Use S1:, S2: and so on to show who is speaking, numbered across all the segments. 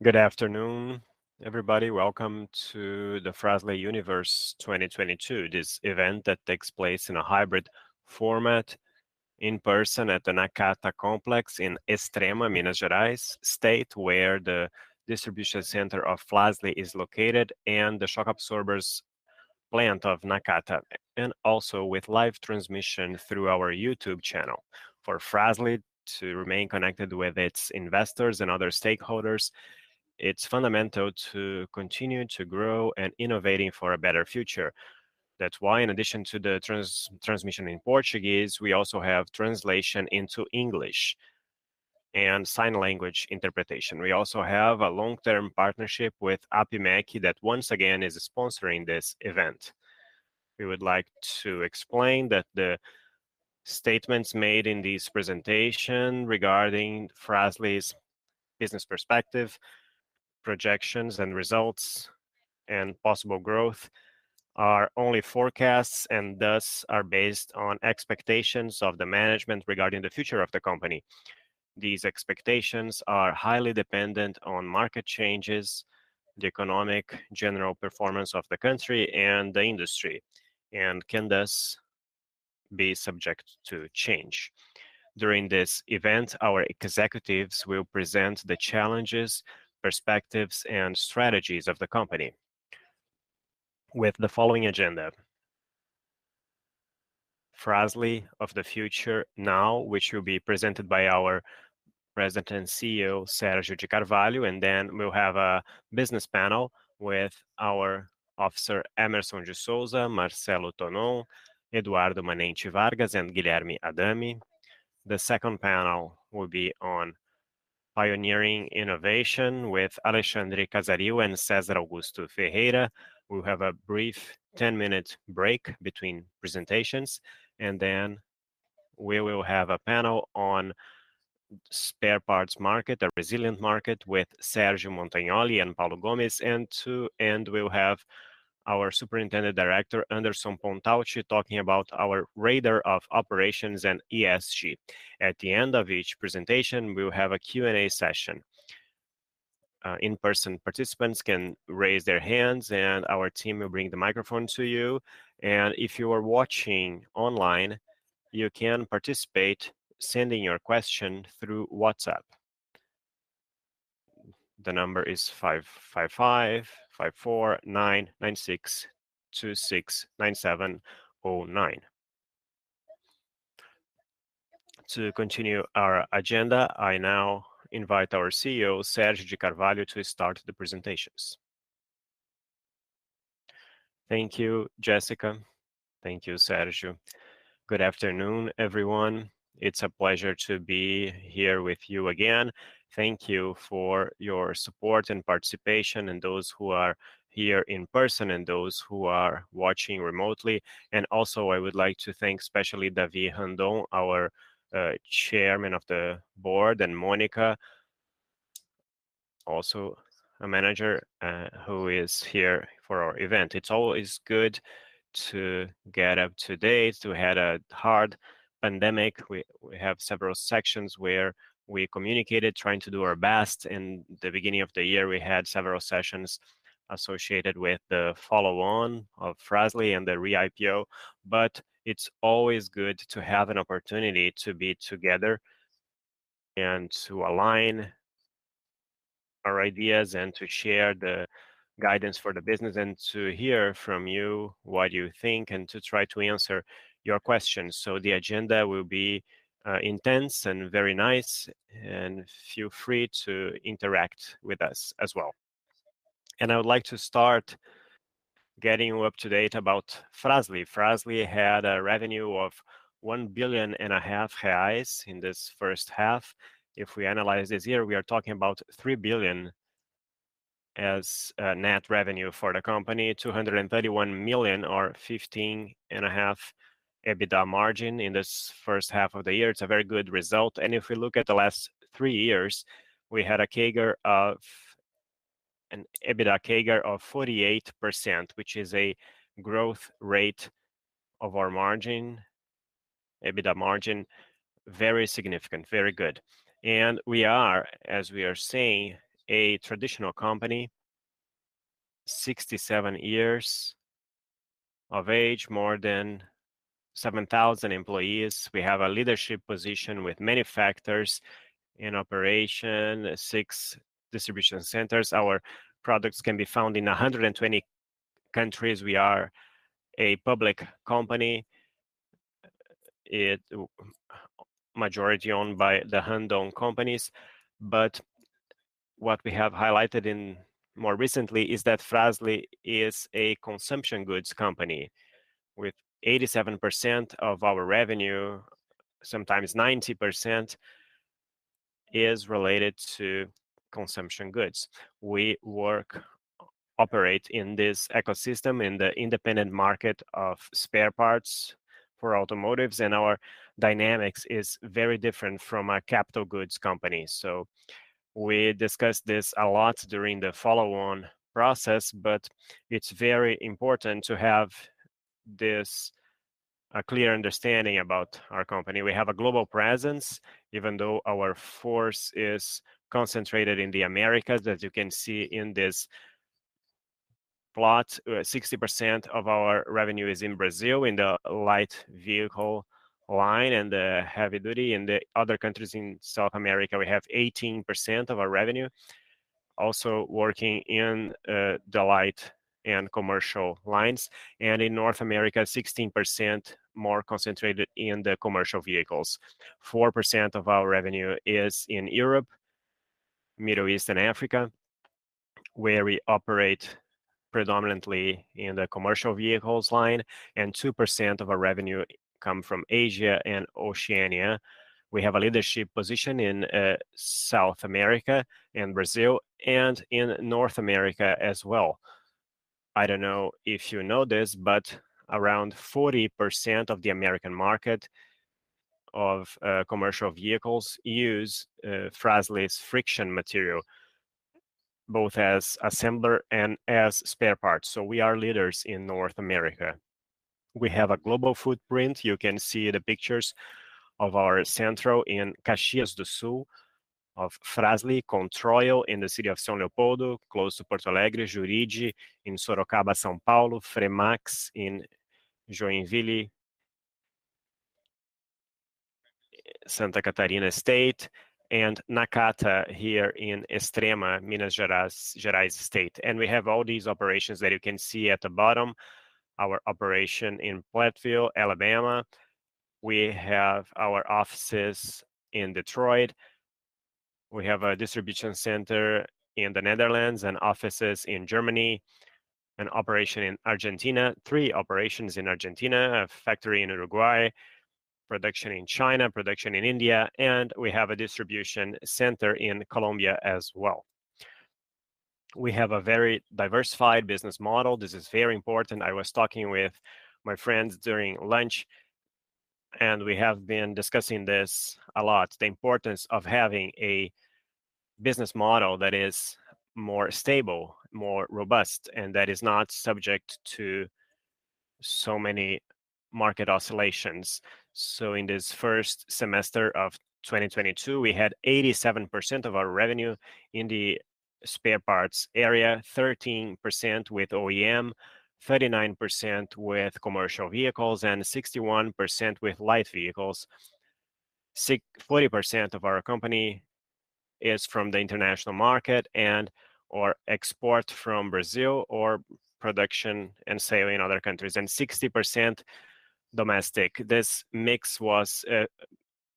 S1: Good afternoon, everybody. Welcome to the Fras-le Universe 2022. This event that takes place in a hybrid format in person at the Nakata Complex in Extrema, Minas Gerais state, where the distribution center of Fras-le is located, and the shock absorbers plant of Nakata, and also with live transmission through our YouTube channel. For Fras-le to remain connected with its investors and other stakeholders, it's fundamental to continue to grow and innovating for a better future. That's why in addition to the transmission in Portuguese, we also have translation into English and sign language interpretation. We also have a long-term partnership with APIMEC that once again is sponsoring this event. We would like to explain that the statements made in this presentation regarding Fras-le's business perspective, projections and results, and possible growth are only forecasts and thus are based on expectations of the management regarding the future of the company. These expectations are highly dependent on market changes, the economic general performance of the country and the industry, and can thus be subject to change. During this event, our executives will present the challenges, perspectives, and strategies of the company with the following agenda, Fras-le of the Future Now, which will be presented by our President and CEO, Sérgio de Carvalho, and then we'll have a business panel with our officer, Hemerson de Souza, Marcelo Tonon, Eduardo Manenti Vargas, and Guilherme Adami. The second panel will be on Pioneering Innovation with Alexandre Casaril and Cesar Augusto Ferreira. We'll have a brief ten-minute break between presentations, and then we will have a panel on spare parts market, a resilient market, with Sergio Montagnoli and Paulo Gomes. To end, we'll have our Superintendent Director, Anderson Pontalti, talking about our radar of operations and ESG. At the end of each presentation, we will have a Q&A session. In-person participants can raise their hands, and our team will bring the microphone to you. If you are watching online, you can participate sending your question through WhatsApp. The number is 55 55 499 626 9709. To continue our agenda, I now invite our CEO, Sérgio de Carvalho, to start the presentations.
S2: Thank you, Jessica.
S1: Thank you, Sérgio.
S2: Good afternoon, everyone. It's a pleasure to be here with you again. Thank you for your support and participation and those who are here in person and those who are watching remotely. Also, I would like to thank especially David Randon, our Chairman of the board, and Monica, also a manager, who is here for our event. It's always good to get up to date. We had a hard pandemic. We have several sections where we communicated, trying to do our best. In the beginning of the year, we had several sessions associated with the follow-on of Fras-le and the re-IPO. It's always good to have an opportunity to be together and to align our ideas and to share the guidance for the business and to hear from you what you think and to try to answer your questions. The agenda will be, intense and very nice, and feel free to interact with us as well. I would like to start getting you up to date about Fras-le. Fras-le had a revenue of 1.5 billion in this first half. If we analyze this year, we are talking about 3 billion as net revenue for the company, 231 million or 15.5% EBITDA margin in this first half of the year. It's a very good result. If we look at the last three years, we had an EBITDA CAGR of 48%, which is a growth rate of our margin, EBITDA margin, very significant, very good. We are, as we are saying, a traditional company, 67 years of age, more than 7,000 employees. We have a leadership position with many factors in operation, six distribution centers. Our products can be found in 120 countries. We are a public company. Majority owned by the Randon Companies. What we have highlighted more recently is that Fras-le is a consumption goods company with 87% of our revenue, sometimes 90%, is related to consumption goods. We work, operate in this ecosystem, in the independent market of spare parts for automotive, and our dynamics is very different from a capital goods company. We discussed this a lot during the follow-on process, but it's very important to have this clear understanding about our company. We have a global presence, even though our focus is concentrated in the Americas, as you can see in this plot. 60% of our revenue is in Brazil in the light vehicle line and the heavy duty. In the other countries in South America, we have 18% of our revenue also working in the light and commercial lines. In North America, 16% more concentrated in the commercial vehicles. 4% of our revenue is in Europe, Middle East, and Africa, where we operate predominantly in the commercial vehicles line, and 2% of our revenue come from Asia and Oceania. We have a leadership position in South America and Brazil and in North America as well. I don't know if you know this, but around 40% of the American market of commercial vehicles use Fras-le's friction material, both as assembler and as spare parts. We are leaders in North America. We have a global footprint. You can see the pictures of our centro in Caxias do Sul, of Fras-le Controil in the city of São Leopoldo, close to Porto Alegre, Jurid in Sorocaba, São Paulo, FREMAX in Joinville, Santa Catarina state, and Nakata here in Extrema, Minas Gerais state. We have all these operations that you can see at the bottom. Our operation in Fayetteville, Alabama. We have our offices in Detroit. We have a distribution center in the Netherlands and offices in Germany, an operation in Argentina, three operations in Argentina, a factory in Uruguay, production in China, production in India, and we have a distribution center in Colombia as well. We have a very diversified business model. This is very important. I was talking with my friends during lunch, and we have been discussing this a lot, the importance of having a business model that is more stable, more robust, and that is not subject to so many market oscillations. In this first semester of 2022, we had 87% of our revenue in the spare parts area, 13% with OEM, 39% with commercial vehicles, and 61% with light vehicles. 40% of our company is from the international market and/or export from Brazil or production and sale in other countries, and 60% domestic. This mix was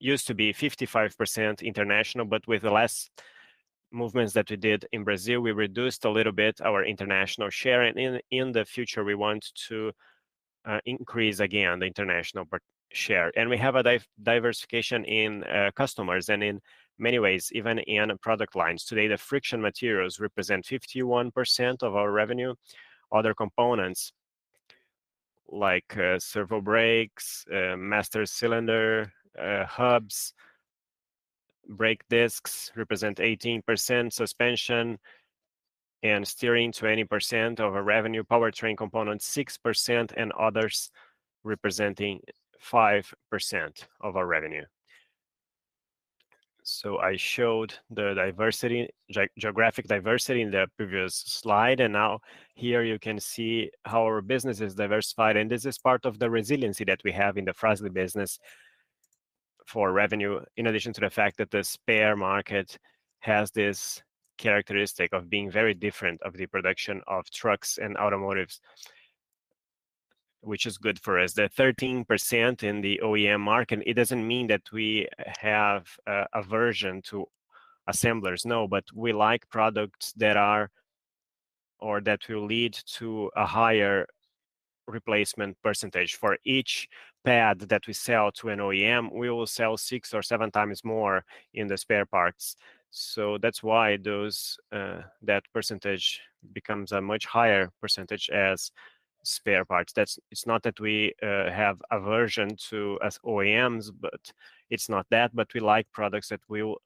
S2: used to be 55% international, but with the last movements that we did in Brazil, we reduced a little bit our international share, and in the future, we want to increase again the international share. We have a diversification in customers, and in many ways, even in product lines. Today, the friction materials represent 51% of our revenue. Other components like servo brakes, master cylinder, hubs, brake discs represent 18%, suspension and steering, 20% of our revenue, powertrain components, 6%, and others representing 5% of our revenue. I showed the diversity, geographic diversity in the previous slide, and now here you can see how our business is diversified, and this is part of the resiliency that we have in the Fras-le business for revenue, in addition to the fact that the spare market has this characteristic of being very different from the production of trucks and automotives, which is good for us. The 13% in the OEM market doesn't mean that we have an aversion to assemblers. No, we like products that are, or that will lead to a higher replacement percentage. For each pad that we sell to an OEM, we will sell 6 or 7 times more in the spare parts. That's why those, that percentage becomes a much higher percentage as spare parts. That's. It's not that we have aversion to OEMs, but it's not that, but we like products that will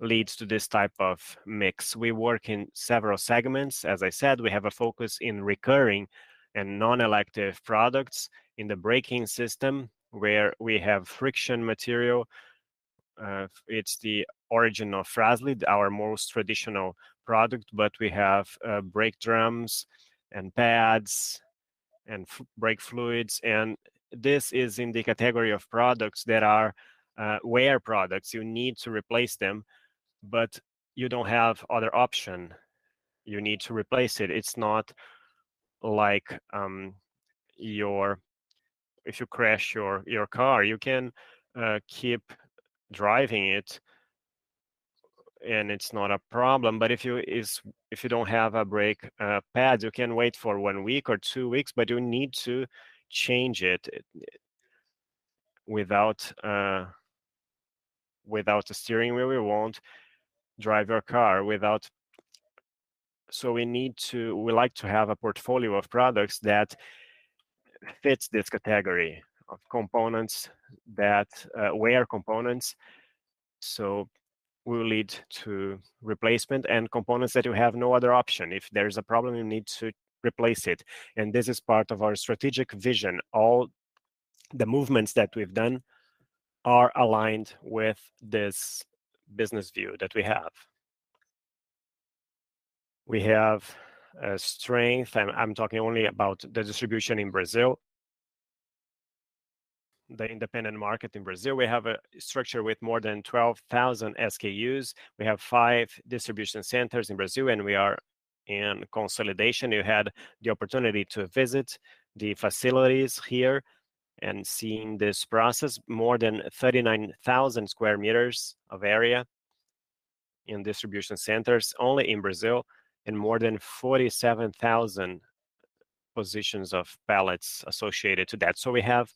S2: leads to this type of mix. We work in several segments. As I said, we have a focus in recurring and non-elective products in the braking system where we have friction material. It's the origin of Fras-le, our most traditional product, but we have brake drums and pads and brake fluids, and this is in the category of products that are wear products. You need to replace them, but you don't have other option. You need to replace it. It's not like if you crash your car, you can keep driving it, and it's not a problem. If you don't have a brake pad, you can wait for one week or two weeks, but you need to change it. Without the steering wheel, we won't drive your car. We like to have a portfolio of products that fits this category of components that wear, components so will lead to replacement and components that you have no other option. If there is a problem, you need to replace it, and this is part of our strategic vision. All the movements that we've done are aligned with this business view that we have. We have a strength, and I'm talking only about the distribution in Brazil, the independent market in Brazil. We have a structure with more than 12,000 SKUs. We have five distribution centers in Brazil, and we are in consolidation. You had the opportunity to visit the facilities here and seeing this process. More than 39,000 square meters of area in distribution centers only in Brazil and more than 47,000 positions of pallets associated to that. We have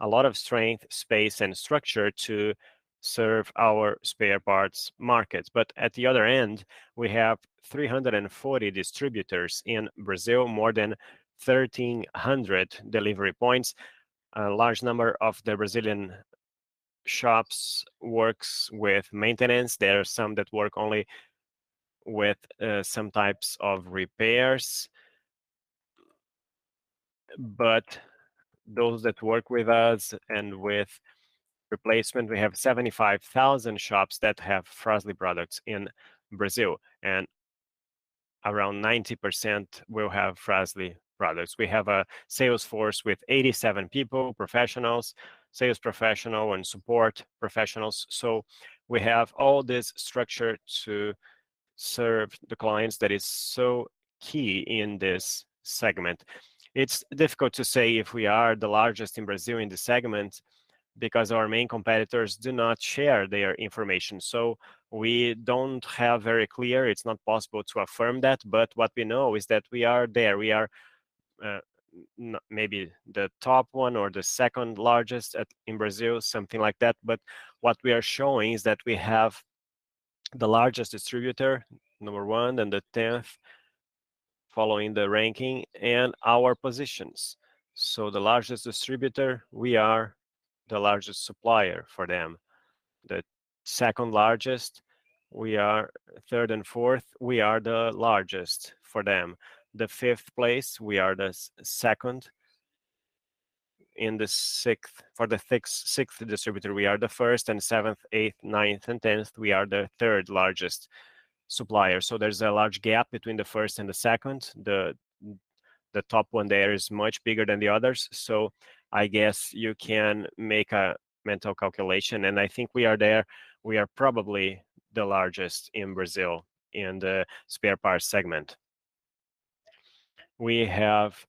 S2: a lot of strength, space, and structure to serve our spare parts markets. At the other end, we have 340 distributors in Brazil, more than 1,300 delivery points. A large number of the Brazilian shops works with maintenance. There are some that work only with some types of repairs. Those that work with us and with replacement, we have 75,000 shops that have Fras-le products in Brazil, and around 90% will have Fras-le products. We have a sales force with 87 people, professionals, sales professional and support professionals. We have all this structure to serve the clients that is so key in this segment. It's difficult to say if we are the largest in Brazil in this segment because our main competitors do not share their information, so we don't have very clear. It's not possible to affirm that. What we know is that we are there. We are maybe the top one or the second largest in Brazil, something like that. What we are showing is that we have the largest distributor, number one, and the tenth following the ranking and our positions. The largest distributor, we are the largest supplier for them. The second largest, we are third and fourth, we are the largest for them. The fifth place, we are the second. In the sixth distributor, we are the first, and seventh, eighth, ninth, and tenth, we are the third largest supplier. There's a large gap between the first and the second. The top one there is much bigger than the others, so I guess you can make a mental calculation, and I think we are there. We are probably the largest in Brazil in the spare parts segment. We have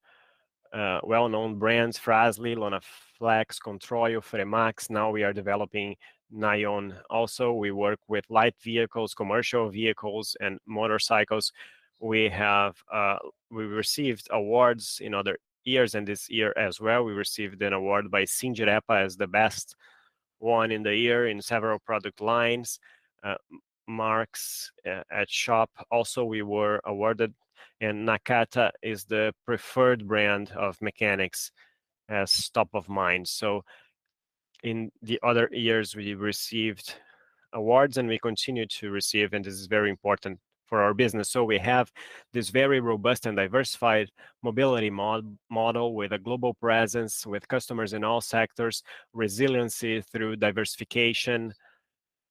S2: well-known brands, Fras-le Lonaflex, Controil, FREMAX. Now we are developing Nakata also. We work with light vehicles, commercial vehicles, and motorcycles. We received awards in other years and this year as well. We received an award by Sindirepa as the best one in the year in several product lines, aftermarket. Also, we were awarded, and Nakata is the preferred brand of mechanics as top of mind. In the other years, we received awards, and we continue to receive, and this is very important for our business. We have this very robust and diversified mobility model with a global presence with customers in all sectors, resiliency through diversification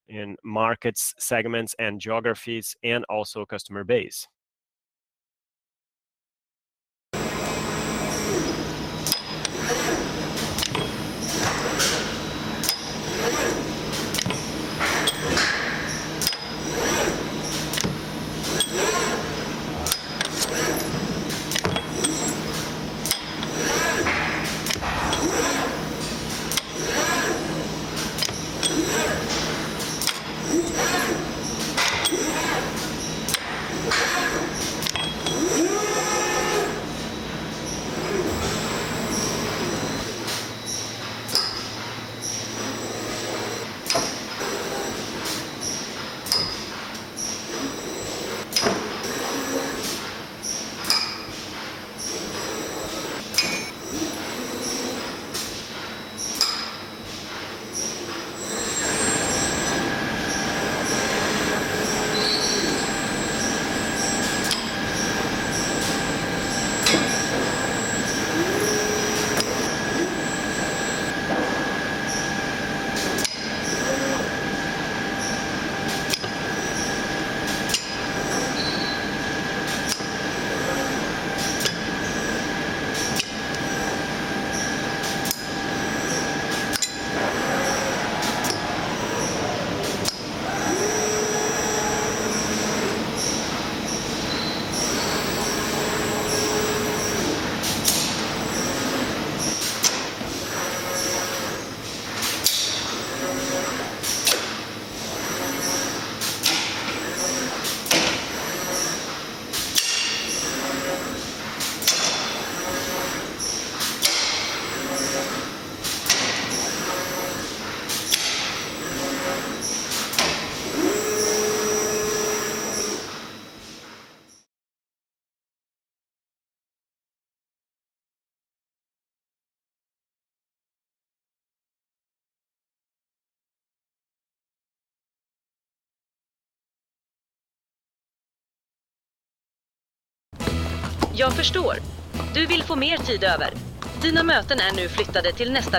S2: in markets, segments, and geographies, and also customer base.
S3: I understand. You want more free time. Your meetings are now moved to next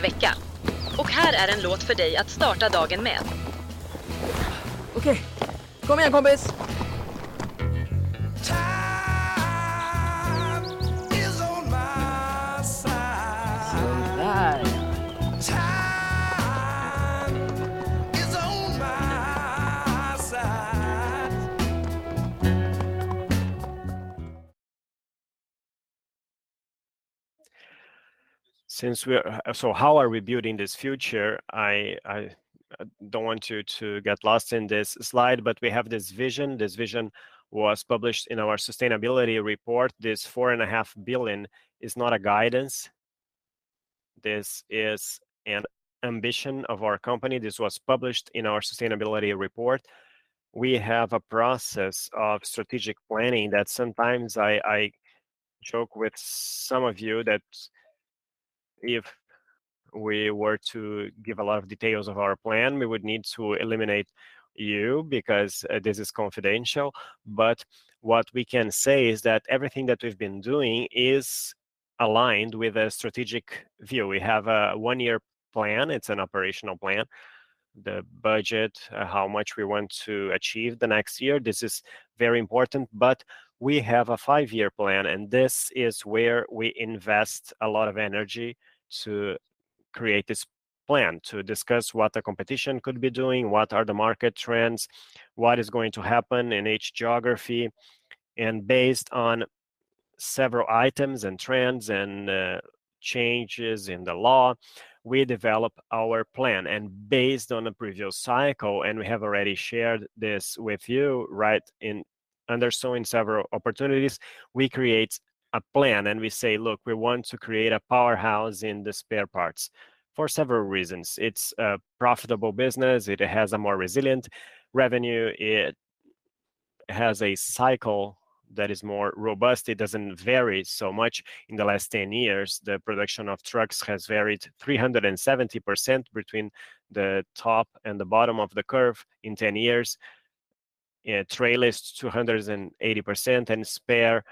S3: week. Here is a song for you to start the day with. Okay. Come here, mate. Time is on my side. Am I. Time is on my side.
S2: How are we building this future? I don't want you to get lost in this slide, but we have this vision. This vision was published in our sustainability report. This 4.5 billion is not a guidance. This is an ambition of our company. This was published in our sustainability report. We have a process of strategic planning that sometimes I joke with some of you that if we were to give a lot of details of our plan, we would need to eliminate you because this is confidential. What we can say is that everything that we've been doing is aligned with a strategic view. We have a one-year plan. It's an operational plan. The budget, how much we want to achieve the next year, this is very important. We have a 5-year plan, and this is where we invest a lot of energy to create this plan, to discuss what the competition could be doing, what are the market trends, what is going to happen in each geography. Based on several items and trends and changes in the law, we develop our plan. Based on the previous cycle, and we have already shared this with you right in underscoring several opportunities, we create a plan, and we say, "Look, we want to create a powerhouse in the spare parts for several reasons." It's a profitable business. It has a more resilient revenue. It has a cycle that is more robust. It doesn't vary so much. In the last 10 years, the production of trucks has varied 370% between the top and the bottom of the curve in 10 years. Trailer is 280%, and spare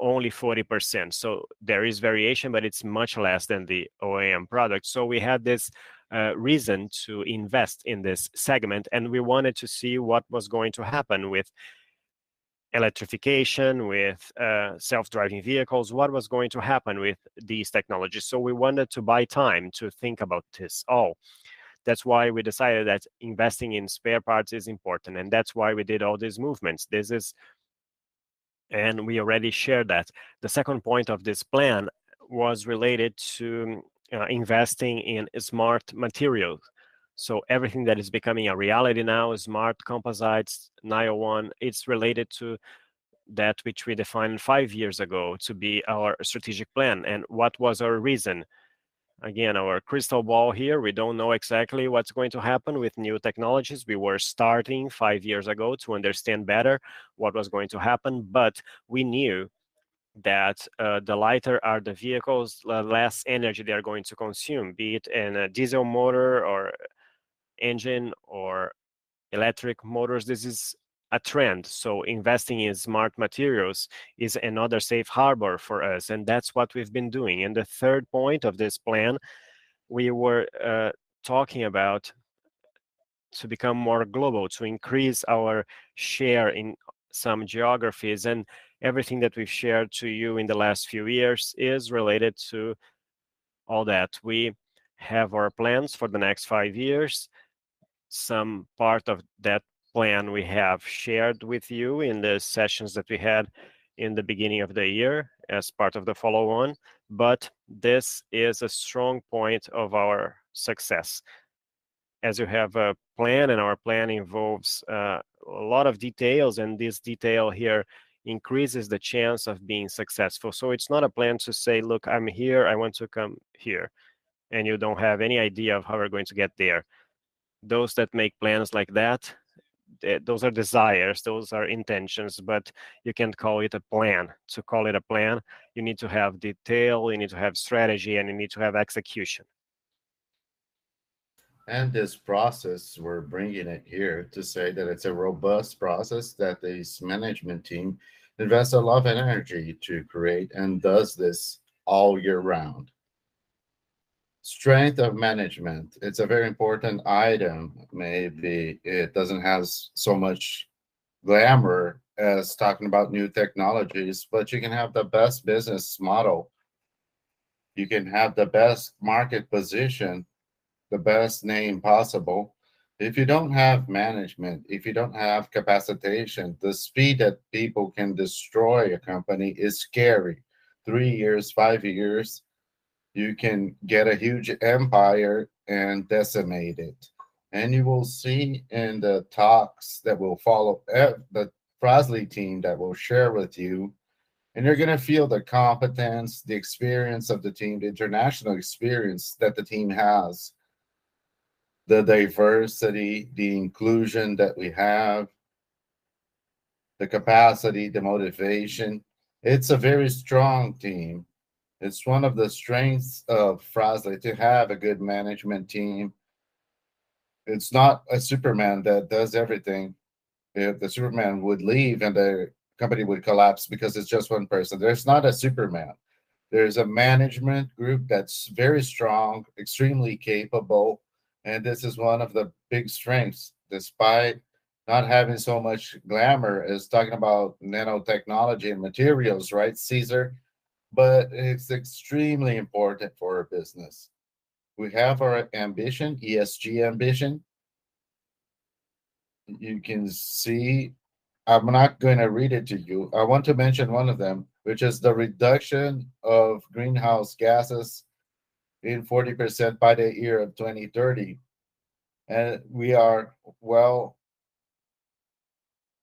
S2: only 40%. There is variation, but it's much less than the OEM product. We had this reason to invest in this segment, and we wanted to see what was going to happen with electrification, with self-driving vehicles, what was going to happen with these technologies. We wanted to buy time to think about this all. That's why we decided that investing in spare parts is important, and that's why we did all these movements. We already shared that. The second point of this plan was related to investing in smart materials. Everything that is becoming a reality now, Smart Composites, NIONE, it's related to that which we defined five years ago to be our strategic plan. What was our reason? Again, our crystal ball here, we don't know exactly what's going to happen with new technologies. We were starting five years ago to understand better what was going to happen. We knew that, the lighter the vehicles, the less energy they are going to consume, be it in a diesel motor or engine or electric motors. This is a trend, so investing in smart materials is another safe harbor for us, and that's what we've been doing. The third point of this plan, we were talking about to become more global, to increase our share in some geographies. Everything that we've shared to you in the last few years is related to all that. We have our plans for the next five years. Some part of that plan we have shared with you in the sessions that we had in the beginning of the year as part of the follow-on. This is a strong point of our success. As you have a plan, and our plan involves a lot of details, and this detail here increases the chance of being successful. It's not a plan to say, "Look, I'm here. I want to come here," and you don't have any idea of how we're going to get there. Those that make plans like that, those are desires, those are intentions, but you can't call it a plan. To call it a plan, you need to have detail, you need to have strategy, and you need to have execution. This process, we're bringing it here to say that it's a robust process that this management team invests a lot of energy to create and does this all year round. Strength of management, it's a very important item. Maybe it doesn't have so much glamour as talking about new technologies, but you can have the best business model, you can have the best market position, the best name possible. If you don't have management, if you don't have capacitation, the speed that people can destroy a company is scary. Three years, five years, you can get a huge empire and decimate it. You will see in the talks that will follow, the Fras-le team that will share with you, and you're gonna feel the competence, the experience of the team, the international experience that the team has, the diversity, the inclusion that we have. The capacity, the motivation. It's a very strong team. It's one of the strengths of Fras-le to have a good management team. It's not a Superman that does everything. If the Superman would leave, then the company would collapse because it's just one person. There's not a Superman. There's a management group that's very strong, extremely capable, and this is one of the big strengths, despite not having so much glamour as talking about nanotechnology and materials, right, Cesar? But it's extremely important for a business. We have our ambition, ESG ambition. You can see, I'm not going to read it to you. I want to mention one of them, which is the reduction of greenhouse gases in 40% by the year of 2030. We are well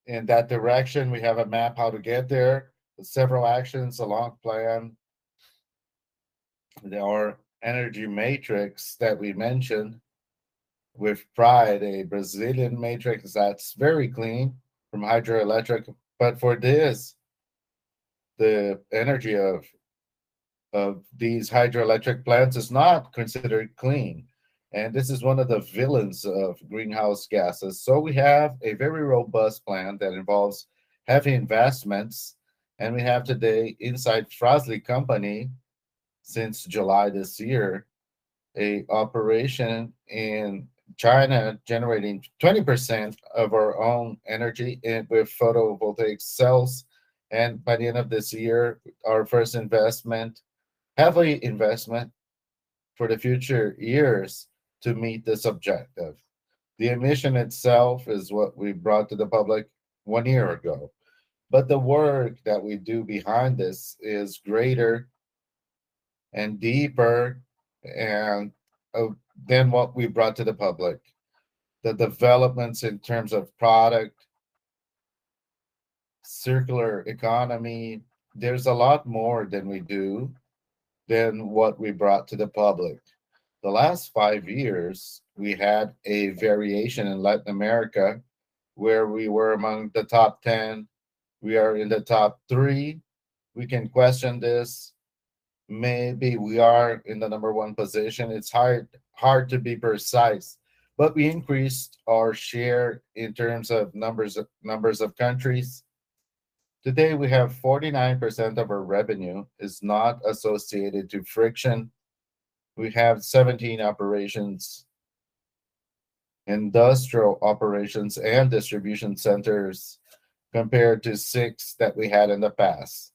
S2: in that direction. We have a map how to get there, several actions, a long plan. Our energy matrix that we mentioned with pride, a Brazilian matrix that's very clean from hydroelectric. For this, the energy of these hydroelectric plants is not considered clean. This is one of the villains of greenhouse gases. We have a very robust plan that involves heavy investments. We have today inside Fras-le company since July this year, an operation in China generating 20% of our own energy with photovoltaic cells. By the end of this year, our first investment, heavy investment for the future years to meet this objective. The emission itself is what we brought to the public one year ago. The work that we do behind this is greater and deeper and than what we brought to the public. The developments in terms of product, circular economy, there's a lot more than we do than what we brought to the public. The last 5 years, we had a variation in Latin America where we were among the top 10. We are in the top 3. We can question this. Maybe we are in the number one position. It's hard to be precise. We increased our share in terms of numbers of countries. Today, we have 49% of our revenue is not associated to friction. We have 17 operations, industrial operations and distribution centers compared to 6 that we had in the past.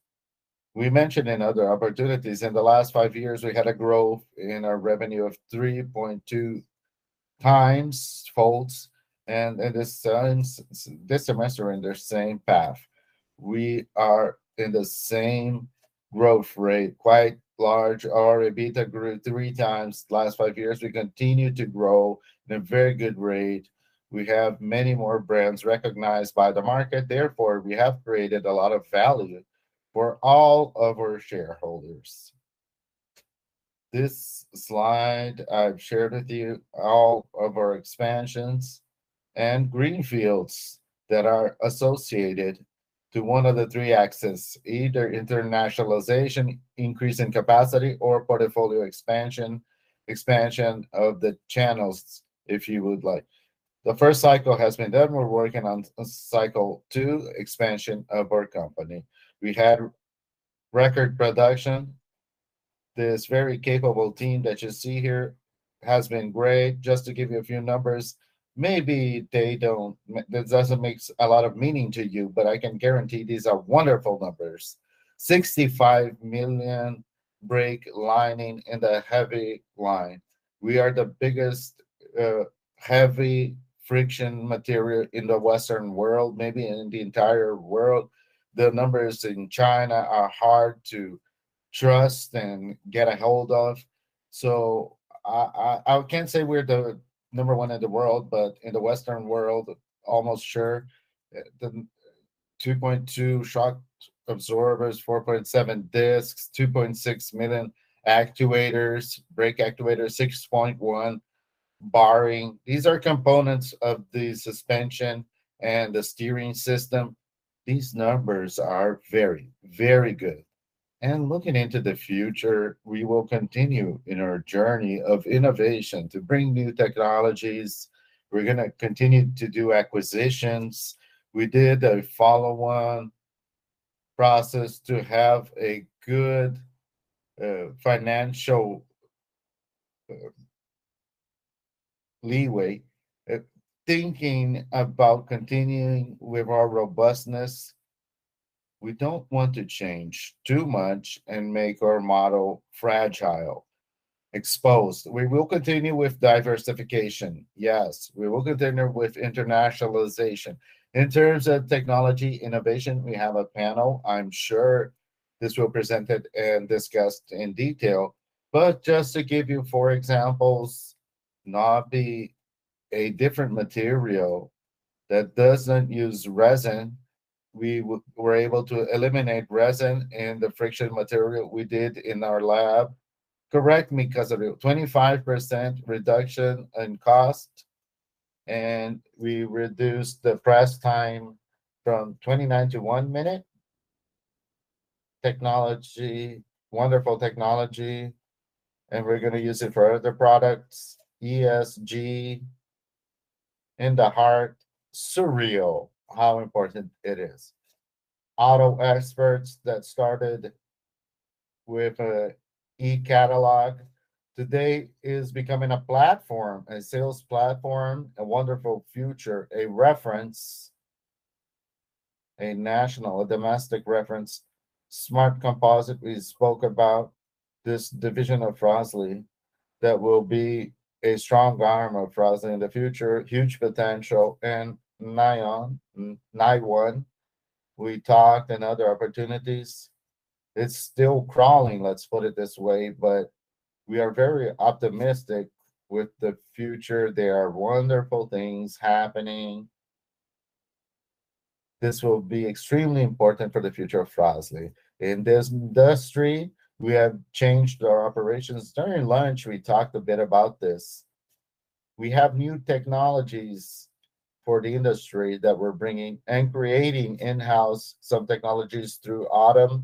S2: We mentioned in other opportunities, in the last five years, we had a growth in our revenue of 3.2 times folds. This semester, we're in the same path. We are in the same growth rate, quite large. Our EBITDA grew 3 times the last five years. We continue to grow at a very good rate. We have many more brands recognized by the market. Therefore, we have created a lot of value for all of our shareholders. This slide I've shared with you all of our expansions and greenfields that are associated to one of the three axes, either internationalization, increase in capacity, or portfolio expansion of the channels, if you would like. The first cycle has been done. We're working on cycle two expansion of our company. We had record production. This very capable team that you see here has been great. Just to give you a few numbers, maybe that doesn't make a lot of meaning to you, but I can guarantee these are wonderful numbers. 65 million brake lining in the heavy line. We are the biggest heavy friction material in the Western world, maybe in the entire world. The numbers in China are hard to trust and get a hold of. So I can't say we're the number one in the world, but in the Western world, almost sure. The 2.2 shock absorbers, 4.7 discs, 2.6 million actuators, brake actuators, 6.1 bearings. These are components of the suspension and the steering system. These numbers are very good. Looking into the future, we will continue in our journey of innovation to bring new technologies. We're going to continue to do acquisitions. We did a follow-on process to have a good financial leeway. Thinking about continuing with our robustness, we don't want to change too much and make our model fragile, exposed. We will continue with diversification. Yes, we will continue with internationalization. In terms of technology innovation, we have a panel. I'm sure this will be presented and discussed in detail. Just to give you four examples, NOBI, a different material that doesn't use resin. We were able to eliminate resin in the friction material we did in our lab. Correct me, Casaril. 25% reduction in cost, and we reduced the press time from 29 to 1 minute. Technology, wonderful technology, and we're gonna use it for other products. ESG in the heart, surreal how important it is. Auto Experts that started with a e-catalog, today is becoming a platform, a sales platform, a wonderful future, a reference, a national, a domestic reference. Smart Composites, we spoke about this division of Fras-le that will be a strong arm of Fras-le in the future. Huge potential. NIONE, NIONE, we talked and other opportunities. It's still crawling, let's put it this way, but we are very optimistic with the future. There are wonderful things happening. This will be extremely important for the future of Fras-le. In this industry, we have changed our operations. During lunch, we talked a bit about this. We have new technologies for the industry that we're bringing and creating in-house, some technologies through Auttom,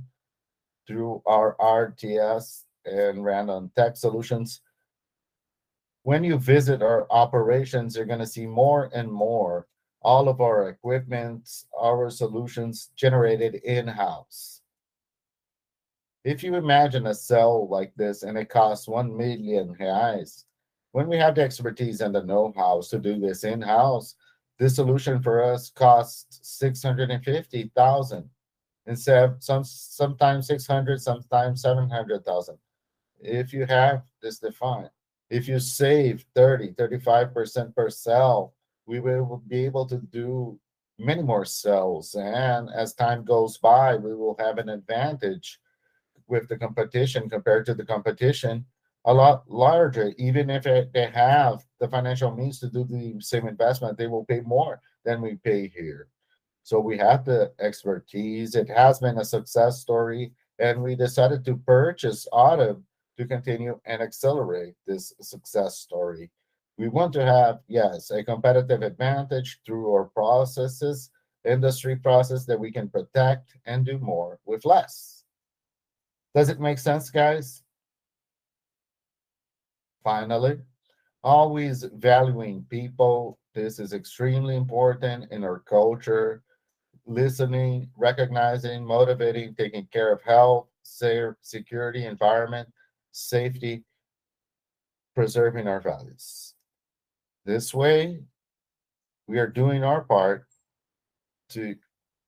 S2: through our RTS and Randon Tech Solutions. When you visit our operations, you're gonna see more and more all of our equipment, our solutions generated in-house. If you imagine a cell like this and it costs 1 million reais, when we have the expertise and the know-how to do this in-house, this solution for us costs 650 thousand instead. Sometimes 600 thousand, sometimes 700 thousand. If you have this defined, if you save 30%-35% per cell, we will be able to do many more cells, and as time goes by, we will have an advantage with the competition, compared to the competition, a lot larger. Even if they have the financial means to do the same investment, they will pay more than we pay here. We have the expertise. It has been a success story, and we decided to purchase Auttom to continue and accelerate this success story. We want to have, yes, a competitive advantage through our processes, industry process that we can protect and do more with less. Does it make sense, guys? Finally, always valuing people. This is extremely important in our culture. Listening, recognizing, motivating, taking care of health, security, environment, safety, preserving our values. This way, we are doing our part to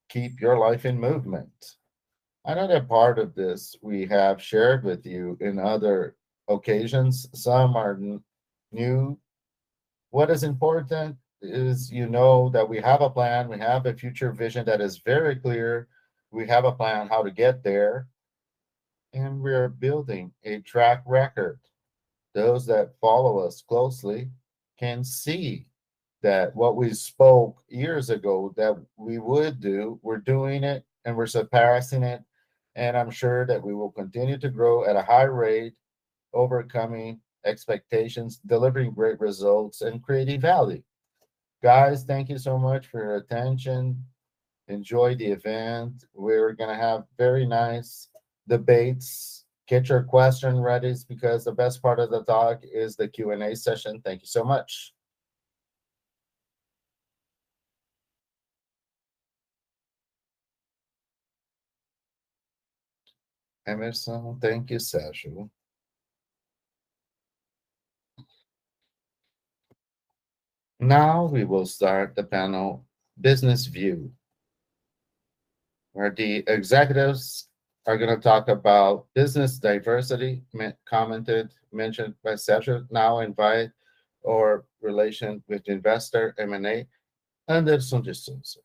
S2: keep your life in movement. Another part of this we have shared with you in other occasions. Some are new. What is important is you know that we have a plan, we have a future vision that is very clear. We have a plan on how to get there, and we are building a track record. Those that follow us closely can see that what we spoke years ago that we would do, we're doing it, and we're surpassing it, and I'm sure that we will continue to grow at a high rate, overcoming expectations, delivering great results, and creating value. Guys, thank you so much for your attention. Enjoy the event. We're gonna have very nice debates. Get your questions ready because the best part of the talk is the Q&A session. Thank you so much.
S1: Hemerson. Thank you, Sergio. Now we will start the panel business view, where the executives are gonna talk about business diversity mentioned by Sergio. Now invite our Investor Relations and M&A, Hemerson de Souza.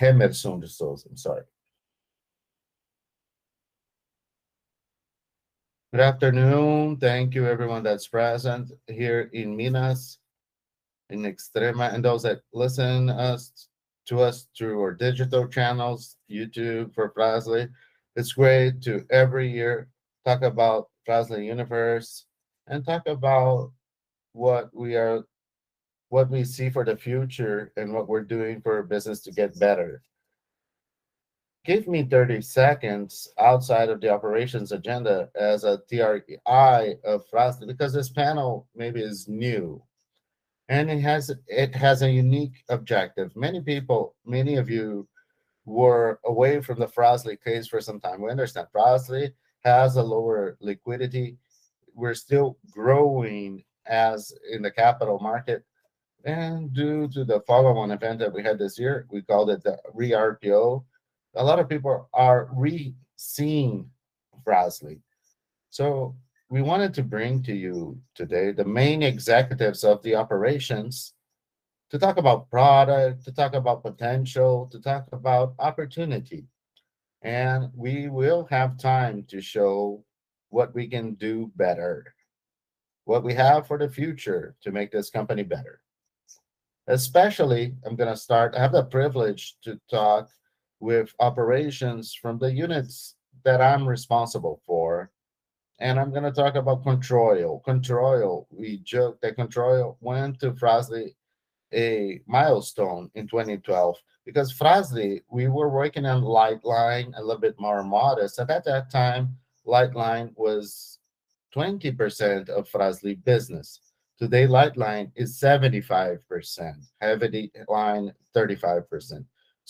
S1: Hemerson de Souza, I'm sorry.
S4: Good afternoon. Thank you everyone that's present here in Minas, in Extrema, and those that are listening to us through our digital channels, YouTube for Fras-le. It's great every year to talk about Fras-le Universe and talk about what we see for the future and what we're doing for our business to get better. Give me 30 seconds outside of the operations agenda as an IR of Fras-le, because this panel maybe is new, and it has a unique objective. Many people, many of you were away from the Fras-le case for some time. We understand Fras-le has a lower liquidity. We're still growing as in the capital market, and due to the follow-on event that we had this year, we called it the re-IPO, a lot of people are re-seeing Fras-le. We wanted to bring to you today the main executives of the operations to talk about product, to talk about potential, to talk about opportunity, and we will have time to show what we can do better. What we have for the future to make this company better. Especially, I'm gonna start, I have the privilege to talk with operations from the units that I'm responsible for, and I'm gonna talk about Controil. Controil, we joke that Controil went to Fras-le a milestone in 2012 because Fras-le, we were working on light line a little bit more modest, and at that time, light line was 20% of Fras-le business. Today, light line is 75%. Heavy line, 35%.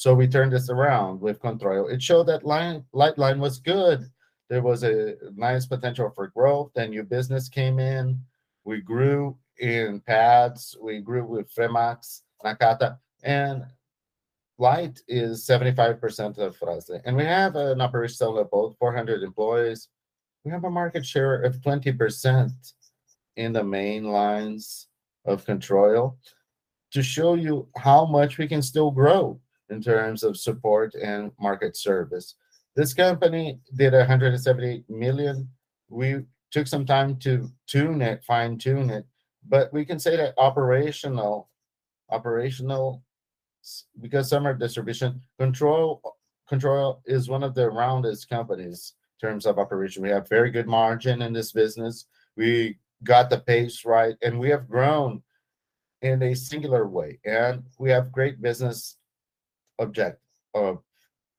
S4: We turned this around with Controil. It showed that line, light line was good. There was a nice potential for growth. Then new business came in. We grew in pads. We grew with FREMAX, Nakata, and light is 75% of Fras-le. We have a number still about 400 employees. We have a market share of 20% in the main lines of Controil to show you how much we can still grow in terms of support and market service. This company did 170 million. We took some time to tune it, fine-tune it, but we can say that operational, because some are distribution, Controil is one of the roundest companies in terms of operation. We have very good margin in this business. We got the pace right, and we have grown in a singular way, and we have great business object of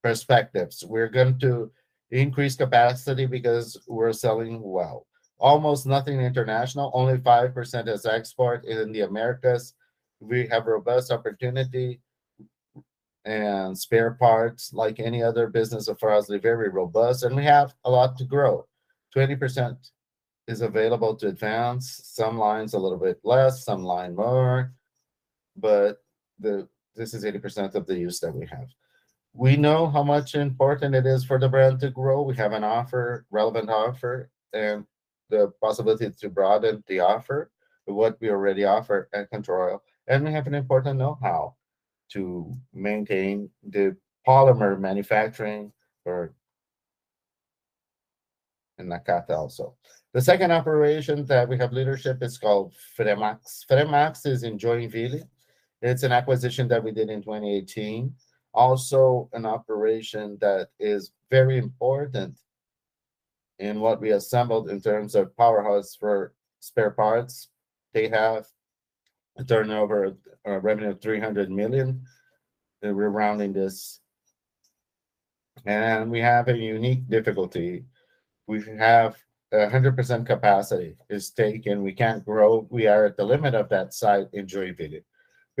S4: perspectives. We're going to increase capacity because we're selling well. Almost nothing international, only 5% is export in the Americas. We have robust opportunity and spare parts like any other business of Fras-le, very robust, and we have a lot to grow. 20% is available to advance. Some lines a little bit less, some line more, but this is 80% of the use that we have. We know how much important it is for the brand to grow. We have an offer, relevant offer, and the possibility to broaden the offer, what we already offer at Controil, and we have an important know-how to maintain the polymer manufacturing for in Nakata also. The second operation that we have leadership is called FREMAX. FREMAX is in Joinville. It's an acquisition that we did in 2018. Also an operation that is very important in what we assembled in terms of powerhouse for spare parts. They have a turnover, a revenue of 300 million, and we're rounding this. We have a unique difficulty. We have 100% capacity taken. We can't grow. We are at the limit of that site in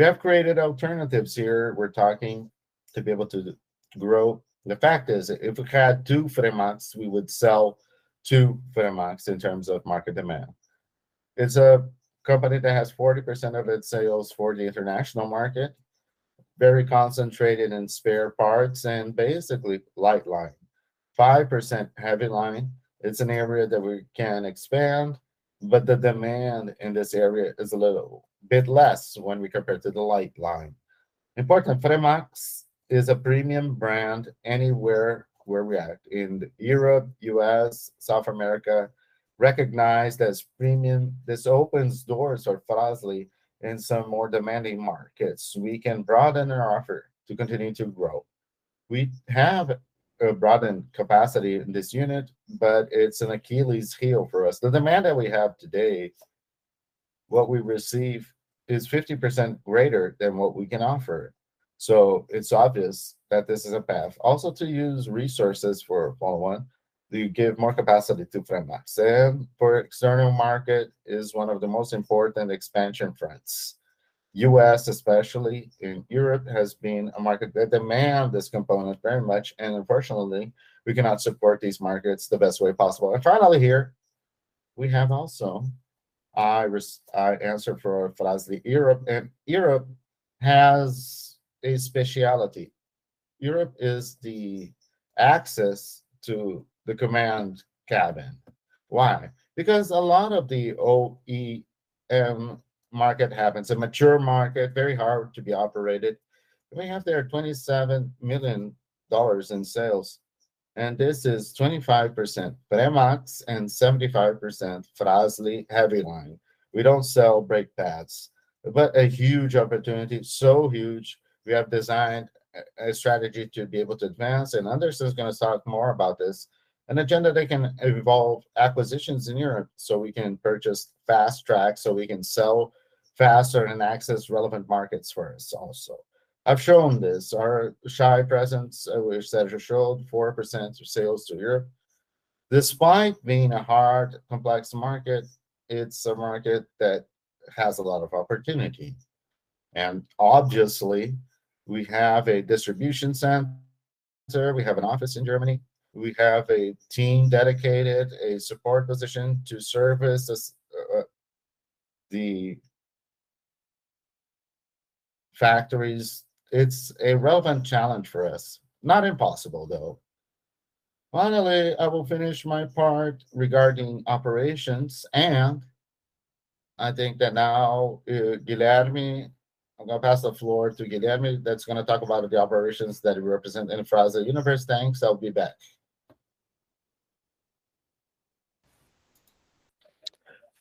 S4: Joinville. We have created alternatives here. We're talking to be able to grow. The fact is, if we had two FREMAX, we would sell two FREMAX in terms of market demand. It's a company that has 40% of its sales for the international market, very concentrated in spare parts and basically light line. 5% heavy line. It's an area that we can expand, but the demand in this area is a little bit less when we compare to the light line. Important, FREMAX is a premium brand anywhere where we are at. In Europe, U.S., South America, recognized as premium. This opens doors for Fras-le in some more demanding markets. We can broaden our offer to continue to grow. We have a broadened capacity in this unit, but it's an Achilles heel for us. The demand that we have today, what we receive is 50% greater than what we can offer. It's obvious that this is a path. To use resources for volume one, we give more capacity to FREMAX. For external market is one of the most important expansion fronts. US especially, and Europe has been a market. The demand of this component very much, and unfortunately, we cannot support these markets the best way possible. Finally here, we have also, I answer for Fras-le Europe, and Europe has a specialty. Europe is the access to the command cabin. Why? Because a lot of the OEM market happens, a mature market, very hard to be operated. We have there $27 million in sales, and this is 25% FREMAX and 75% Fras-le heavy line. We don't sell brake pads, but a huge opportunity, so huge, we have designed a strategy to be able to advance. Anderson is gonna talk more about this. An agenda that can involve acquisitions in Europe so we can purchase fast track, so we can sell faster and access relevant markets for us also. I've shown this, our slight presence, which Sergio showed, 4% of sales to Europe. Despite being a hard, complex market, it's a market that has a lot of opportunity. Obviously, we have a distribution center. We have an office in Germany. We have a team dedicated, a support position to service the factories. It's a relevant challenge for us. Not impossible, though. Finally, I will finish my part regarding operations. I think that now, Guilherme, I'm gonna pass the floor to Guilherme that's gonna talk about the operations that represent in Fras-le Universe. Thanks, I'll be back.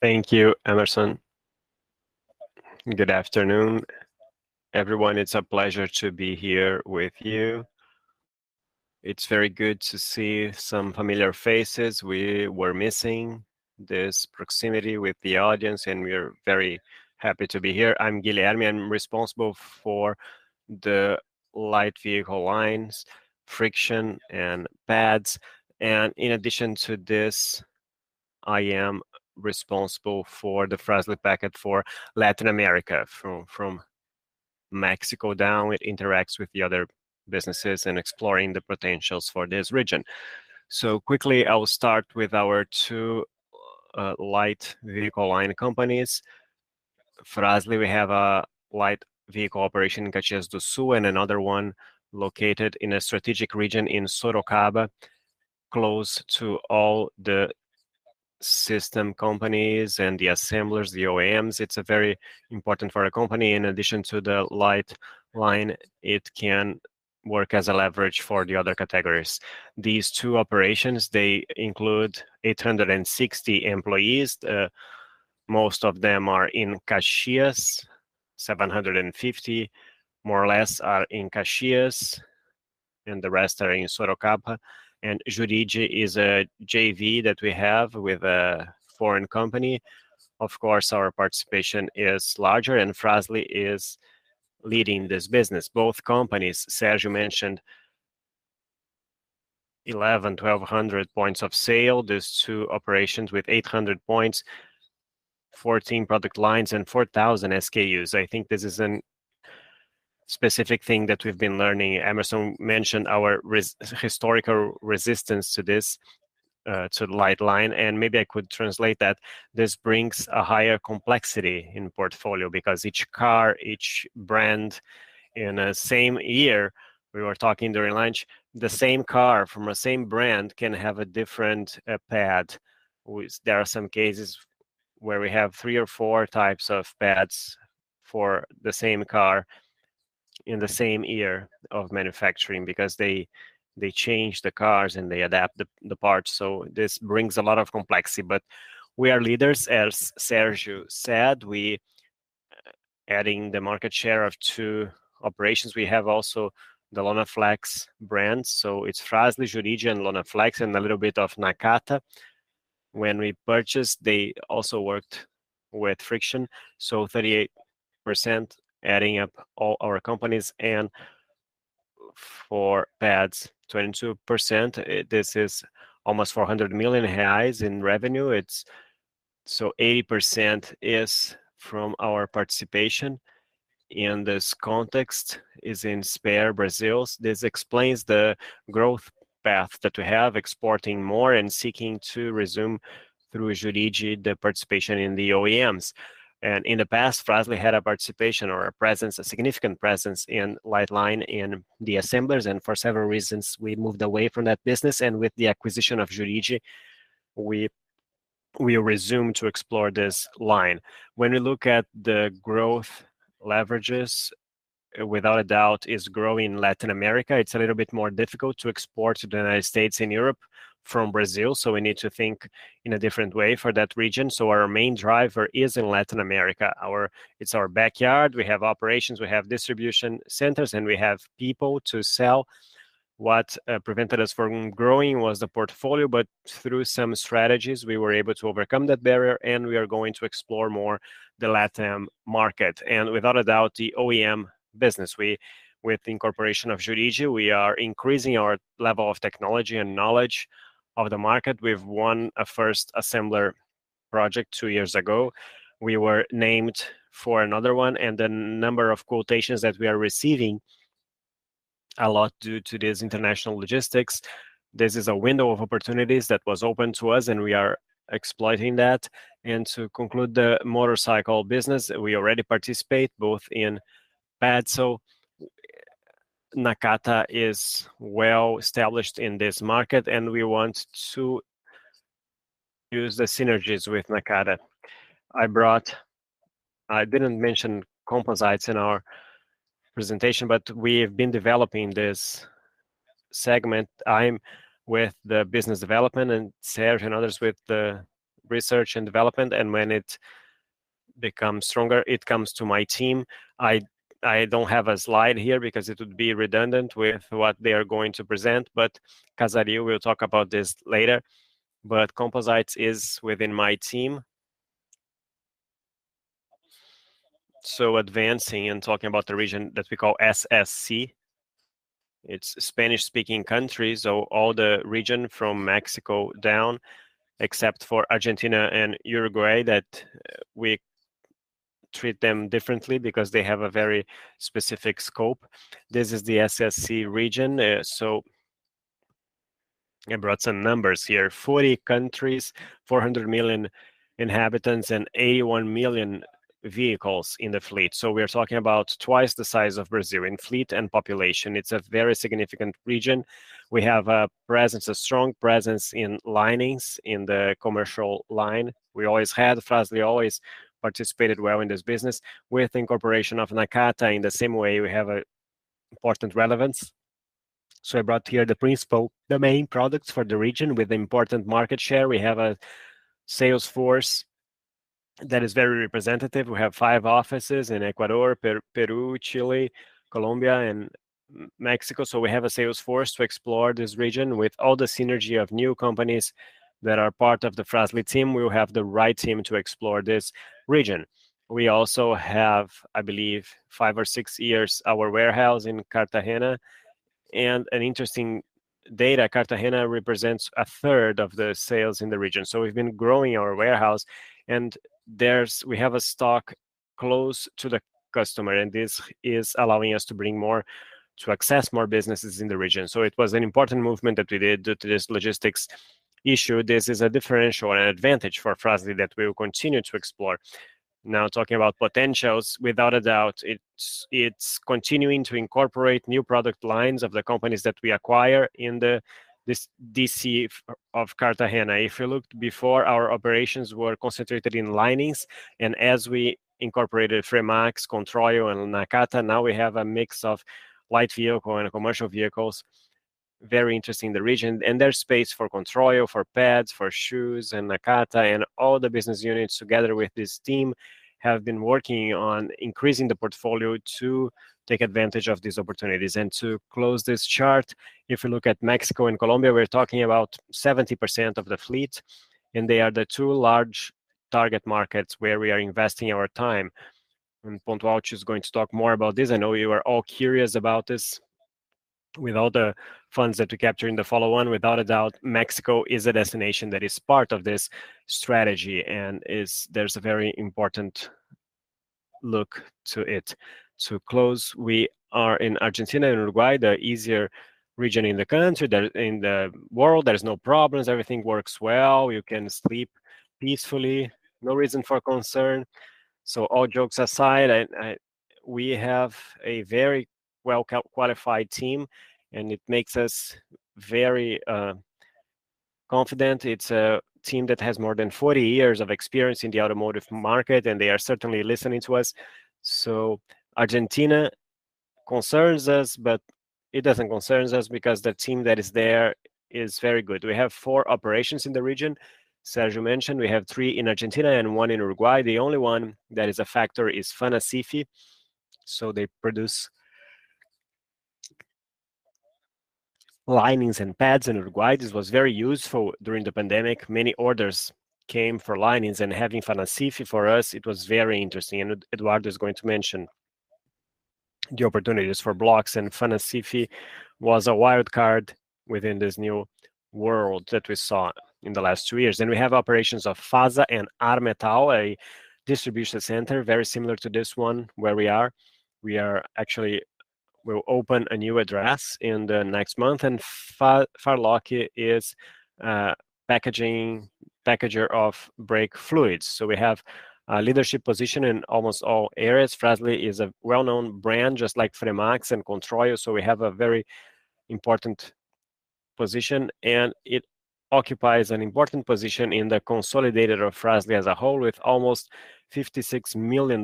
S5: Thank you, Hemerson. Good afternoon, everyone. It's a pleasure to be here with you. It's very good to see some familiar faces. We were missing this proximity with the audience, and we're very happy to be here. I'm Guilherme. I'm responsible for the light vehicle lines, friction, and pads, and in addition to this, I am responsible for the Fras-le aftermarket for Latin America, from Mexico down. It interacts with the other businesses in exploring the potentials for this region. Quickly I will start with our 2 light vehicle line companies. Fras-le, we have a light vehicle operation in Caxias do Sul and another one located in a strategic region in Sorocaba, close to all the system companies and the assemblers, the OEMs. It's very important for our company. In addition to the light line, it can work as a leverage for the other categories. These two operations, they include 860 employees. Most of them are in Caxias. 750, more or less, are in Caxias, and the rest are in Sorocaba. Jurid is a JV that we have with a foreign company. Of course, our participation is larger, and Fras-le is leading this business. Both companies, Sergio mentioned 1,100-1,200 points of sale. There's two operations with 800 points, 14 product lines, and 4,000 SKUs. I think this is a specific thing that we've been learning. Emerson mentioned our historical resistance to this, to the light line, and maybe I could translate that this brings a higher complexity in portfolio because each car, each brand in the same year, we were talking during lunch, the same car from the same brand can have a different, pad. There are some cases where we have three or four types of pads for the same car in the same year of manufacturing because they change the cars, and they adapt the parts. This brings a lot of complexity, but we are leaders, as Sergio said. We're adding the market share of two operations. We have also the Lonaflex brand, so it's Fras-le, Jurid, and Lonaflex, and a little bit of Nakata. When we purchased, they also worked with friction, so 38% adding up all our companies and for pads, 22%. This is almost 400 million reais in revenue. 80% is from our participation in the spare parts in Brazil's. This explains the growth path that we have, exporting more and seeking to resume through Jurid the participation in the OEMs. In the past, Fras-le had a participation or a presence, a significant presence in light line in the assemblers, and for several reasons, we moved away from that business, and with the acquisition of Jurid, we resume to explore this line. When we look at the growth levers, without a doubt it's growing Latin America. It's a little bit more difficult to export to the United States and Europe from Brazil, so we need to think in a different way for that region, so our main driver is in Latin America. It's our backyard. We have operations, we have distribution centers, and we have people to sell. What prevented us from growing was the portfolio, but through some strategies, we were able to overcome that barrier, and we are going to explore more the LatAm market. Without a doubt, the OEM business. With the incorporation of Jurid, we are increasing our level of technology and knowledge of the market. We've won a first assembler project two years ago. We were named for another one, and the number of quotations that we are receiving, a lot due to this international logistics, this is a window of opportunities that was open to us, and we are exploiting that. To conclude, the motorcycle business, we already participate both in pads, so Nakata is well established in this market, and we want to use the synergies with Nakata. I didn't mention composites in our presentation, but we've been developing this segment. I'm with the business development and sales and others with the research and development, and when it becomes stronger, it comes to my team. I don't have a slide here because it would be redundant with what they are going to present, but Casaril will talk about this later. Composites is within my team. Advancing and talking about the region that we call SSC, it's Spanish-speaking countries, so all the region from Mexico down, except for Argentina and Uruguay, that we treat them differently because they have a very specific scope. This is the SSC region. I brought some numbers here. 40 countries, 400 million inhabitants, and 81 million vehicles in the fleet. We're talking about twice the size of Brazil in fleet and population. It's a very significant region. We have a presence, a strong presence in linings in the commercial line. We always had, Fras-le always participated well in this business. With incorporation of Nakata, in the same way, we have a important relevance. I brought here the principal, the main products for the region with important market share. We have a sales force that is very representative. We have five offices in Ecuador, Peru, Chile, Colombia, and Mexico. We have a sales force to explore this region with all the synergy of new companies that are part of the Fras-le team. We will have the right team to explore this region. We also have, I believe, five or six years our warehouse in Cartagena. An interesting data, Cartagena represents a third of the sales in the region. We've been growing our warehouse, and we have a stock close to the customer, and this is allowing us to bring more, to access more businesses in the region. It was an important movement that we did due to this logistics issue. This is a differential and an advantage for Fras-le that we will continue to explore. Now, talking about potentials, without a doubt, it's continuing to incorporate new product lines of the companies that we acquire in this DC of Cartagena. If you looked before, our operations were concentrated in linings, and as we incorporated FREMAX, Controil, and Nakata, now we have a mix of light vehicle and commercial vehicles. Very interesting, the region. There's space for Controil, for pads, for shoes, and Nakata, and all the business units together with this team have been working on increasing the portfolio to take advantage of these opportunities. To close this chart, if you look at Mexico and Colombia, we're talking about 70% of the fleet, and they are the two large target markets where we are investing our time. Pontalti is going to talk more about this. I know you are all curious about this. With all the funds that we capture in the follow-on, without a doubt, Mexico is a destination that is part of this strategy, and there's a very important look to it. To close, we are in Argentina and Uruguay, the easier region in the country, in the world. There is no problems. Everything works well. You can sleep peacefully. No reason for concern. All jokes aside, I, we have a very well qualified team, and it makes us very confident. It's a team that has more than 40 years of experience in the automotive market, and they are certainly listening to us. Argentina concerns us, but it doesn't concern us because the team that is there is very good. We have four operations in the region. Sergio mentioned we have three in Argentina and one in Uruguay. The only one that is a factor is Fanacif. They produce linings and pads in Uruguay. This was very useful during the pandemic. Many orders came for linings, and having Fanacif for us, it was very interesting. Eduardo is going to mention the opportunities for blocks. Fanacif was a wild card within this new world that we saw in the last two years. We have operations of Fras-le and Armetal, a distribution center very similar to this one where we are. We'll open a new address in the next month. Farloc is packaging, packager of brake fluids. We have a leadership position in almost all areas. Fras-le is a well-known brand, just like FREMAX and Controil. We have a very important position, and it occupies an important position in the consolidated of Fras-le as a whole, with almost $56 million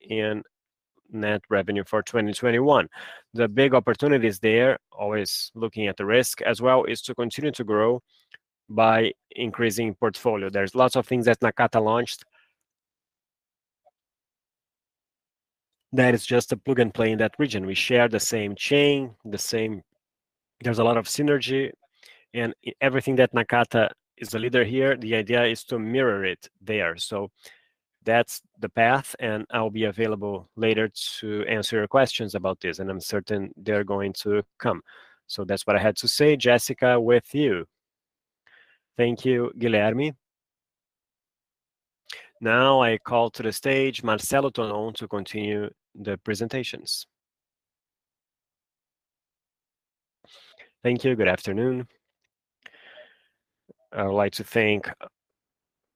S5: in net revenue for 2021. The big opportunities there, always looking at the risk as well, is to continue to grow by increasing portfolio. There's lots of things that Nakata launched that is just a plug and play in that region. We share the same chain, the same. There's a lot of synergy. Everything that Nakata is a leader here, the idea is to mirror it there. That's the path, and I'll be available later to answer your questions about this, and I'm certain they're going to come. That's what I had to say. Jessica, with you.
S1: Thank you, Guilherme. Now, I call to the stage Marcelo Tonon to continue the presentations.
S6: Thank you. Good afternoon. I would like to thank.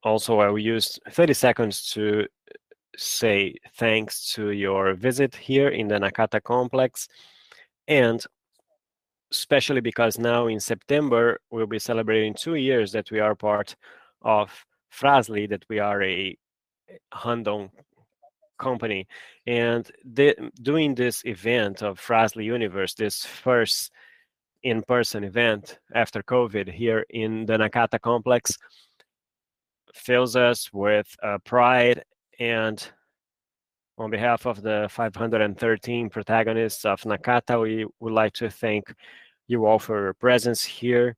S6: Also, I will use 30 seconds to say thanks to your visit here in the Nakata complex, and especially because now in September, we'll be celebrating 2 years that we are part of Fras-le, that we are a Randon company. Doing this event of Fras-le Universe, this first in-person event after COVID here in the Nakata complex, fills us with pride. On behalf of the 513 protagonists of Nakata, we would like to thank you all for your presence here,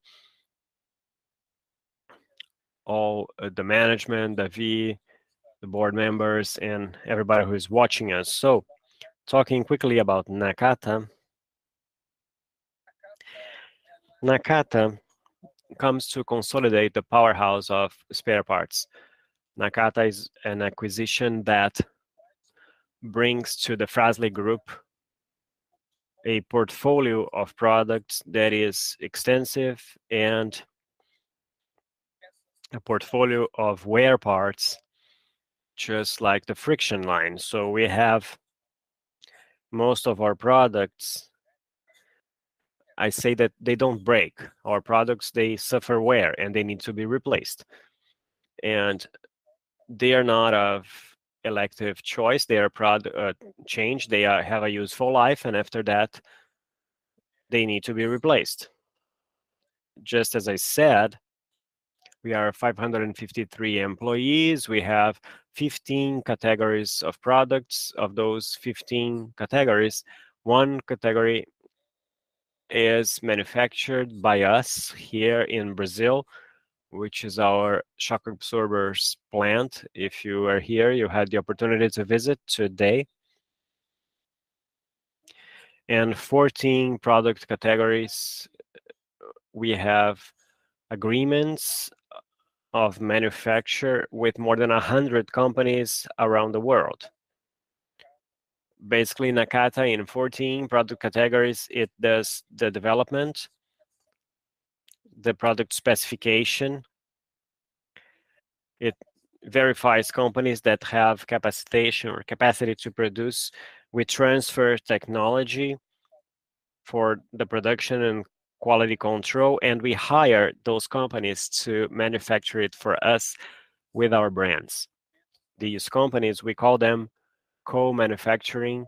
S6: all the management, the V, the board members, and everybody who is watching us. Talking quickly about Nakata comes to consolidate the powerhouse of spare parts. Nakata is an acquisition that brings to the Fras-le group a portfolio of products that is extensive and a portfolio of wear parts just like the friction line. We have most of our products, I say that they don't break. Our products, they suffer wear, and they need to be replaced. They are not of elective choice, they change, they have a useful life and after that, they need to be replaced. Just as I said, we are 553 employees. We have 15 categories of products. Of those 15 categories, one category is manufactured by us here in Brazil, which is our shock absorbers plant. If you are here, you have the opportunity to visit today. Fourteen product categories, we have agreements of manufacture with more than 100 companies around the world. Basically, Nakata in 14 product categories, it does the development, the product specification, it verifies companies that have capacity to produce. We transfer technology for the production and quality control, and we hire those companies to manufacture it for us with our brands. These companies, we call them co-manufacturing,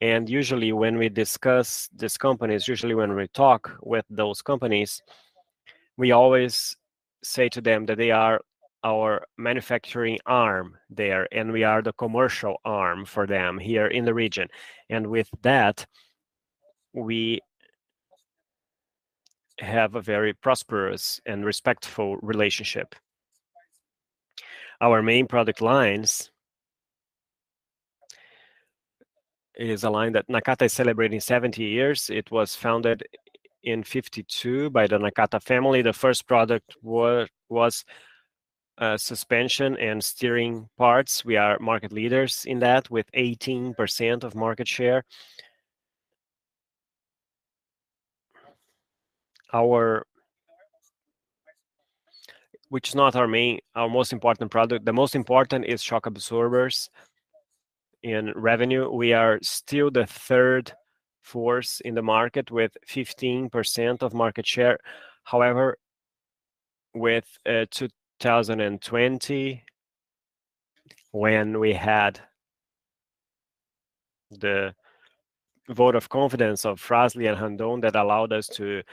S6: and usually when we discuss these companies, when we talk with those companies, we always say to them that they are our manufacturing arm there, and we are the commercial arm for them here in the region. With that, we have a very prosperous and respectful relationship. Our main product lines is a line that Nakata is celebrating 70 years. It was founded in 1952 by the Nakata family. The first product was suspension and steering parts. We are market leaders in that with 18% of market share. Our... Which is not our main, our most important product. The most important is shock absorbers. In revenue, we are still the third force in the market with 15% of market share. However, with 2020, when we had the vote of confidence of Fras-le and Randon that allowed us to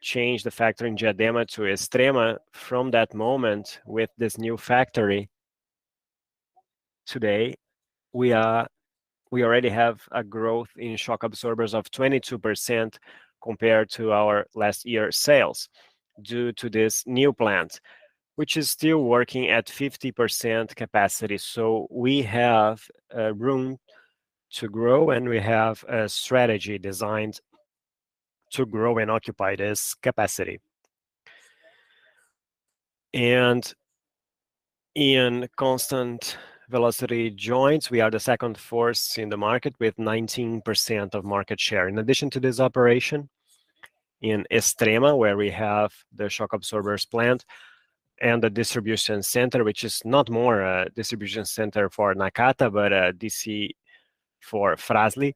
S6: change the factory in Diadema to Extrema, from that moment with this new factory, today we already have a growth in shock absorbers of 22% compared to our last year sales due to this new plant, which is still working at 50% capacity. We have room to grow, and we have a strategy designed to grow and occupy this capacity. In constant velocity joints, we are the second force in the market with 19% of market share. In addition to this operation in Extrema, where we have the shock absorbers plant and the distribution center, which is not more a distribution center for Nakata, but a DC for Fras-le,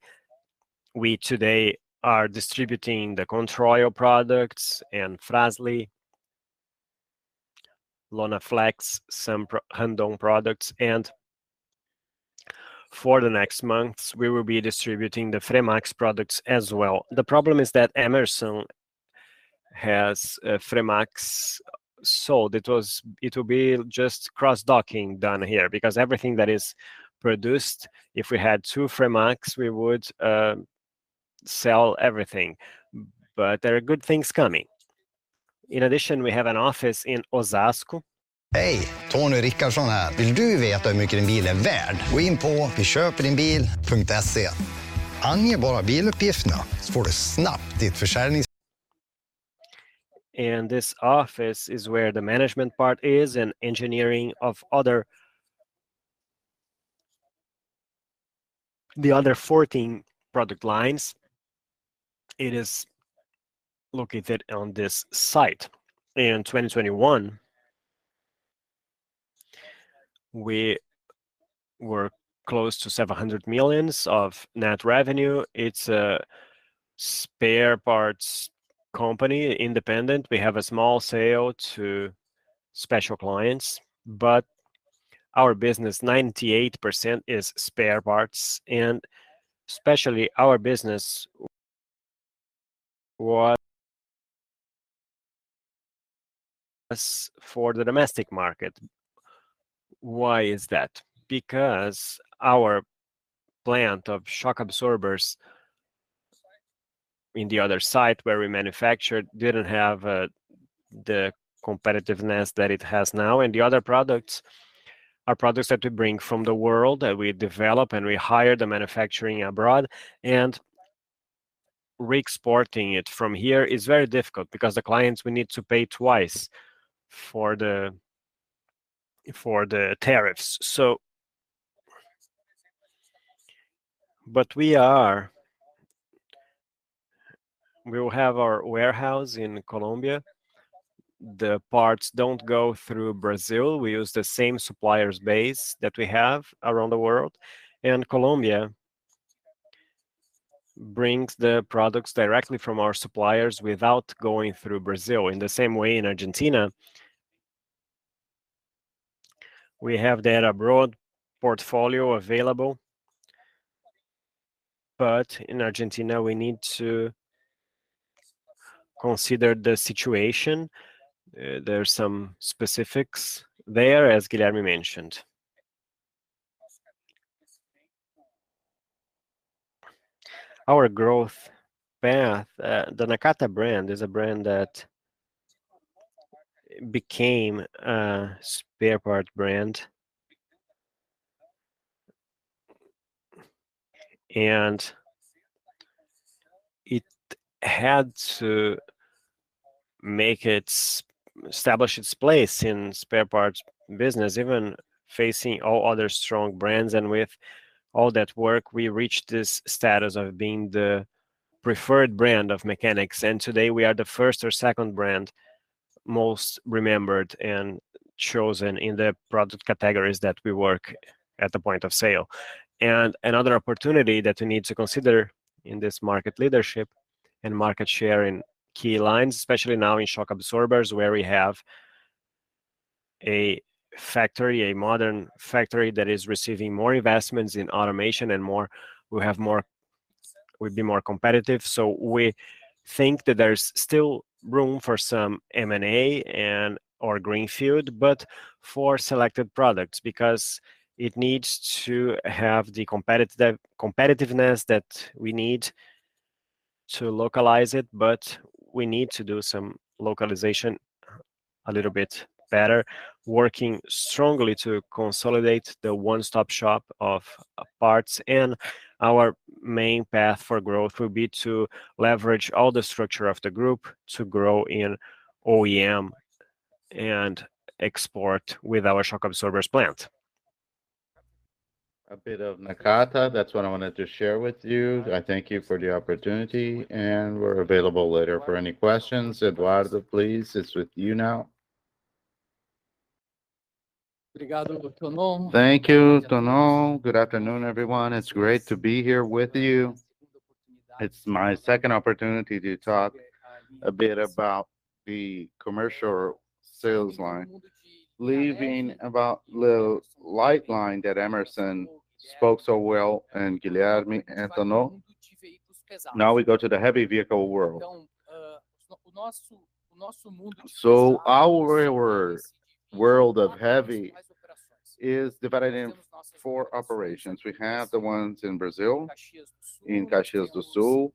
S6: we today are distributing the Controil products and Fras-le, Lonaflex, some Randon products, and for the next months, we will be distributing the FREMAX products as well. The problem is that Hemerson has FREMAX sold. It will be just cross-docking done here because everything that is produced, if we had two FREMAX, we would sell everything. There are good things coming. In addition, we have an office in Osasco.
S3: Hey, Tony Rickardsson here.
S6: This office is where the management part is and engineering of the other fourteen product lines. It is located on this site. In 2021, we were close to 700 million of net revenue. It's a spare parts company, independent. We have a small sale to special clients. Our business, 98% is spare parts, and especially our business was for the domestic market. Why is that? Because our plant of shock absorbers in the other site where we manufactured didn't have the competitiveness that it has now, and the other products are products that we bring from the world that we develop, and we hire the manufacturing abroad, and re-exporting it from here is very difficult because the clients will need to pay twice for the tariffs. We will have our warehouse in Colombia. The parts don't go through Brazil. We use the same suppliers base that we have around the world, and Colombia brings the products directly from our suppliers without going through Brazil. In the same way in Argentina, we have that abroad portfolio available. In Argentina, we need to consider the situation. There's some specifics there, as Guilherme mentioned. Our growth path, the Nakata brand is a brand that became a spare part brand, and it had to establish its place in spare parts business, even facing all other strong brands. With all that work, we reached this status of being the preferred brand of mechanics, and today we are the first or second brand most remembered and chosen in the product categories that we work at the point of sale. Another opportunity that we need to consider in this market leadership and market share in key lines, especially now in shock absorbers, where we have a factory, a modern factory that is receiving more investments in automation. We'd be more competitive. We think that there's still room for some M&A and/or greenfield, but for selected products because it needs to have the competitiveness that we need to localize it, but we need to do some localization a little bit better, working strongly to consolidate the one-stop shop of parts. Our main path for growth will be to leverage all the structure of the group to grow in OEM and export with our shock absorbers plant. A bit of Nakata, that's what I wanted to share with you. I thank you for the opportunity, and we're available later for any questions. Eduardo, please, it's with you now.
S7: Thank you, Tonon. Good afternoon, everyone. It's great to be here with you. It's my second opportunity to talk a bit about the commercial sales line. Leaving aside the light line that Hemerson spoke so well and Guilherme and Tonon, now we go to the heavy vehicle world. Our world of heavy is divided in four operations. We have the ones in Brazil, in Caxias do Sul.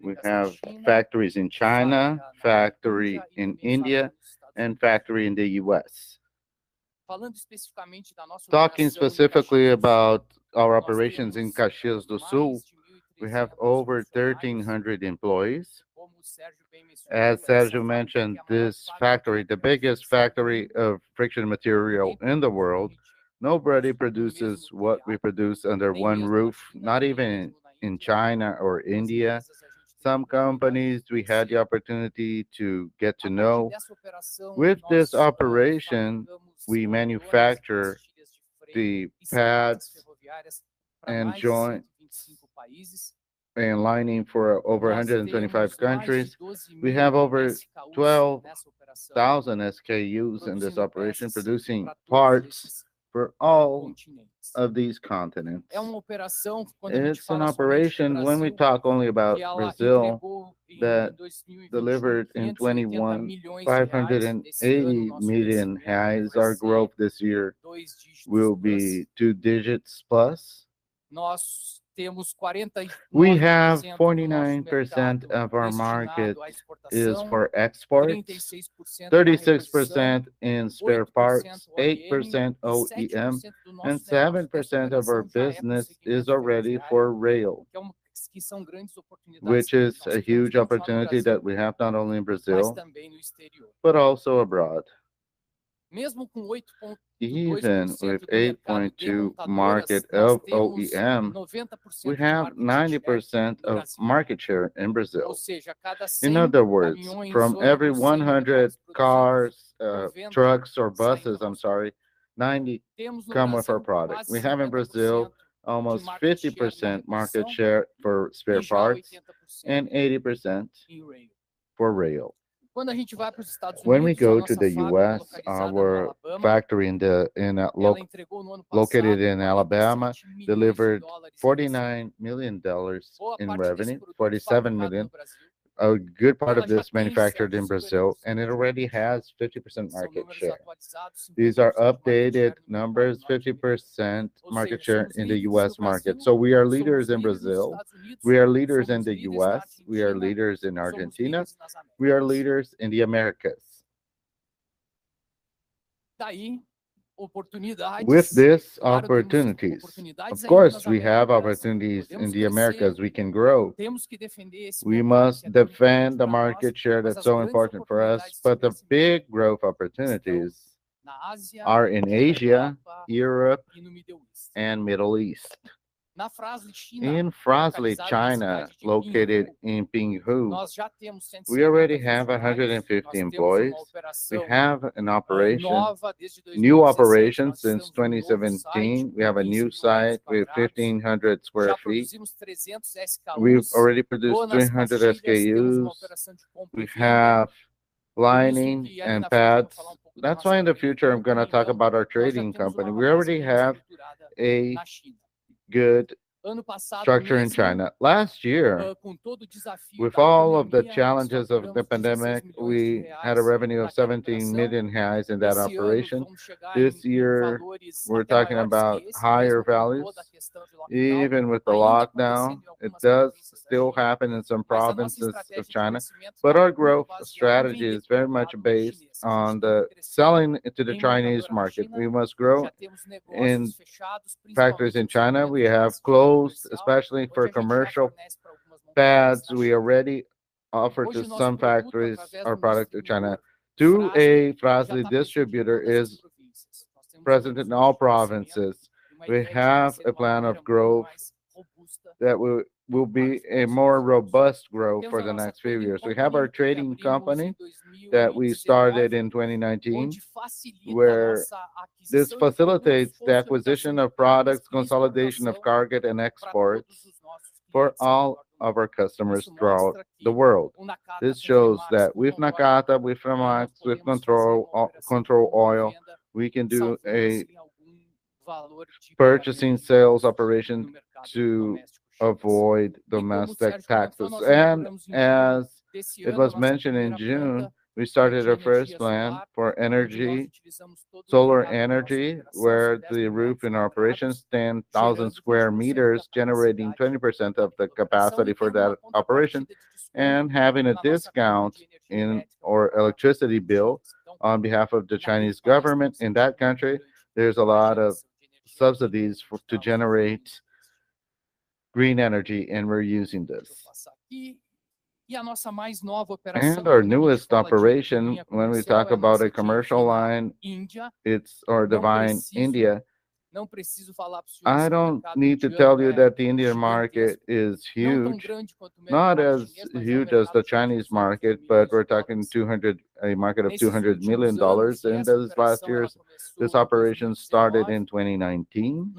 S7: We have factories in China, factory in India, and factory in the US. Talking specifically about our operations in Caxias do Sul, we have over 1,300 employees. As Sergio mentioned, this factory, the biggest factory of friction material in the world. Nobody produces what we produce under one roof, not even in China or India. Some companies we had the opportunity to get to know. With this operation, we manufacture the pads and shoes and linings for over 125 countries. We have over 12,000 SKUs in this operation, producing parts for all of these continents. It's an operation, when we talk only about Brazil, that delivered in 2021 580 million. Our growth this year will be two digits plus. We have 49% of our market is for exports, 36% in spare parts, 8% OEM, and 7% of our business is already for rail, which is a huge opportunity that we have not only in Brazil but also abroad. Even with 8.2% market of OEM, we have 90% of market share in Brazil. In other words, from every 100 cars, trucks or buses, I'm sorry, 90 come with our product. We have in Brazil almost 50% market share for spare parts and 80% for rail. When we go to the US, our factory located in Alabama delivered $49 million in revenue, $47 million. A good part of this manufactured in Brazil, and it already has 50% market share. These are updated numbers, 50% market share in the US market. We are leaders in Brazil, we are leaders in the US, we are leaders in Argentina, we are leaders in the Americas. With this opportunities, of course, we have opportunities in the Americas we can grow. We must defend the market share that's so important for us. The big growth opportunities are in Asia, Europe and Middle East. In Fras-le China, located in Pinghu, we already have 150 employees. We have an operation, new operation since 2017. We have a new site with 1,500 sq ft. We've already produced 300 SKUs. We have lining and pads. That's why in the future I'm gonna talk about our trading company. We already have a good structure in China. Last year, with all of the challenges of the pandemic, we had a revenue of 17 million reais in that operation. This year, we're talking about higher values. Even with the lockdown, it does still happen in some provinces of China. Our growth strategy is very much based on the selling to the Chinese market. We must grow in factories in China. We have closed, especially for commercial pads, we already offer to some factories our product to China. To a Fras-le distributor is present in all provinces. We have a plan of growth that will be a more robust growth for the next few years. We have our trading company that we started in 2019, where this facilitates the acquisition of products, consolidation of cargo and exports for all of our customers throughout the world. This shows that with Nakata, with FREMAX, with Controil, we can do a purchasing sales operation to avoid domestic taxes. As it was mentioned in June, we started our first plan for energy, solar energy, where the roof in our operations 10,000 square meters, generating 20% of the capacity for that operation, and having a discount in our electricity bill on behalf of the Chinese government. In that country, there's a lot of subsidies to generate green energy, and we're using this. Our newest operation, when we talk about a commercial line, it's our ASK Fras-le. I don't need to tell you that the Indian market is huge. Not as huge as the Chinese market, but we're talking $200 million, a market of $200 million in these last years. This operation started in 2019.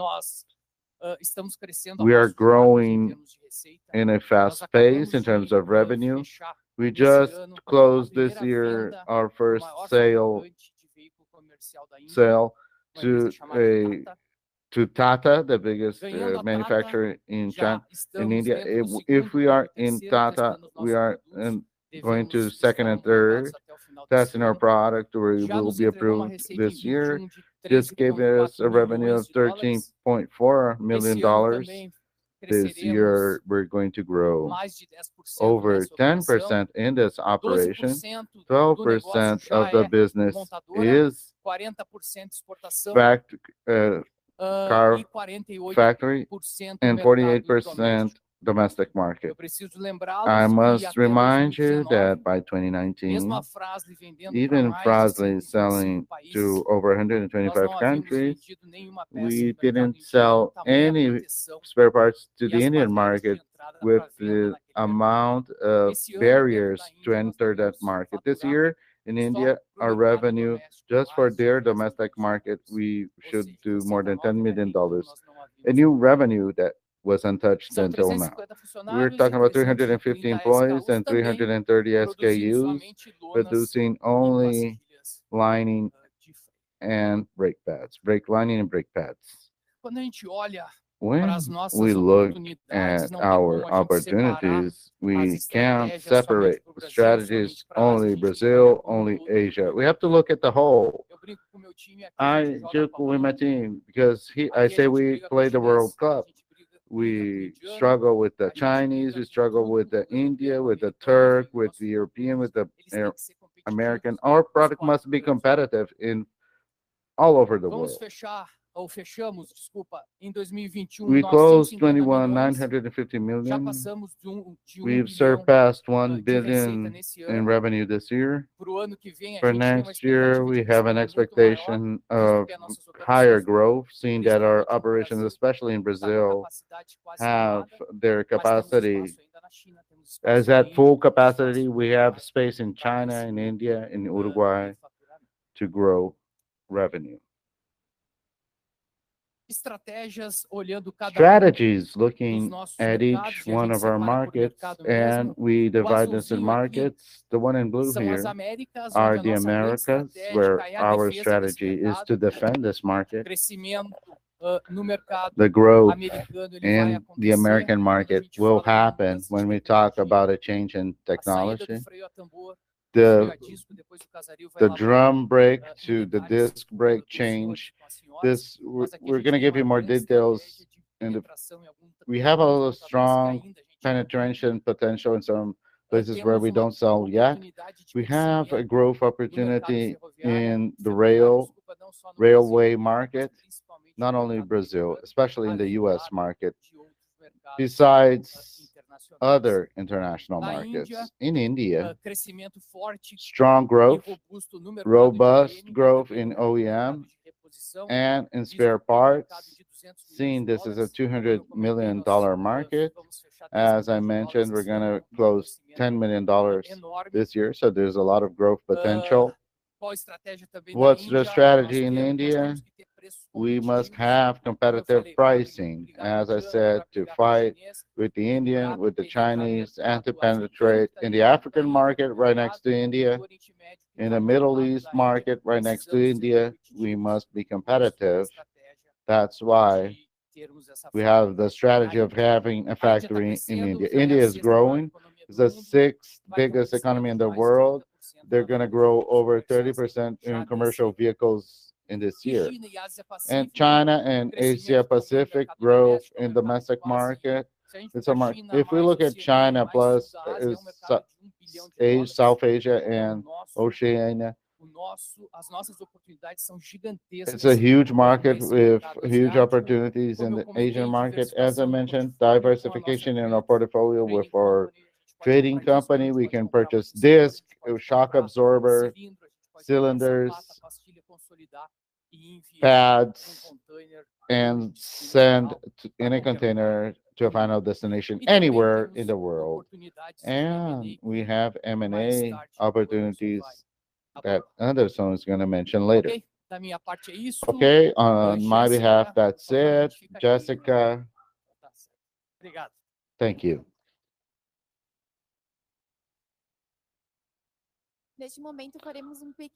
S7: We are growing at a fast pace in terms of revenue. We just closed this year our first sale to Tata, the biggest manufacturer in India. If we are in Tata, we are going to second and third testing our product, or we will be approved this year. This gave us a revenue of $13.4 million. This year, we're going to grow over 10% in this operation. 12% of the business is factory, and 48% domestic market. I must remind you that by 2019, even Fras-le selling to over 125 countries, we didn't sell any spare parts to the Indian market with the amount of barriers to enter that market. This year in India, our revenue just for their domestic market, we should do more than $10 million. A new revenue that was untouched until now. We're talking about 350 employees and 330 SKUs, producing only lining and brake pads, brake lining and brake pads. When we look at our opportunities, we can't separate strategies only Brazil, only Asia. We have to look at the whole. I joke with my team because I say we play the World Cup. We struggle with the Chinese, we struggle with the Indians, with the Turks, with the Europeans, with the Americans. Our product must be competitive all over the world. We closed 2021, $950 million. We've surpassed $1 billion in revenue this year. For next year, we have an expectation of higher growth, seeing that our operations, especially in Brazil, have their capacity. As at full capacity, we have space in China, in India, in Uruguay to grow revenue. Strategies, looking at each one of our markets, and we divide this in markets. The one in blue here are the Americas, where our strategy is to defend this market. The growth in the American market will happen when we talk about a change in technology. The drum brake to the disc brake change. We're gonna give you more details. We have a strong penetration potential in some places where we don't sell yet. We have a growth opportunity in the rail, railway market, not only Brazil, especially in the U.S. market. Besides other international markets, in India, strong growth, robust growth in OEM and in spare parts. Seeing this is a $200 million market, as I mentioned, we're gonna close $10 million this year, so there's a lot of growth potential. What's the strategy in India? We must have competitive pricing, as I said, to fight with the Indian, with the Chinese, and to penetrate in the African market right next to India, in the Middle East market right next to India, we must be competitive. That's why we have the strategy of having a factory in India. India is growing. It's the sixth biggest economy in the world. They're gonna grow over 30% in commercial vehicles in this year. In China and Asia Pacific, growth in domestic market is a market. If we look at China plus South Asia, and Oceania, it's a huge market with huge opportunities in the Asian market. As I mentioned, diversification in our portfolio with our trading company, we can purchase disc, shock absorber, cylinders, pads, and send to, in a container to a final destination anywhere in the world. We have M&A opportunities that Anderson is gonna mention later. Okay, on my behalf, that's it. Jessica. Thank you.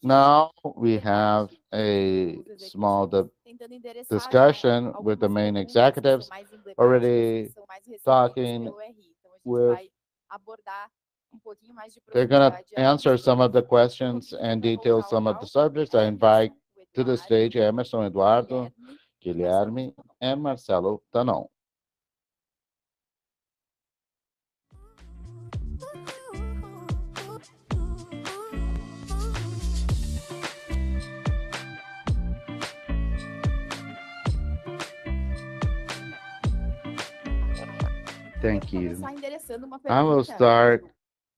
S1: Now we have a small discussion with the main executives. They're gonna answer some of the questions and detail some of the subjects. I invite to the stage Hemerson, Eduardo, Guilherme, and Marcelo Tonon. Thank you. I will start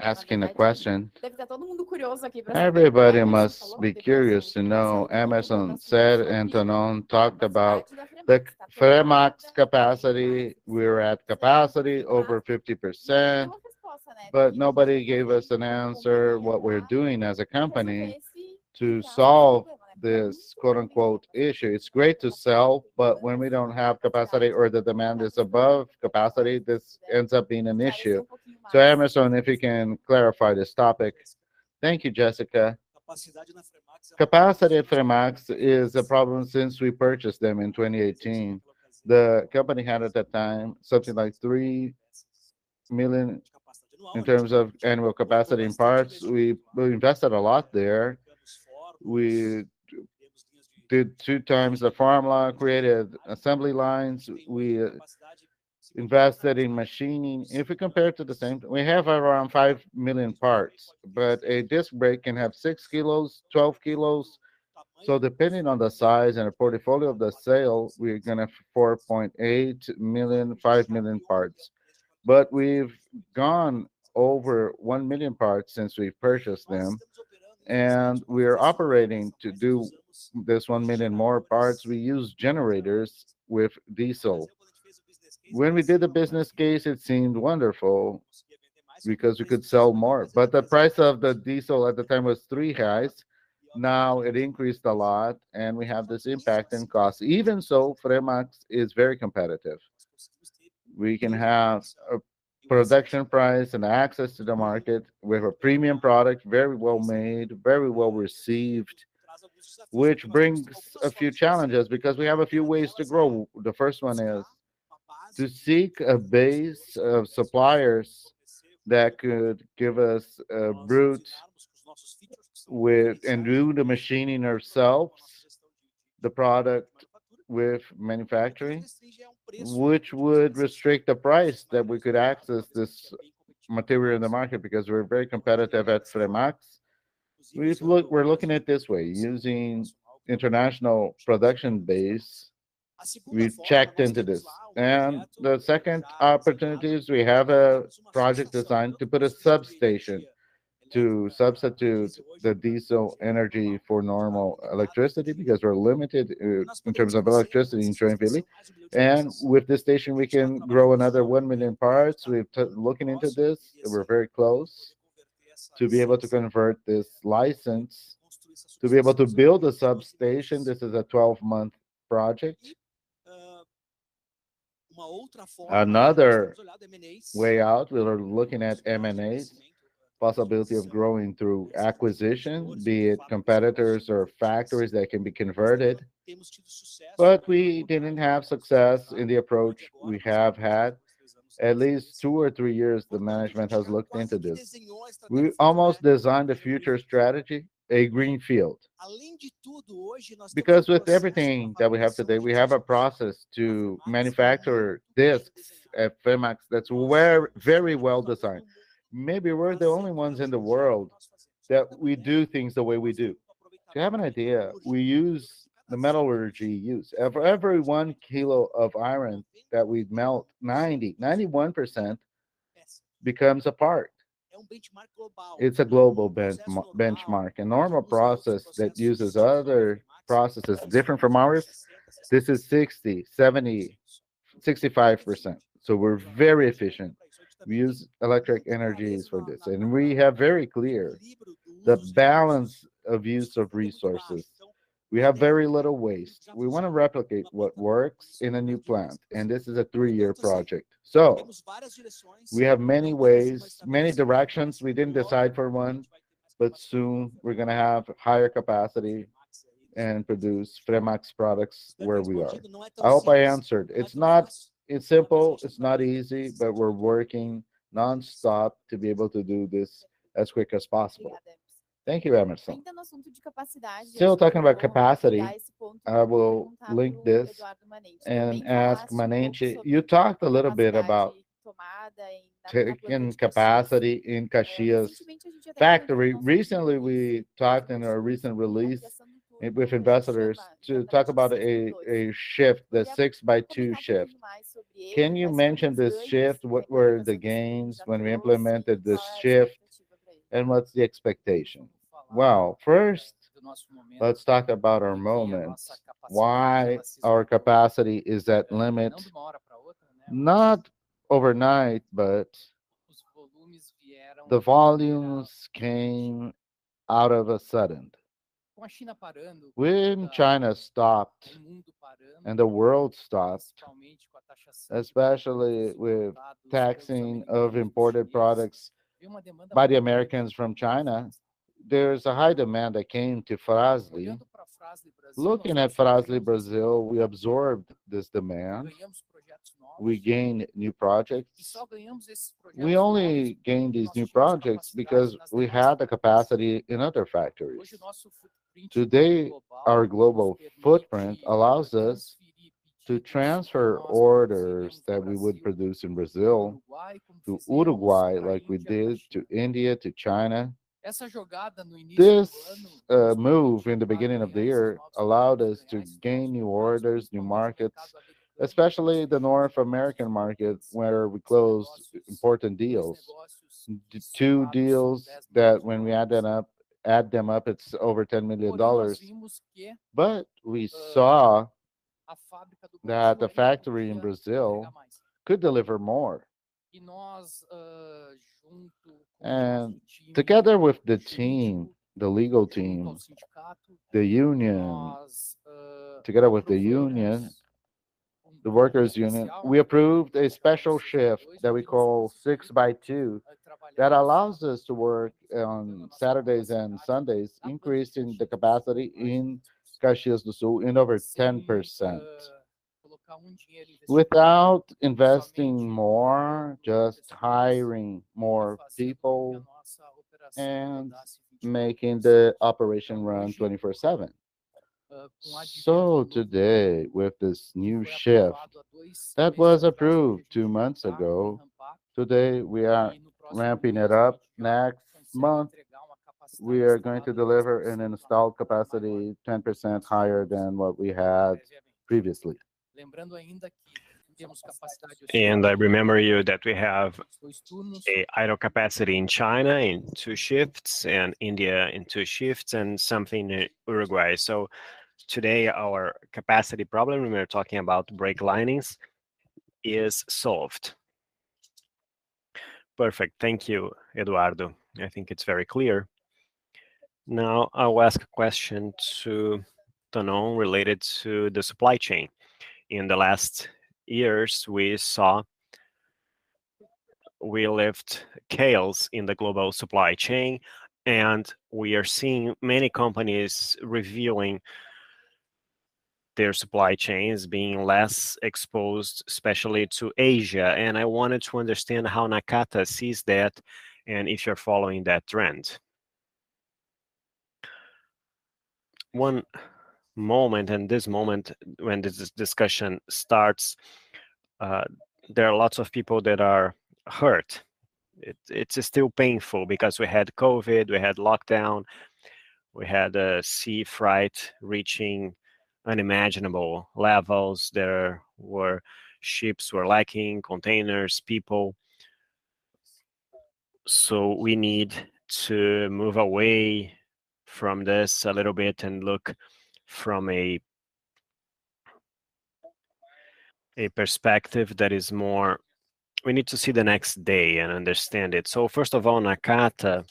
S1: asking a question. Everybody must be curious to know, Hemerson said and Tonon talked about the FREMAX capacity. We're at capacity over 50%, but nobody gave us an answer what we're doing as a company to solve this, quote-unquote, issue. It's great to sell, but when we don't have capacity or the demand is above capacity, this ends up being an issue. Hemerson, if you can clarify this topic.
S4: Thank you, Jessica. Capacity at FREMAX is a problem since we purchased them in 2018. The company had at that time something like 3 million in terms of annual capacity in parts. We invested a lot there. We did two times the friction line, created assembly lines. We invested in machining. If we compare to the same, we have around 5 million parts, but a disc brake can have 6 kg, 12 kg. Depending on the size and the portfolio of the sale, we're gonna have 4.8 million, 5 million parts. We've gone over 1 million parts since we purchased them, and we are operating to do this 1 million more parts. We use generators with diesel. When we did the business case, it seemed wonderful because we could sell more, but the price of the diesel at the time was 3. Now it increased a lot and we have this impact in cost. Even so, FREMAX is very competitive. We can have a production price and access to the market. We have a premium product, very well-made, very well-received, which brings a few challenges because we have a few ways to grow. The first one is to seek a base of suppliers that could give us a route to do the machining ourselves, the product with manufacturing, which would restrict the price that we could access this material in the market because we're very competitive at FREMAX. We're looking at this way, using international production base. We've checked into this. The second opportunity is we have a project design to put a substation to substitute the diesel energy for normal electricity because we're limited in terms of electricity in Joinville. With this station, we can grow another 1 million parts. We're looking into this, and we're very close to be able to convert this license, to be able to build a substation. This is a 12-month project. Another way out, we're looking at M&As, possibility of growing through acquisition, be it competitors or factories that can be converted. We didn't have success in the approach we have had. At least two or three years, the management has looked into this. We almost designed a future strategy, a green field. Because with everything that we have today, we have a process to manufacture discs at FREMAX that's well, very well-designed. Maybe we're the only ones in the world that we do things the way we do. To have an idea, we use in the metallurgy, even for every 1 kilo of iron that we melt, 90%-91% becomes a part. It's a global benchmark. A normal process that uses other processes different from ours, this is 60%, 70%, 65%. We're very efficient. We use electric energies for this, and we have very clear the balance of use of resources. We have very little waste. We wanna replicate what works in a new plant, and this is a 3-year project. We have many ways, many directions. We didn't decide for one, but soon we're gonna have higher capacity and produce FREMAX products where we are. I hope I answered. It's not. It's simple, it's not easy, but we're working nonstop to be able to do this as quick as possible.
S1: Thank you, Hemerson. Still talking about capacity, I will link this and ask Manenti. You talked a little bit about taking capacity in Caxias factory. Recently, we talked in a recent release with investors to talk about a shift, the six-by-two shift. Can you mention this shift? What were the gains when we implemented this shift, and what's the expectation?
S7: Well, first, let's talk about our moments, why our capacity is at limit. Not overnight, but the volumes came all of a sudden. When China stopped and the world stopped, especially with taxing of imported products by the Americans from China, there's a high demand that came to Fras-le. Looking at Fras-le Brazil, we absorbed this demand. We gained new projects. We only gained these new projects because we had the capacity in other factories. Today, our global footprint allows us to transfer orders that we would produce in Brazil to Uruguay, like we did to India, to China. This move in the beginning of the year allowed us to gain new orders, new markets, especially the North American market, where we closed important deals. Two deals that when we add them up, it's over $10 million. We saw that the factory in Brazil could deliver more. Together with the team, the legal team, the union, together with the union, the workers' union, we approved a special shift that we call six by two that allows us to work on Saturdays and Sundays, increasing the capacity in Caxias do Sul in over 10% without investing more, just hiring more people and making the operation run 24/7. Today, with this new shift that was approved two months ago, today we are ramping it up. Next month, we are going to deliver an installed capacity 10% higher than what we had previously. I remind you that we have idle capacity in China in two shifts, in India in two shifts, and some in Uruguay. Today, our capacity problem, when we're talking about brake linings, is solved.
S1: Perfect. Thank you, Eduardo. I think it's very clear. Now, I will ask a question to Tonon related to the supply chain. In the last years, we lived chaos in the global supply chain, and we are seeing many companies revealing their supply chains being less exposed, especially to Asia, and I wanted to understand how Nakata sees that and if you're following that trend.
S6: One moment, in this moment when this discussion starts, there are lots of people that are hurt. It's still painful because we had COVID, we had lockdown, we had sea freight reaching unimaginable levels. There were ships who were lacking containers, people. We need to move away from this a little bit and look from a perspective that is more. We need to see the next day and understand it. First of all, Nakata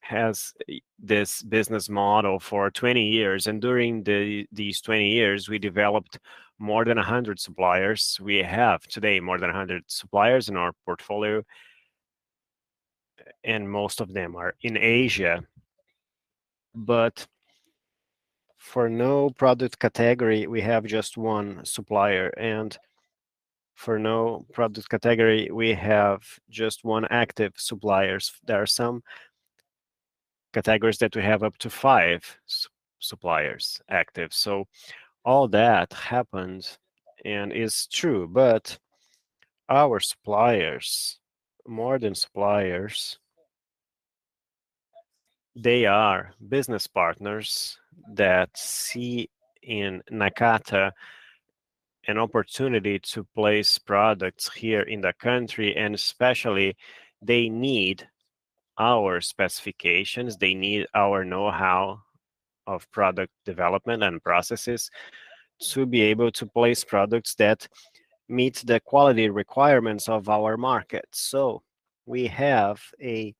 S6: has this business model for 20 years, and during these 20 years, we developed more than 100 suppliers. We have today more than 100 suppliers in our portfolio, and most of them are in Asia. For no product category, we have just one supplier, and for no product category, we have just one active suppliers. There are some categories that we have up to five suppliers active. All that happened, and it's true, but. Our suppliers, more than suppliers, they are business partners that see in Nakata an opportunity to place products here in the country, and especially they need our specifications, they need our know-how of product development and processes to be able to place products that meet the quality requirements of our market. We have a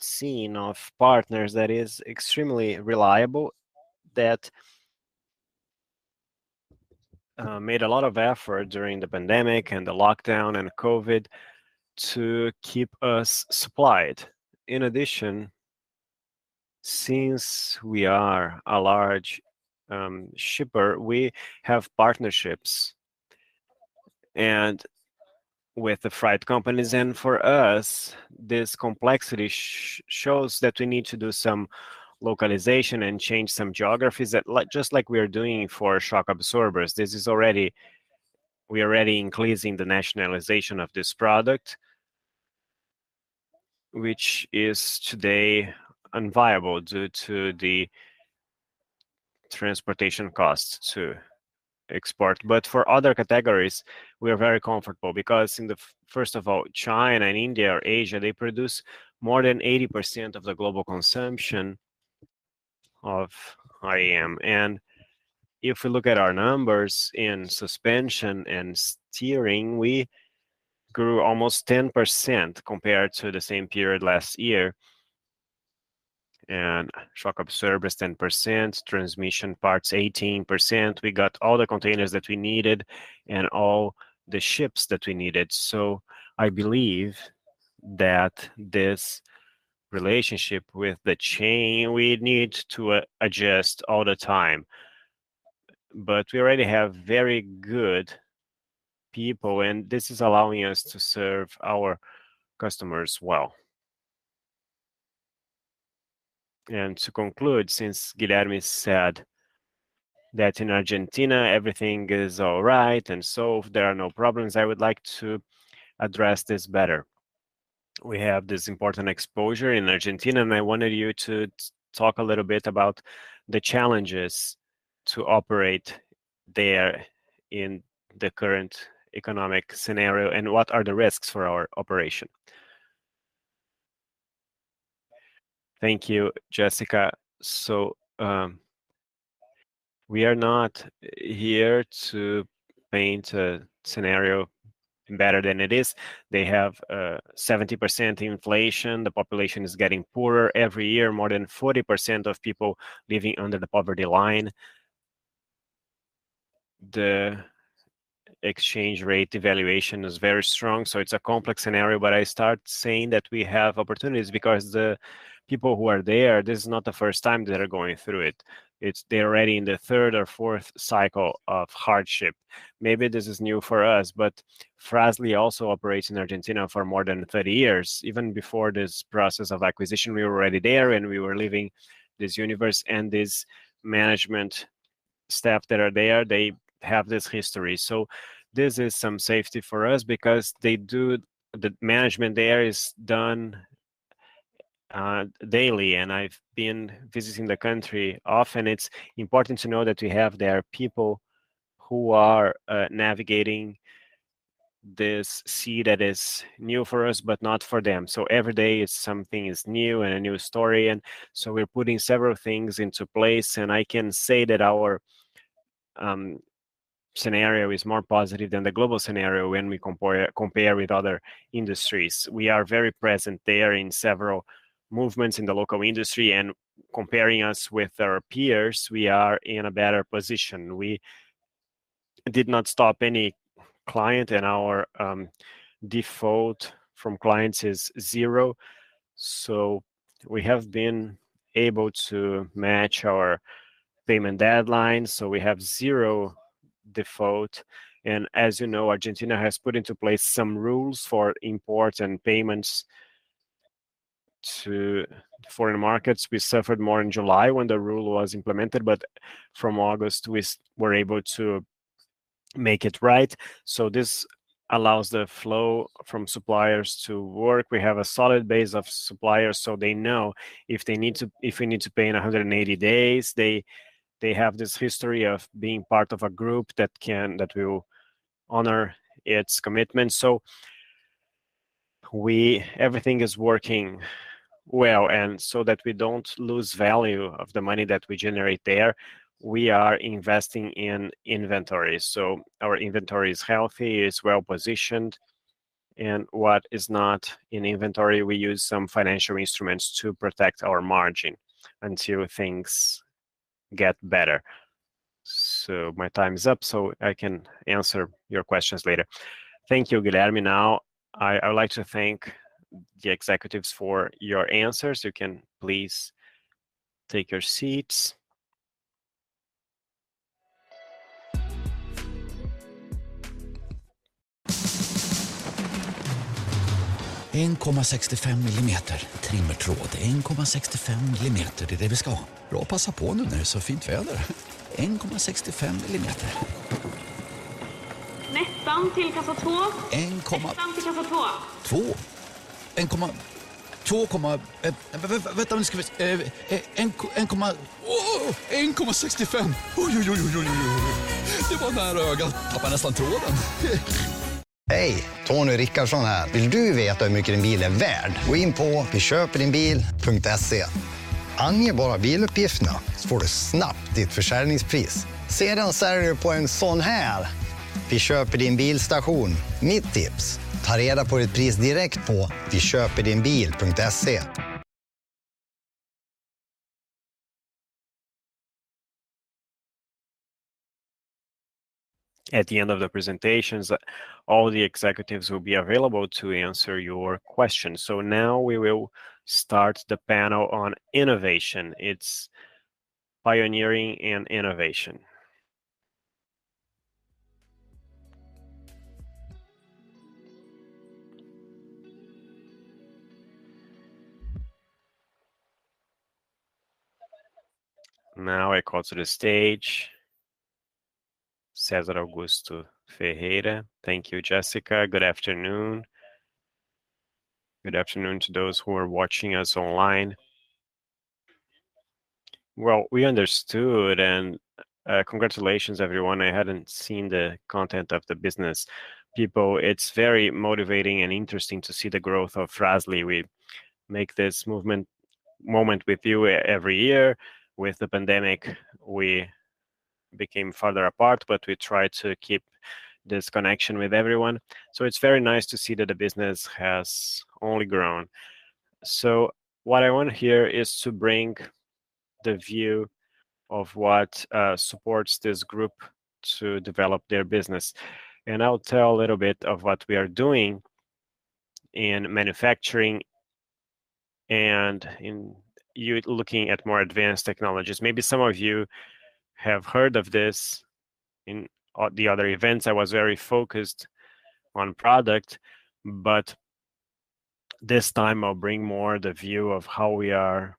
S6: chain of partners that is extremely reliable, that made a lot of effort during the pandemic and the lockdown and COVID to keep us supplied. In addition, since we are a large shipper, we have partnerships and with the freight companies. For us, this complexity shows that we need to do some localization and change some geographies that like, just like we are doing for shock absorbers. We're already increasing the nationalization of this product, which is today unviable due to the transportation costs to export. For other categories, we are very comfortable because in the first of all, China and India or Asia, they produce more than 80% of the global consumption of IM. If we look at our numbers in suspension and steering, we grew almost 10% compared to the same period last year. Shock absorbers, 10%, transmission parts, 18%. We got all the containers that we needed and all the ships that we needed. I believe that this relationship with the chain, we need to adjust all the time. We already have very good people, and this is allowing us to serve our customers well.
S1: To conclude, since Guilherme said that in Argentina everything is all right and so there are no problems, I would like to address this better. We have this important exposure in Argentina, and I wanted you to talk a little bit about the challenges to operate there in the current economic scenario and what are the risks for our operation.
S5: Thank you, Jessica. We are not here to paint a scenario better than it is. They have 70% inflation. The population is getting poorer every year. More than 40% of people living under the poverty line. The exchange rate devaluation is very strong, so it's a complex scenario. I start saying that we have opportunities because the people who are there, this is not the first time they are going through it. It's. They're already in the third or fourth cycle of hardship. Maybe this is new for us, but Fras-le also operates in Argentina for more than 30 years. Even before this process of acquisition, we were already there, and we were living this universe, and this management staff that are there, they have this history. This is some safety for us because the management there is done daily, and I've been visiting the country often. It's important to know that we have there people who are navigating this sea that is new for us, but not for them. Every day something is new and a new story. We're putting several things into place, and I can say that our scenario is more positive than the global scenario when we compare with other industries. We are very present there in several movements in the local industry. Comparing us with our peers, we are in a better position. We did not stop any client, and our default from clients is zero. We have been able to match our payment deadlines, so we have zero default. As you know, Argentina has put into place some rules for imports and payments to foreign markets. We suffered more in July when the rule was implemented, but from August, we were able to make it right, so this allows the flow from suppliers to work. We have a solid base of suppliers, so they know if we need to pay in 180 days, they have this history of being part of a group that will honor its commitments. Everything is working well. So that we don't lose value of the money that we generate there, we are investing in inventory. Our inventory is healthy, it's well-positioned, and what is not in inventory, we use some financial instruments to protect our margin until things get better. My time is up, so I can answer your questions later.
S1: Thank you, Guilherme. Now, I would like to thank the executives for your answers. You can please take your seats.
S3: 1.65 millimeter trimmertråd. 1.65 millimeter, det är det vi ska ha. Bra att passa på nu när det är så fint väder. Nästan till kassa två. En komma... Nästan till kassa två. Vänta nu ska vi se. 1.65. Oj. Det var nära ögat. Tappa nästan tråden. Hej, Tony Rickardsson här. Vill du veta hur mycket din bil är värd? Gå in på viköperdibil.se. Ange bara biluppgifterna så får du snabbt ditt försäljningspris. Sedan säljer du på en sån här. Vi köper din bilstation. Mitt tips, ta reda på ditt pris direkt på viköperdibil.se.
S1: At the end of the presentations, all the executives will be available to answer your questions. Now we will start the panel on innovation. It's pioneering and innovation. Now I call to the stage Cesar Augusto Ferreira.
S8: Thank you, Jessica. Good afternoon. Good afternoon to those who are watching us online. Well, we understood and congratulations, everyone. I hadn't seen the content of the business people. It's very motivating and interesting to see the growth of Fras-le. We make this movement moment with you every year. With the pandemic, we became further apart, but we try to keep this connection with everyone. It's very nice to see that the business has only grown. What I want here is to bring the view of what supports this group to develop their business. I'll tell a little bit of what we are doing in manufacturing and in you looking at more advanced technologies. Maybe some of you have heard of this in the other events. I was very focused on product, but this time I'll bring more the view of how we are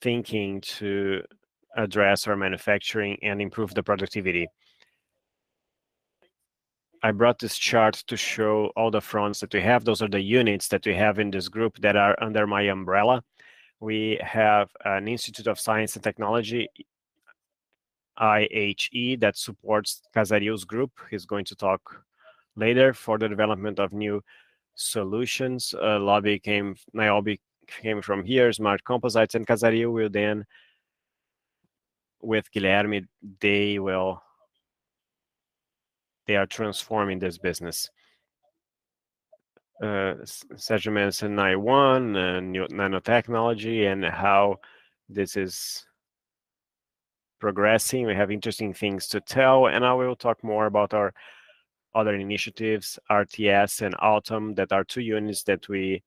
S8: thinking to address our manufacturing and improve the productivity. I brought this chart to show all the fronts that we have. Those are the units that we have in this group that are under my umbrella. We have an Institute of Science and Technology, IHR, that supports Casaril's group. He's going to talk later for the development of new solutions. NOBI came, NIONE came from here, Smart Composites and Casaril will then, with Guilherme, they are transforming this business. Sergio Mendes and NIONE and nanotechnology and how this is progressing. We have interesting things to tell and I will talk more about our other initiatives, RTS and Auttom, that are two units that we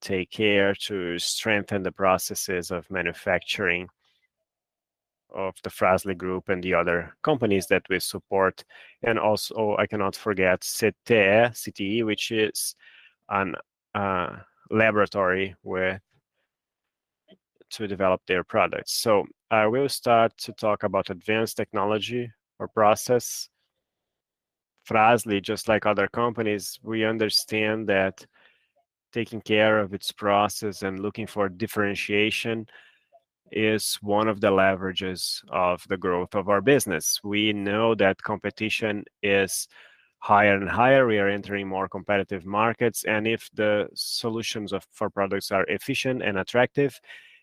S8: take care to strengthen the processes of manufacturing of the Fras-le group and the other companies that we support. I cannot forget CTR, which is a laboratory to develop their products. I will start to talk about advanced technology or process. Fras-le, just like other companies, we understand that taking care of its process and looking for differentiation is one of the leverages of the growth of our business. We know that competition is higher and higher. We are entering more competitive markets. If the solutions for products are efficient and attractive,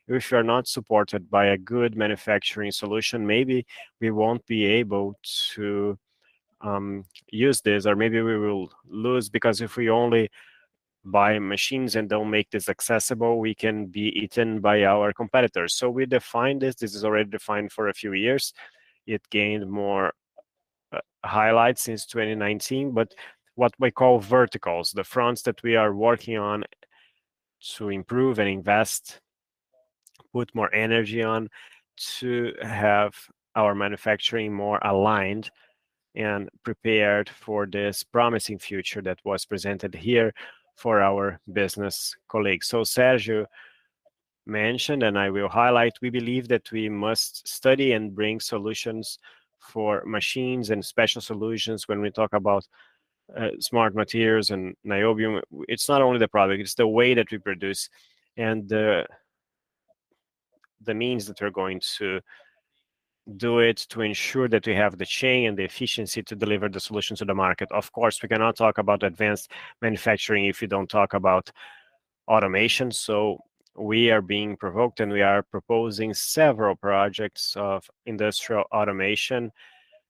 S8: if you are not supported by a good manufacturing solution, maybe we won't be able to use this or maybe we will lose because if we only buy machines and don't make this accessible, we can be eaten by our competitors. We defined this. This is already defined for a few years. It gained more highlights since 2019, but what we call verticals, the fronts that we are working on to improve and invest, put more energy on to have our manufacturing more aligned and prepared for this promising future that was presented here for our business colleagues. Sergio mentioned, and I will highlight, we believe that we must study and bring solutions for machines and special solutions when we talk about smart materials and niobium. It's not only the product, it's the way that we produce and the means that we're going to do it to ensure that we have the chain and the efficiency to deliver the solution to the market. Of course, we cannot talk about advanced manufacturing if we don't talk about automation. We are being provoked and we are proposing several projects of industrial automation.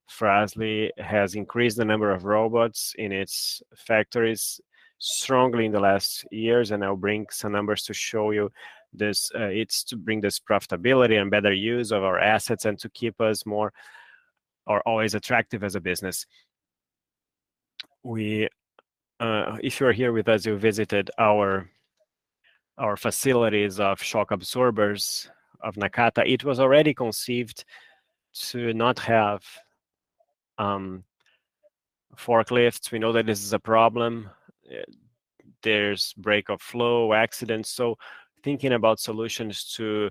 S8: Fras-le has increased the number of robots in its factories strongly in the last years, and I'll bring some numbers to show you this. It's to bring this profitability and better use of our assets and to keep us more or always attractive as a business. If you are here with us, you visited our facilities of shock absorbers of Nakata, it was already conceived to not have forklifts. We know that this is a problem. There's break of flow, accidents. Thinking about solutions to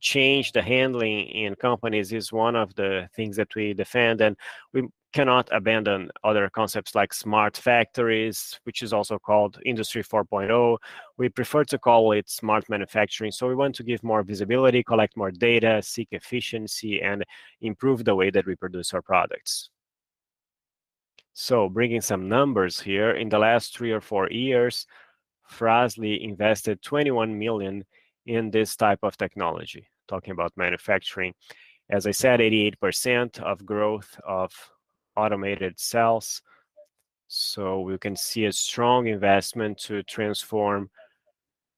S8: change the handling in companies is one of the things that we defend, and we cannot abandon other concepts like smart factories, which is also called Industry 4.0. We prefer to call it smart manufacturing. We want to give more visibility, collect more data, seek efficiency, and improve the way that we produce our products. Bringing some numbers here. In the last three or four years, Fras-le invested 21 million in this type of technology, talking about manufacturing. As I said, 88% of growth of automated cells. We can see a strong investment to transform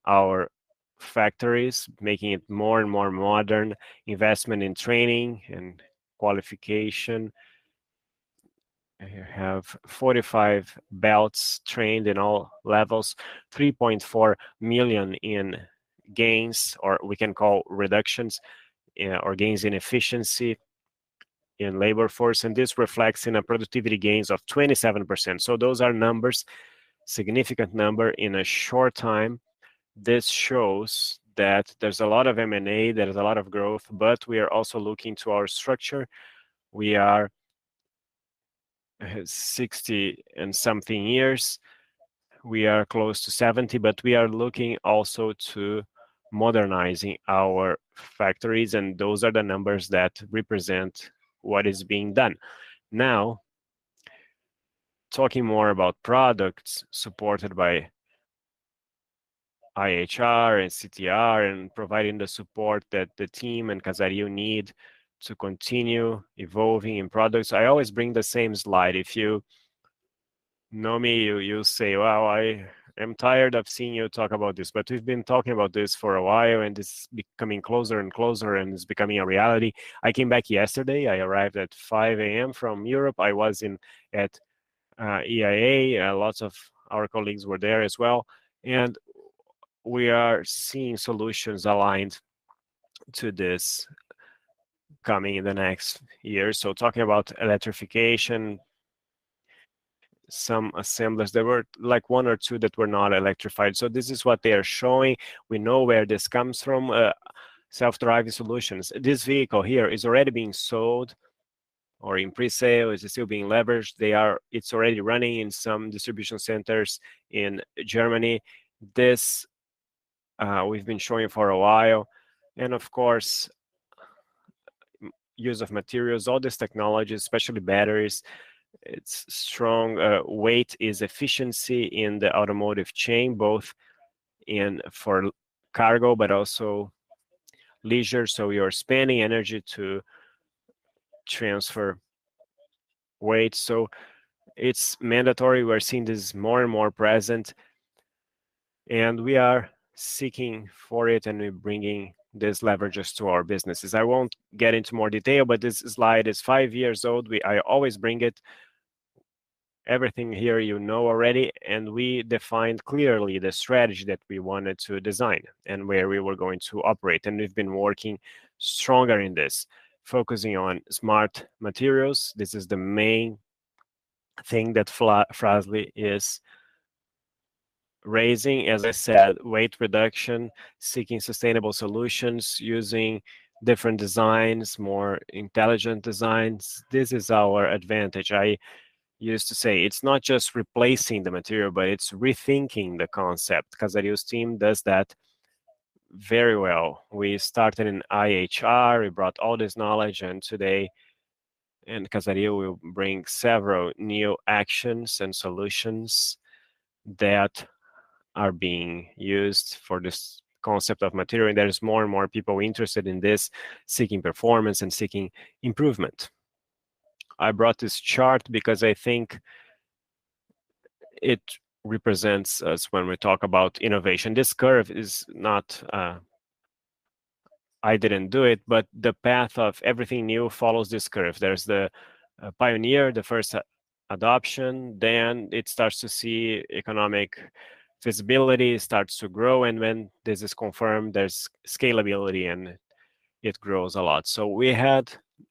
S8: our factories, making it more and more modern, investment in training and qualification. I have 45 belts trained in all levels. 3.4 million in gains, or we can call reductions, or gains in efficiency in labor force, and this reflects in productivity gains of 27%. Those are numbers, significant number in a short time. This shows that there's a lot of M&A, there is a lot of growth, but we are also looking to our structure. We are 60-something years. We are close to 70, but we are looking also to modernizing our factories, and those are the numbers that represent what is being done. Now, talking more about products supported by IHR and CTR and providing the support that the team and Casaril need to continue evolving in products. I always bring the same slide. If you know me, you'll say, "Well, I am tired of seeing you talk about this," but we've been talking about this for a while, and it's becoming closer and closer, and it's becoming a reality. I came back yesterday. I arrived at 5:00 A.M. from Europe. I was at IAA. Lots of our colleagues were there as well. We are seeing solutions aligned to this coming in the next year. Talking about electrification, some assemblers, there were like one or two that were not electrified. This is what they are showing. We know where this comes from, self-driving solutions. This vehicle here is already being sold or in presale, is still being leveraged. It's already running in some distribution centers in Germany. This, we've been showing for a while. Of course, use of materials, all these technologies, especially batteries, its strong weight is efficiency in the automotive chain, both for cargo but also leisure. You're spanning energy to transfer weight. It's mandatory. We're seeing this more and more present, and we are seeking for it, and we're bringing these leverages to our businesses. I won't get into more detail, but this slide is five years old. I always bring it. Everything here you know already, and we defined clearly the strategy that we wanted to design and where we were going to operate. We've been working stronger in this, focusing on smart materials. This is the main thing that Fras-le is raising. As I said, weight reduction, seeking sustainable solutions, using different designs, more intelligent designs. This is our advantage. I used to say it's not just replacing the material, but it's rethinking the concept. Casaril's team does that very well. We started in IHR. We brought all this knowledge, and today, Casaril will bring several new actions and solutions that are being used for this concept of material. There is more and more people interested in this, seeking performance and seeking improvement. I brought this chart because I think it represents us when we talk about innovation. This curve is not, I didn't do it, but the path of everything new follows this curve. There's the pioneer, the first adoption. Then it starts to see economic feasibility, starts to grow. When this is confirmed, there's scalability, and it grows a lot.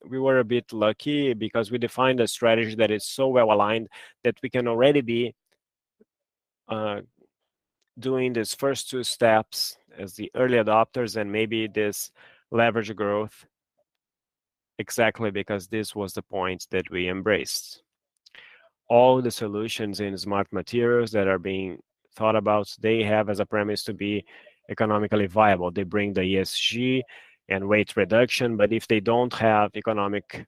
S8: We were a bit lucky because we defined a strategy that is so well-aligned that we can already be doing these first two steps as the early adopters and maybe this leverage growth exactly because this was the point that we embraced. All the solutions in smart materials that are being thought about, they have as a premise to be economically viable. They bring the ESG and weight reduction. If they don't have economic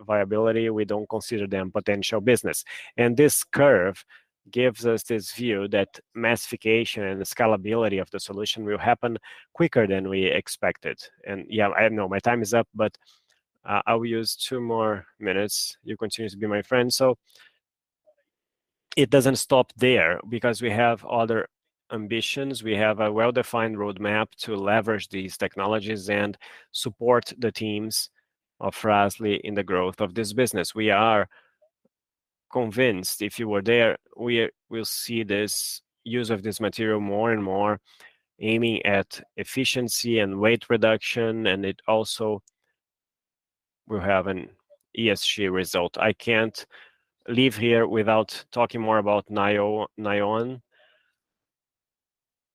S8: viability, we don't consider them potential business. This curve gives us this view that massification and scalability of the solution will happen quicker than we expected. Yeah, I know my time is up, but I will use two more minutes. You continue to be my friend. It doesn't stop there because we have other ambitions. We have a well-defined roadmap to leverage these technologies and support the teams of Fras-le in the growth of this business. We are convinced if you were there, we'll see this use of this material more and more aiming at efficiency and weight reduction, and it also will have an ESG result. I can't leave here without talking more about NIONE.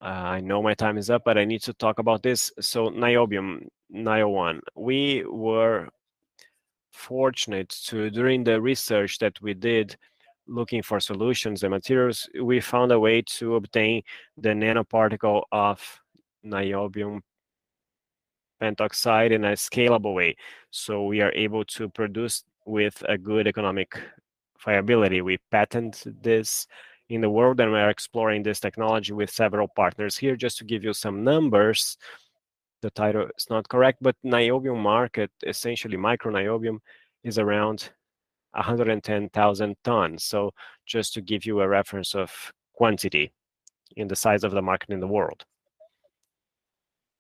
S8: I know my time is up, but I need to talk about this. Niobium, NIONE, we were fortunate. During the research that we did looking for solutions and materials, we found a way to obtain the nanoparticle of niobium pentoxide in a scalable way, so we are able to produce with a good economic viability. We patent this in the world, and we are exploring this technology with several partners. Here, just to give you some numbers, the title is not correct, but niobium market, essentially micro niobium, is around 110,000 tons. Just to give you a reference of quantity in the size of the market in the world.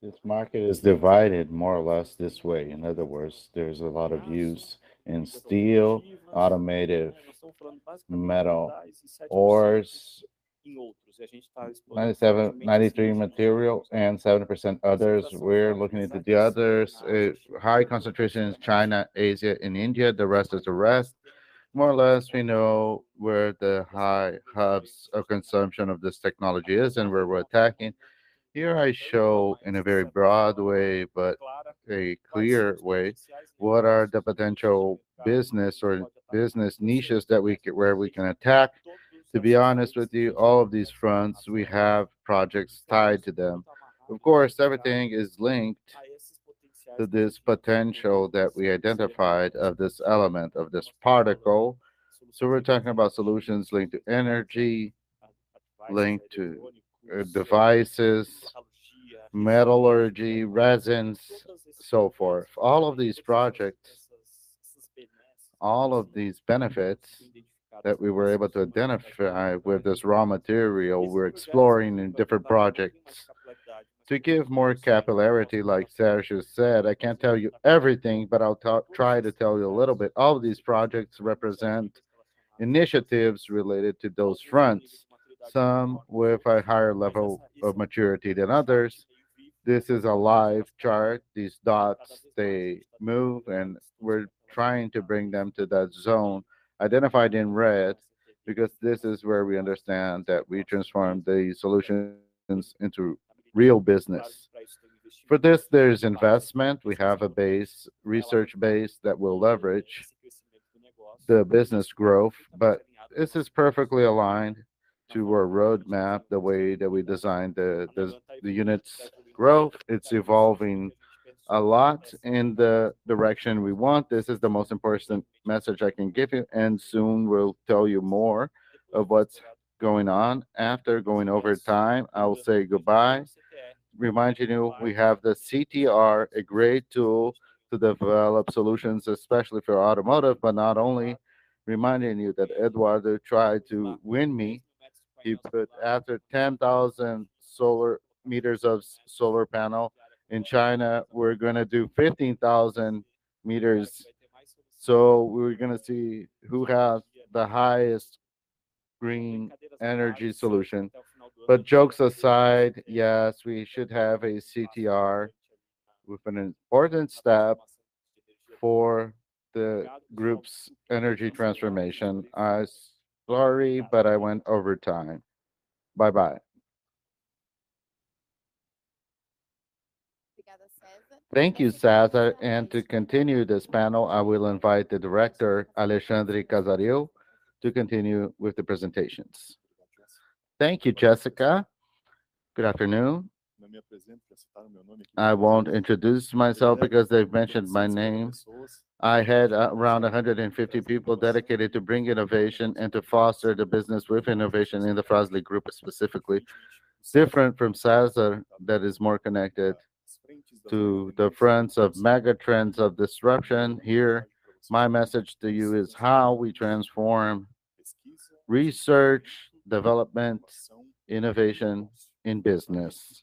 S8: This market is divided more or less this way. In other words, there's a lot of use in steel, automotive, metal, ores, 93 material, and 7% others. We're looking into the others. High concentration is China, Asia, and India. The rest is the rest. More or less we know where the high hubs of consumption of this technology is and where we're attacking. Here I show in a very broad way but a very clear way what are the potential business niches where we can attack. To be honest with you, all of these fronts, we have projects tied to them. Of course, everything is linked to this potential that we identified of this element, of this particle. So we're talking about solutions linked to energy, linked to, devices, metallurgy, resins, so forth. All of these projects, all of these benefits that we were able to identify with this raw material, we're exploring in different projects. To give more capillarity, like Cesar said, I can't tell you everything, but I'll try to tell you a little bit. All these projects represent initiatives related to those fronts, some with a higher level of maturity than others. This is a live chart. These dots, they move, and we're trying to bring them to that zone identified in red because this is where we understand that we transform the solutions into real business. For this, there is investment. We have a base, research base that will leverage the business growth, but this is perfectly aligned to our roadmap, the way that we designed the unit's growth. It's evolving a lot in the direction we want. This is the most important message I can give you, and soon we'll tell you more of what's going on. After going over time, I will say goodbye. Reminding you, we have the CTR, a great tool to develop solutions, especially for automotive. Not only reminding you that Eduardo tried to win me, he put after 10,000 square meters of solar panels. In China, we're gonna do 15,000 meters. We're gonna see who has the highest green energy solution. Jokes aside, yes, we should have a CTR with an important step for the group's energy transformation. I'm sorry, but I went over time. Bye-bye.
S1: Thank you, Cesar. To continue this panel, I will invite the director, Alexandre Casaril, to continue with the presentations.
S9: Thank you, Jessica. Good afternoon. I won't introduce myself because they've mentioned my name. I had around 150 people dedicated to bring innovation and to foster the business with innovation in the Fras-le Group specifically. Different from Cesar that is more connected to the fronts of mega trends of disruption, here my message to you is how we transform research, development, innovation in business,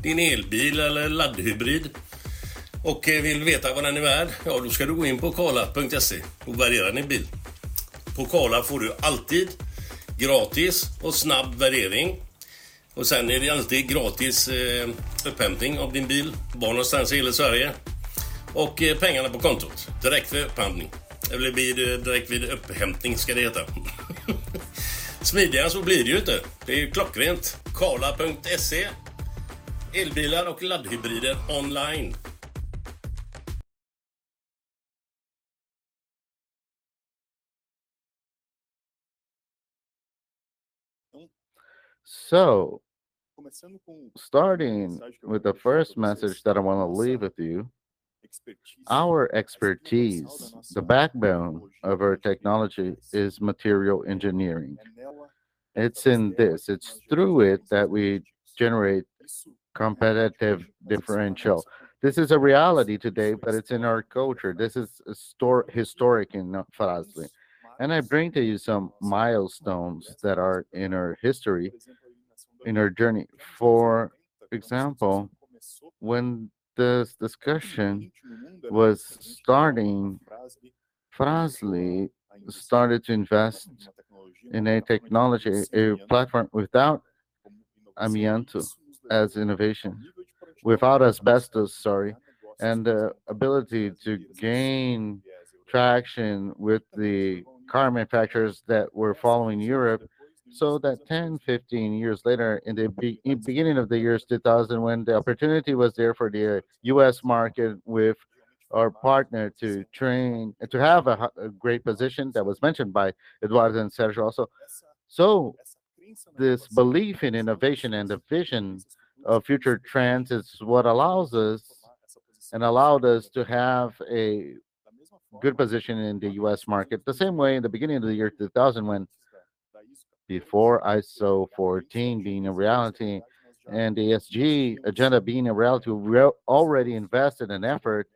S9: in turnover, revenue, market share. Starting with the first message that I wanna leave with you, our expertise, the backbone of our technology is material engineering. It's in this, it's through it that we generate competitive differential. This is a reality today, but it's in our culture. This is historic in Fras-le. I bring to you some milestones that are in our history, in our journey. For example, when this discussion was starting, Fras-le started to invest in a technology, a platform without amianto as innovation. Without asbestos, sorry, and the ability to gain traction with the car manufacturers that were following Europe, so that 10, 15 years later in the beginning of the years 2000 when the opportunity was there for the US market with our partner to have a great position that was mentioned by Eduardo and Sergio also. This belief in innovation and the vision of future trends is what allows us, and allowed us to have a good position in the US market. The same way in the beginning of the year 2000 when before ISO 14001 being a reality and the ESG agenda being a reality, we already invested an effort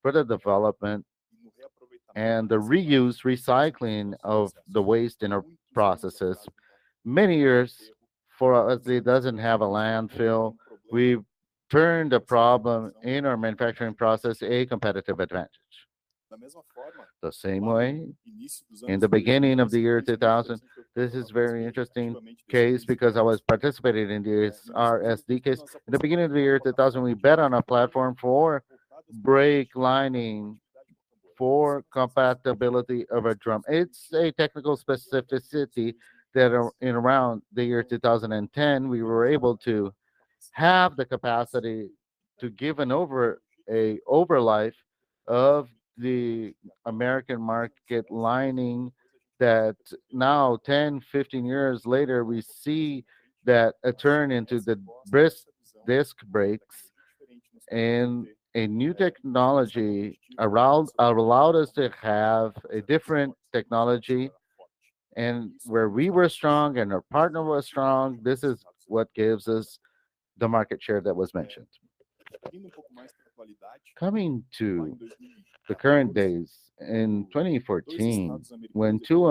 S9: for the development and the reuse, recycling of the waste in our processes. Many years for us, it doesn't have a landfill. We've turned a problem in our manufacturing process a competitive advantage. The same way, in the beginning of the year 2000, this is very interesting case because I was participating in this R&D case. In the beginning of the year 2000, we bet on a platform for brake lining, for compatibility of a drum. It's a technical specificity that in around the year 2010 we were able to have the capacity to give an overlife of the American market lining that now 10, 15 years later we see that it turn into the brake disc brakes and a new technology allowed us to have a different technology and where we were strong and our partner was strong, this is what gives us the market share that was mentioned. Coming to the current days, in 2014 when 2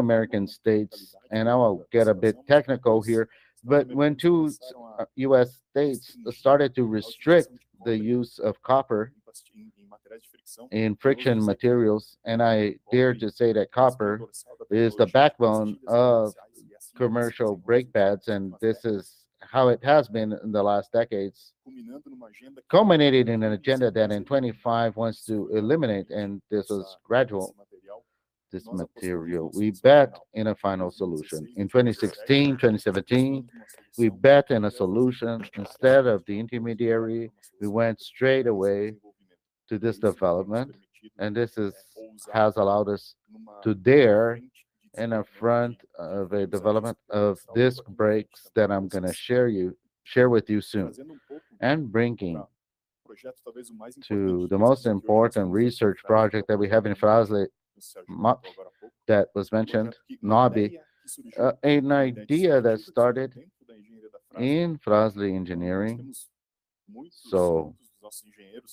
S9: US states started to restrict the use of copper in friction materials, and I will get a bit technical here, but I dare to say that copper is the backbone of commercial brake pads, and this is how it has been in the last decades, culminated in an agenda that in 2025 wants to eliminate, and this is gradual, this material. We bet in a final solution. In 2016, 2017, we bet in a solution. Instead of the intermediary, we went straight away to this development, and this has allowed us to dare in the front of a development of disc brakes that I'm gonna share with you soon. Bringing to the most important research project that we have in Fras-le that was mentioned, NOBI, an idea that started in Fras-le engineering.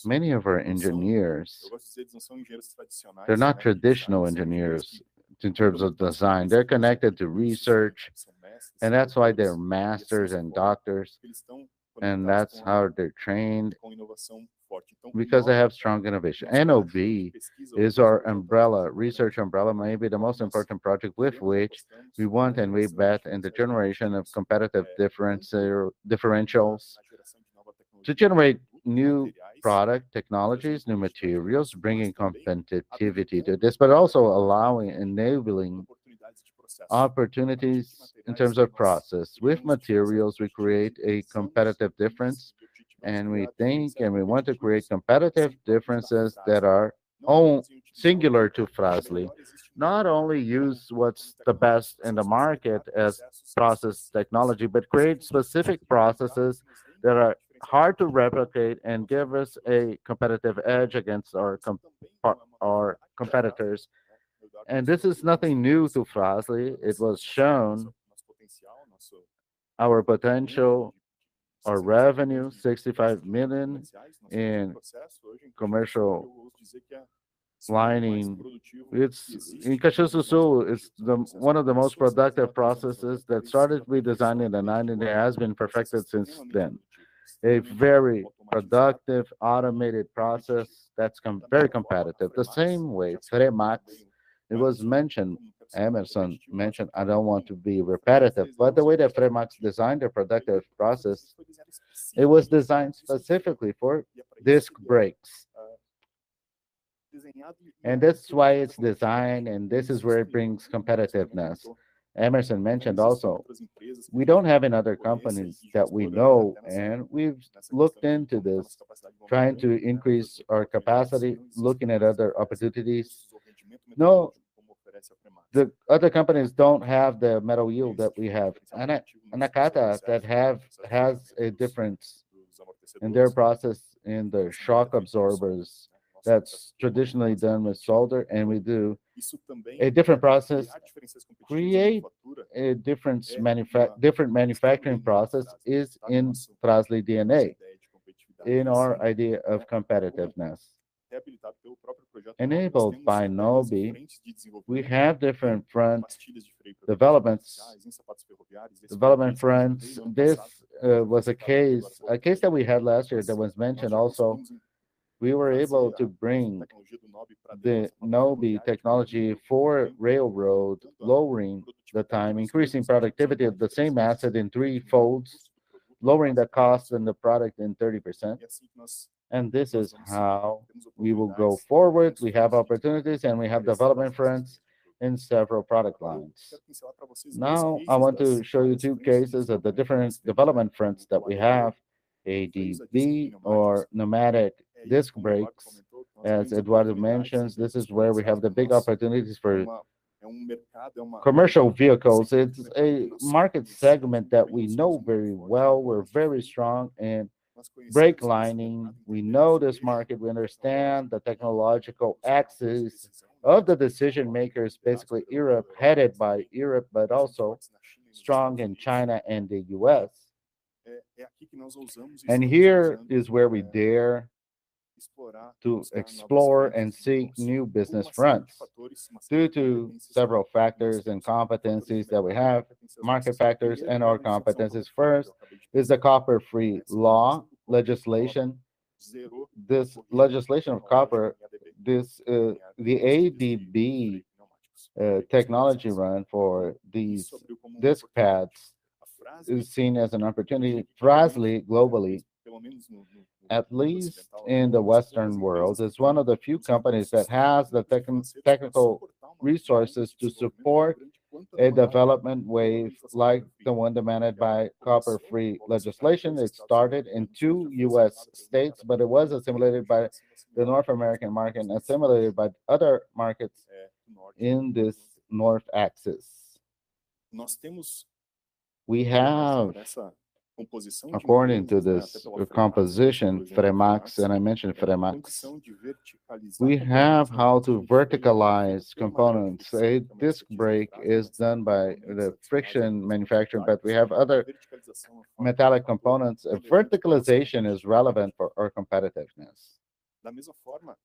S9: Many of our engineers, they're not traditional engineers in terms of design. They're connected to research, and that's why they're masters and doctors, and that's how they're trained, because they have strong innovation. NOBI is our umbrella, research umbrella, maybe the most important project with which we want and we bet in the generation of competitive differentials to generate new product technologies, new materials, bringing competitiveness to this, but also allowing, enabling opportunities in terms of process. With materials, we create a competitive difference, and we think and we want to create competitive differences that are own, singular to Fras-le. Not only use what's the best in the market as process technology, but create specific processes that are hard to replicate and give us a competitive edge against our competitors. This is nothing new to Fras-le. It shows our potential, our revenue, 65 million in commercial line. In Caxias do Sul, one of the most productive processes that started with designing in 1990 and has been perfected since then. A very productive, automated process that's very competitive. The same way, FREMAX, it was mentioned, Hemerson mentioned, I don't want to be repetitive, but the way that FREMAX designed their productive process, it was designed specifically for disc brakes. That's why it's designed, and this is where it brings competitiveness. Hemerson mentioned also, we don't have in other companies that we know, and we've looked into this, trying to increase our capacity, looking at other opportunities. The other companies don't have the metal yield that we have. Nakata has a difference in their process in the shock absorbers that's traditionally done with solder, and we do a different process. Different manufacturing process is in Fras-le DNA, in our idea of competitiveness. Enabled by NOBI, we have different fronts, development fronts. This was a case that we had last year that was mentioned also. We were able to bring the NOBI technology for railroad, lowering the time, increasing productivity of the same asset threefold, lowering the cost and the product in 30%. This is how we will go forward. We have opportunities, and we have development fronts in several product lines. Now I want to show you two cases of the different development fronts that we have, ADB or pneumatic disc brakes. As Eduardo mentions, this is where we have the big opportunities for commercial vehicles. It's a market segment that we know very well. We're very strong in brake lining. We know this market. We understand the technological axis of the decision-makers, basically Europe, headed by Europe, but also strong in China and the US. Here is where we dare to explore and seek new business fronts due to several factors and competencies that we have, market factors and our competencies. First is the copper-free legislation. This legislation of copper, the ADB technology run for these disc pads is seen as an opportunity. Fras-le globally, at least in the Western world, is one of the few companies that has the technical resources to support a development wave like the one demanded by copper-free legislation. It started in two U.S. states, but it was assimilated by the North American market and assimilated by other markets in this north axis. We have, according to this, the composition FREMAX, and I mentioned FREMAX. We have how to verticalize components. A disc brake is done by the friction manufacturer, but we have other metallic components. A verticalization is relevant for our competitiveness.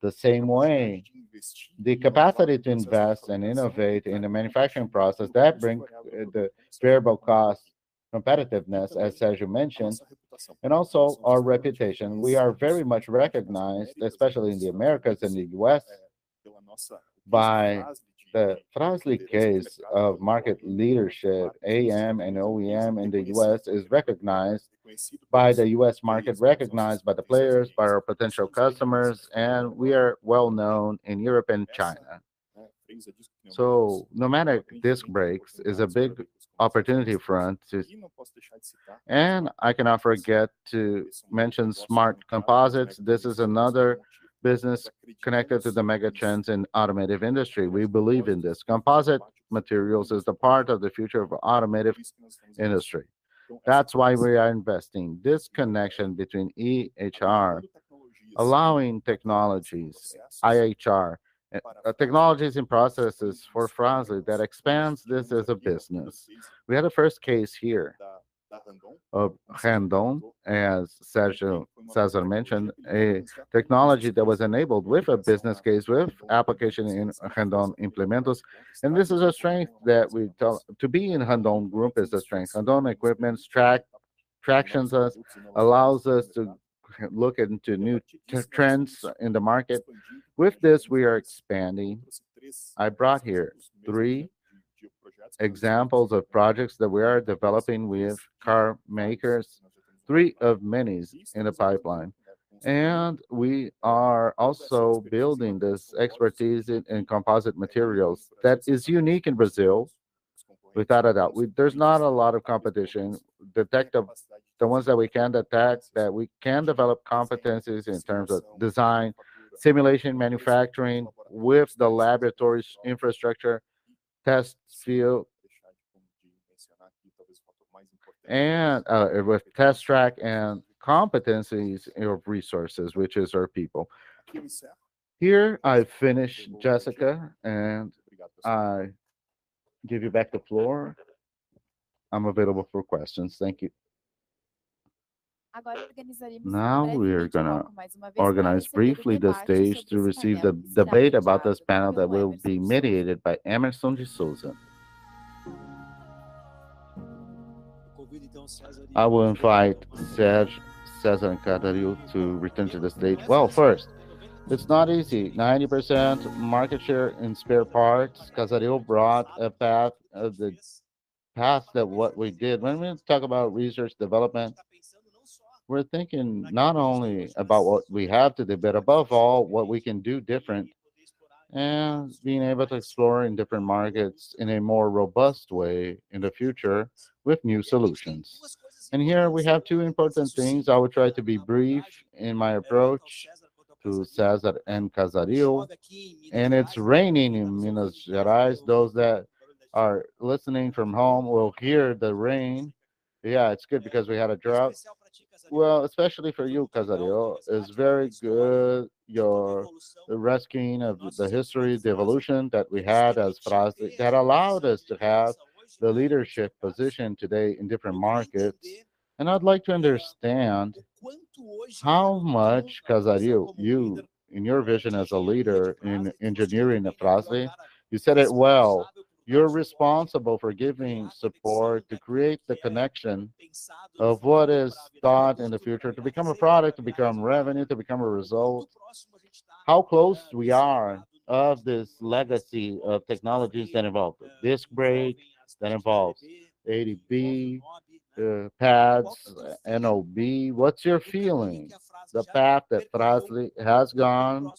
S9: The same way, the capacity to invest and innovate in the manufacturing process, that bring the variable cost competitiveness, as Sergio mentioned, and also our reputation. We are very much recognized, especially in the Americas and the U.S., by the Fras-le case of market leadership. AM and OEM in the US is recognized by the US market, recognized by the players, by our potential customers, and we are well-known in Europe and China. Pneumatic disc brakes is a big opportunity front to. I cannot forget to mention Smart Composites. This is another business connected to the megatrends in automotive industry. We believe in this. Composite materials is the part of the future of automotive industry. That's why we are investing. This connection between IHR allowing technologies, IHR, technologies and processes for Fras-le that expands this as a business. We had a first case here of Randon, as Sérgio, César mentioned, a technology that was enabled with a business case, with application in Randon Implementos. This is a strength that we tell. To be in Randon Group is a strength. Randon's equipment track traction system allows us to look into new trends in the market. With this, we are expanding. I brought here three examples of projects that we are developing with car makers, three of many in the pipeline. We are also building this expertise in composite materials that is unique in Brazil, without a doubt. There's not a lot of competition. The ones that we can attack, that we can develop competencies in terms of design, simulation, manufacturing with the laboratories infrastructure, test field, and with test track and competencies of resources, which is our people. Here, I finish, Jessica, and I give you back the floor. I'm available for questions. Thank you.
S1: Now we are gonna organize briefly the stage to receive the debate about this panel that will be mediated by Hemerson de Souza.
S4: I will invite Sergio, César, and Casaril to return to the stage. Well, first, it's not easy, 90% market share in spare parts. Casaril brought a path that what we did. When we talk about research development, we're thinking not only about what we have to do, but above all, what we can do different, and being able to explore in different markets in a more robust way in the future with new solutions. Here we have two important things. I will try to be brief in my approach. To César and Casaril. It's raining in Minas Gerais. Those that are listening from home will hear the rain. Yeah, it's good because we had a drought. Well, especially for you, Casaril, it's very good, your rescuing of the history, the evolution that we had as Fras-le that allowed us to have the leadership position today in different markets. I'd like to understand how much, Casaril, you in your vision as a leader in engineering at Fras-le, you said it well, you're responsible for giving support to create the connection of what is thought in the future to become a product, to become revenue, to become a result. How close we are of this legacy of technologies that involve this brake, that involves ADB, pads, NOBI. What's your feeling?
S9: The path that Fras-le has gone,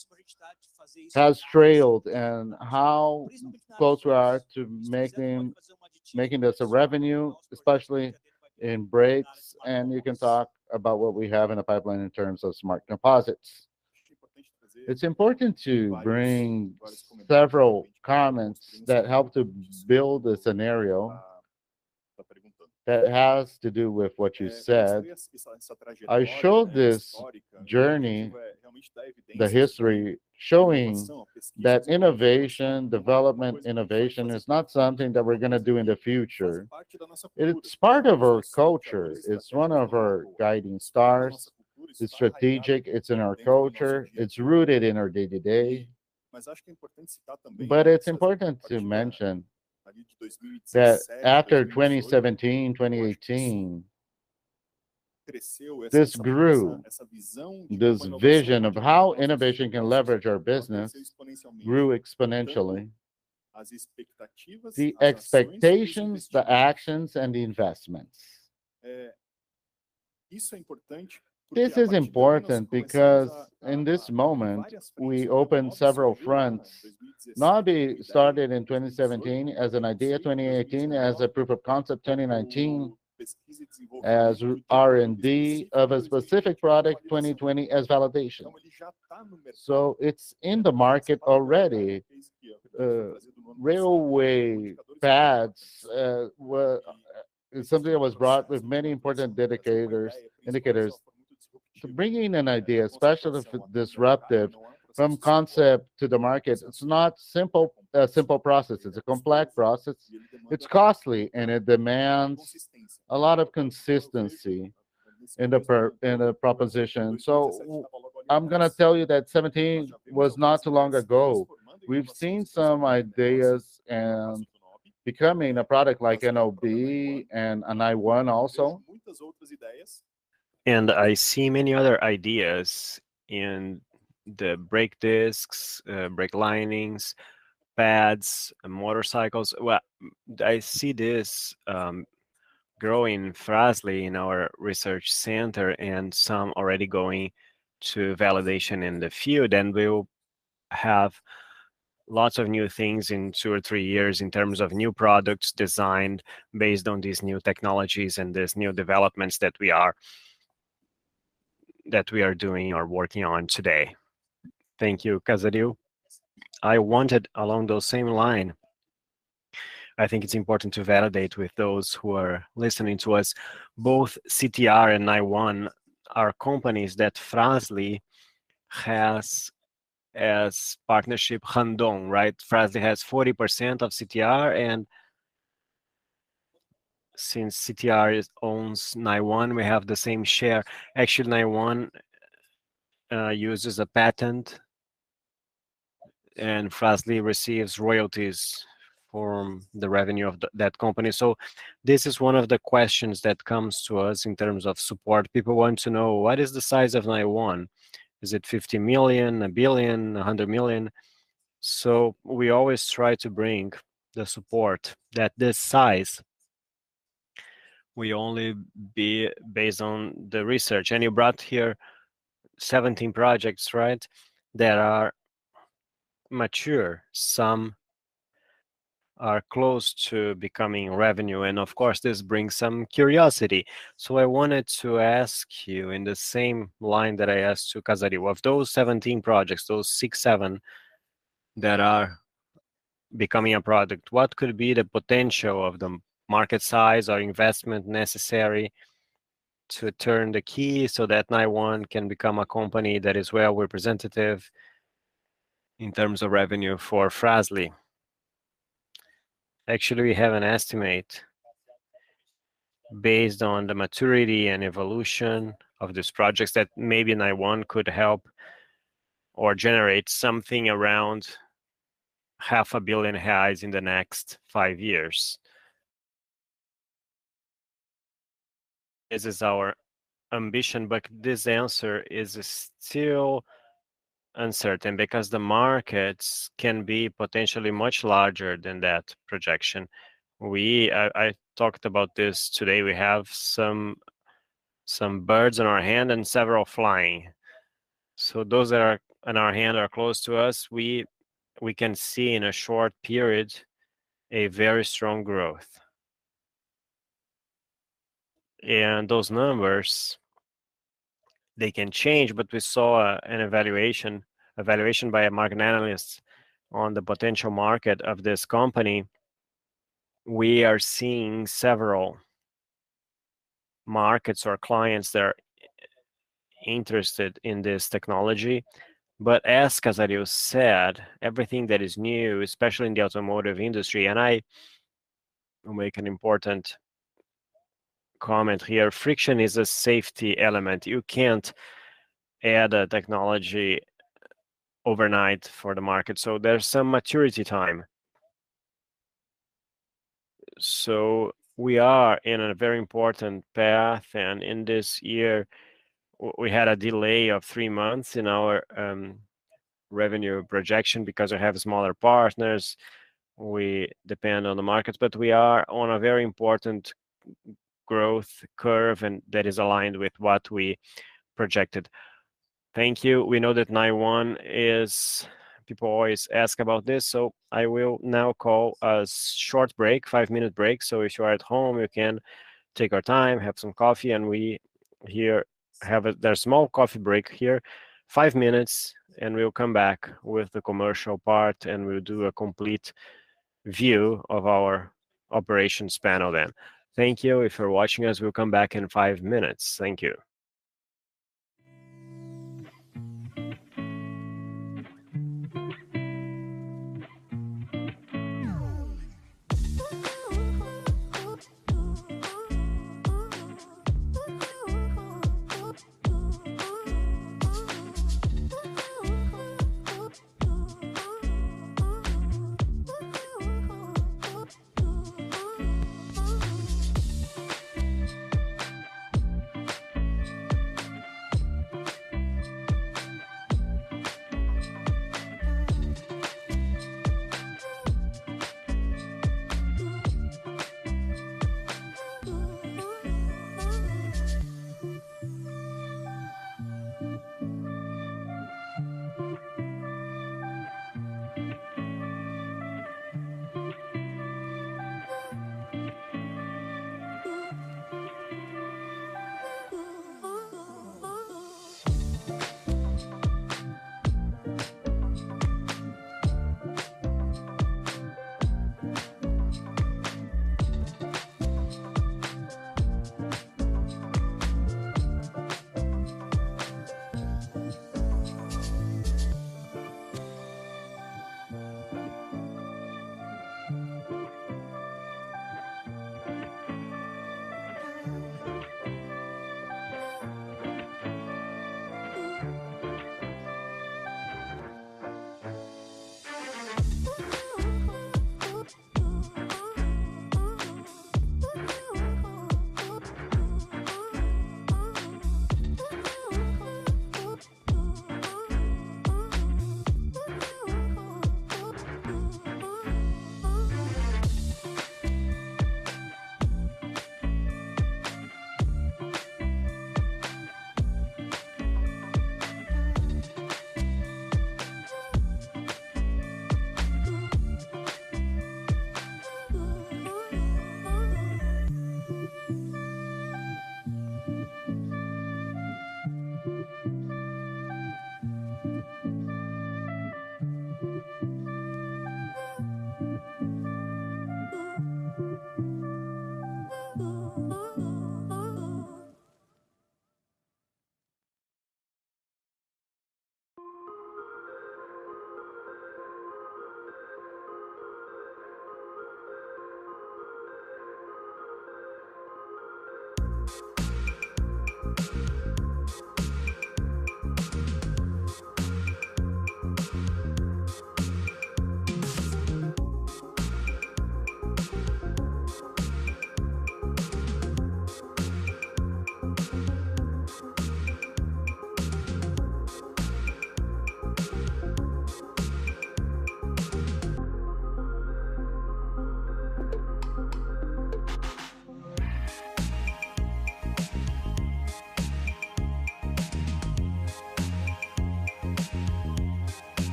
S9: has trailed, and how close we are to making this a revenue, especially in brakes, and you can talk about what we have in the pipeline in terms of Smart Composites. It's important to bring several comments that help to build a scenario that has to do with what you said. I showed this journey, the history, showing that innovation, development innovation is not something that we're gonna do in the future. It's part of our culture. It's one of our guiding stars. It's strategic. It's in our culture. It's rooted in our day-to-day. It's important to mention that after 2017, 2018, this grew. This vision of how innovation can leverage our business grew exponentially, the expectations, the actions, and the investments. This is important because in this moment we opened several fronts. NOBI started in 2017 as an idea, 2018 as a proof of concept, 2019 as R&D of a specific product, 2020 as validation. It's in the market already. Railway pads is something that was brought with many important dedicated indicators. Bringing an idea, especially if it's disruptive, from concept to the market, it's not simple, a simple process. It's a complex process. It's costly, and it demands a lot of consistency in the proposition. I'm gonna tell you that 2017 was not too long ago. We've seen some ideas becoming a product like NOBI and NIONE also. I see many other ideas in the brake discs, brake linings, pads, motorcycles. I see this growing Fras-le in our research center and some already going to validation in the field, and we will have lots of new things in two or three years in terms of new products designed based on these new technologies and these new developments that we are doing or working on today.
S4: Thank you, Casaril. I wanted along those same line. I think it's important to validate with those who are listening to us. Both CTR and IHR are companies that Fras-le has as partnership 100%, right? Fras-le has 40% of CTR, and since CTR owns IHR, we have the same share. Actually, IHR uses a patent, and Fras-le receives royalties from the revenue of that company. This is one of the questions that comes to us in terms of support. People want to know what is the size of NIONE. Is it 50 million, 1 billion, 100 million? We always try to bring the support that this size will only be based on the research. You brought here 17 projects, right? That are mature. Some are close to becoming revenue, and of course, this brings some curiosity. I wanted to ask you in the same line that I asked to Casaril, of those 17 projects, those 6, 7 that are becoming a product, what could be the potential of the market size or investment necessary to turn the key so that NIONE can become a company that is well-representative in terms of revenue for Fras-le? Actually, we have an estimate based on the maturity and evolution of these projects that maybe NIONE could help or generate something around half a billion reais in the next 5 years.
S8: This is our ambition, but this answer is still uncertain because the markets can be potentially much larger than that projection. I talked about this today. We have some birds in our hand and several flying. Those that are in our hand are close to us. We can see in a short period a very strong growth. Those numbers, they can change. We saw an evaluation by a market analyst on the potential market of this company. We are seeing several markets or clients that are interested in this technology. As Casaril said, everything that is new, especially in the automotive industry, and I will make an important comment here, friction is a safety element. You can't add a technology overnight for the market. There's some maturity time. We are in a very important path, and in this year we had a delay of three months in our revenue projection because I have smaller partners. We depend on the markets, but we are on a very important growth curve, and that is aligned with what we projected.
S4: Thank you. We know that NIONE is. People always ask about this, so I will now call a short break, five-minute break. If you are at home, you can take your time, have some coffee, and there's a small coffee break here, five minutes, and we'll come back with the commercial part, and we'll do a complete view of our operations panel then. Thank you. If you're watching us, we'll come back in five minutes. Thank you.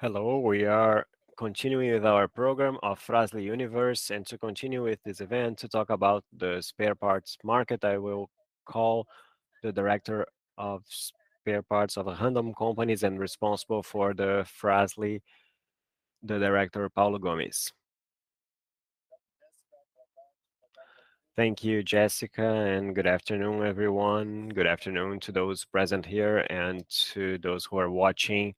S1: Hello. We are continuing with our program of Fras-le Universe, and to continue with this event, to talk about the spare parts market, I will call the director of spare parts of Randon Companies and responsible for the Fras-le, the director, Paulo Gomes.
S10: Thank you, Jessica, and good afternoon, everyone. Good afternoon to those present here and to those who are watching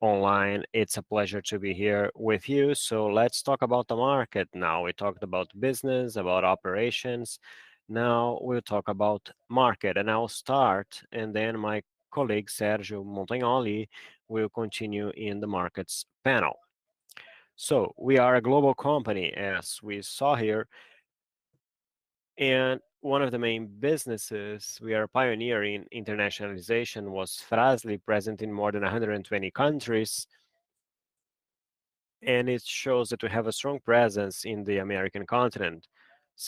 S10: online. It's a pleasure to be here with you. Let's talk about the market now. We talked about business, about operations. Now we'll talk about market, and I'll start, and then my colleague, Sergio Montagnoli, will continue in the markets panel. We are a global company, as we saw here, and one of the main businesses we are pioneering, internationalization, was Fras-le, present in more than 120 countries. It shows that we have a strong presence in the American continent.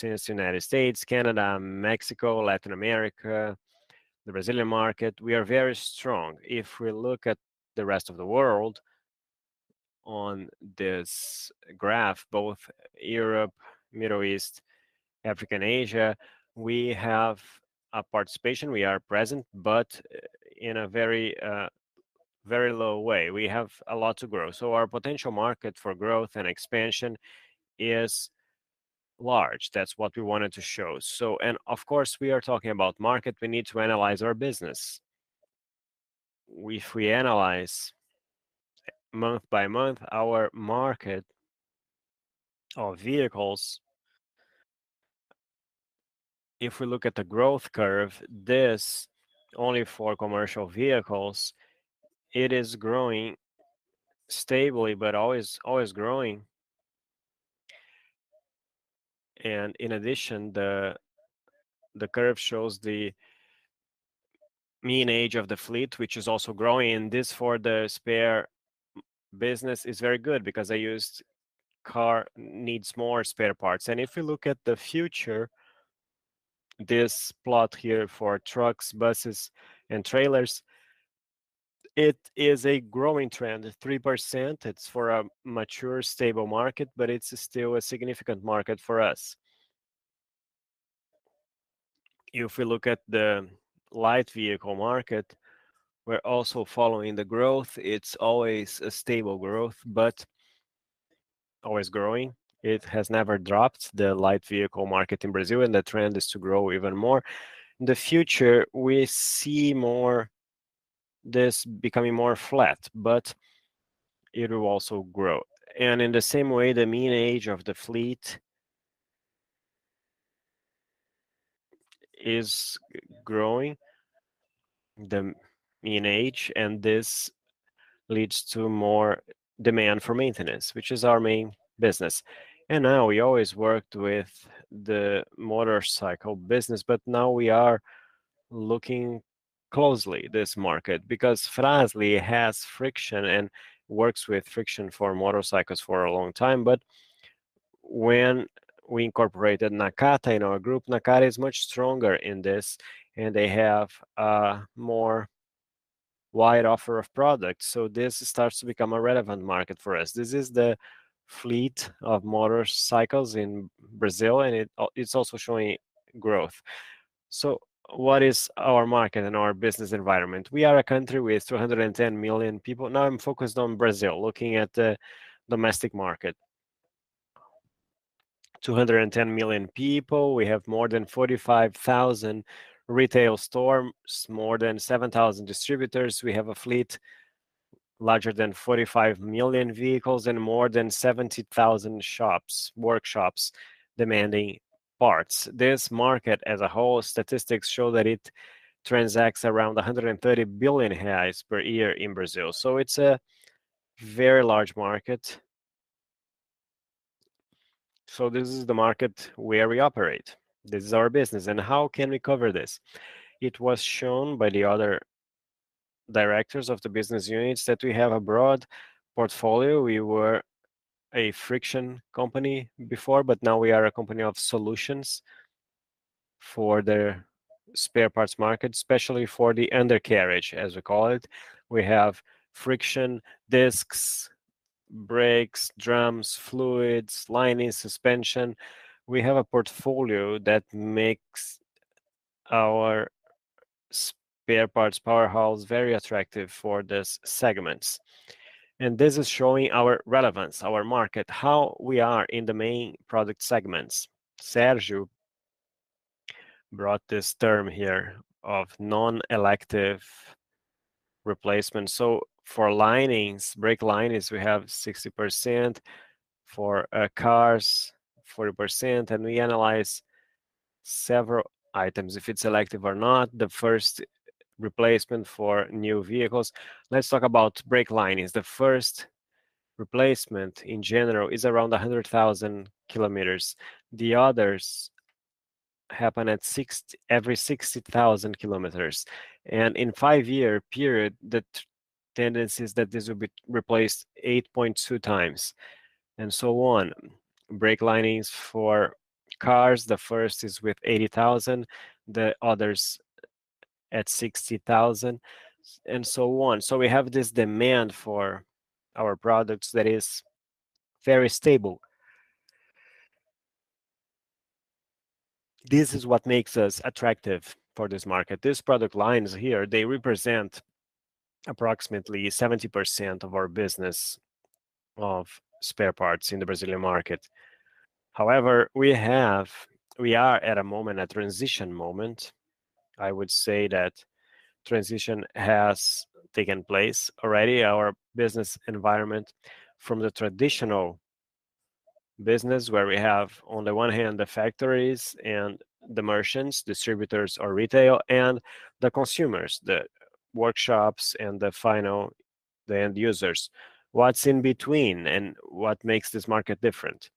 S10: In the United States, Canada, Mexico, Latin America, the Brazilian market, we are very strong. If we look at the rest of the world on this graph, both Europe, Middle East, Africa, and Asia, we have a participation. We are present, but in a very, very low way. We have a lot to grow. Our potential market for growth and expansion is large. That's what we wanted to show. Of course, we are talking about market. We need to analyze our business. If we analyze month by month our market of vehicles, if we look at the growth curve, this only for commercial vehicles, it is growing stably, but always growing. In addition, the curve shows the mean age of the fleet, which is also growing. This for the spare business is very good because a used car needs more spare parts. If you look at the future, this plot here for trucks, buses, and trailers, it is a growing trend, 3%. It's for a mature, stable market, but it's still a significant market for us. If we look at the light vehicle market, we're also following the growth. It's always a stable growth, but always growing. It has never dropped, the light vehicle market in Brazil, and the trend is to grow even more. In the future, we see more this becoming more flat, but it will also grow. In the same way, the mean age of the fleet is growing, the mean age, and this leads to more demand for maintenance, which is our main business. Now, we always worked with the motorcycle business, but now we are looking closely this market because Fras-le has friction and works with friction for motorcycles for a long time. When we incorporated Nakata in our group, Nakata is much stronger in this, and they have a more wide offer of products, so this starts to become a relevant market for us. This is the fleet of motorcycles in Brazil, and it's also showing growth. What is our market and our business environment? We are a country with 210 million people. Now I'm focused on Brazil, looking at the domestic market. 210 million people. We have more than 45,000 retail stores, more than 7,000 distributors. We have a fleet larger than 45 million vehicles and more than 70,000 shops, workshops demanding parts. This market as a whole, statistics show that it transacts around 130 billion reais per year in Brazil. It's a very large market. This is the market where we operate. This is our business, and how can we cover this? It was shown by the other directors of the business units that we have a broad portfolio. We were a friction company before, but now we are a company of solutions for the spare parts market, especially for the undercarriage, as we call it. We have friction discs, brakes, drums, fluids, lining, suspension. We have a portfolio that makes our spare parts powerhouses very attractive for these segments, and this is showing our relevance, our market, how we are in the main product segments. Sergio brought this term here of non-selective replacement. For linings, brake linings, we have 60%, for cars 40%, and we analyze several items if it's selective or not. The first replacement for new vehicles. Let's talk about brake linings. The first replacement, in general, is around 100,000 kilometers. The others happen every 60,000 kilometers, and in 5-year period, the tendency is that this will be replaced 8.2 times, and so on. Brake linings for cars, the first is with 80,000, the others at 60,000, and so on. We have this demand for our products that is very stable. This is what makes us attractive for this market. These product lines here, they represent approximately 70% of our business of spare parts in the Brazilian market. However, we are at a moment, a transition moment. I would say that transition has taken place already. Our business environment from the traditional business where we have, on the one hand, the factories and the merchants, distributors or retail, and the consumers, the workshops and the final, the end users. What's in between and what makes this market different?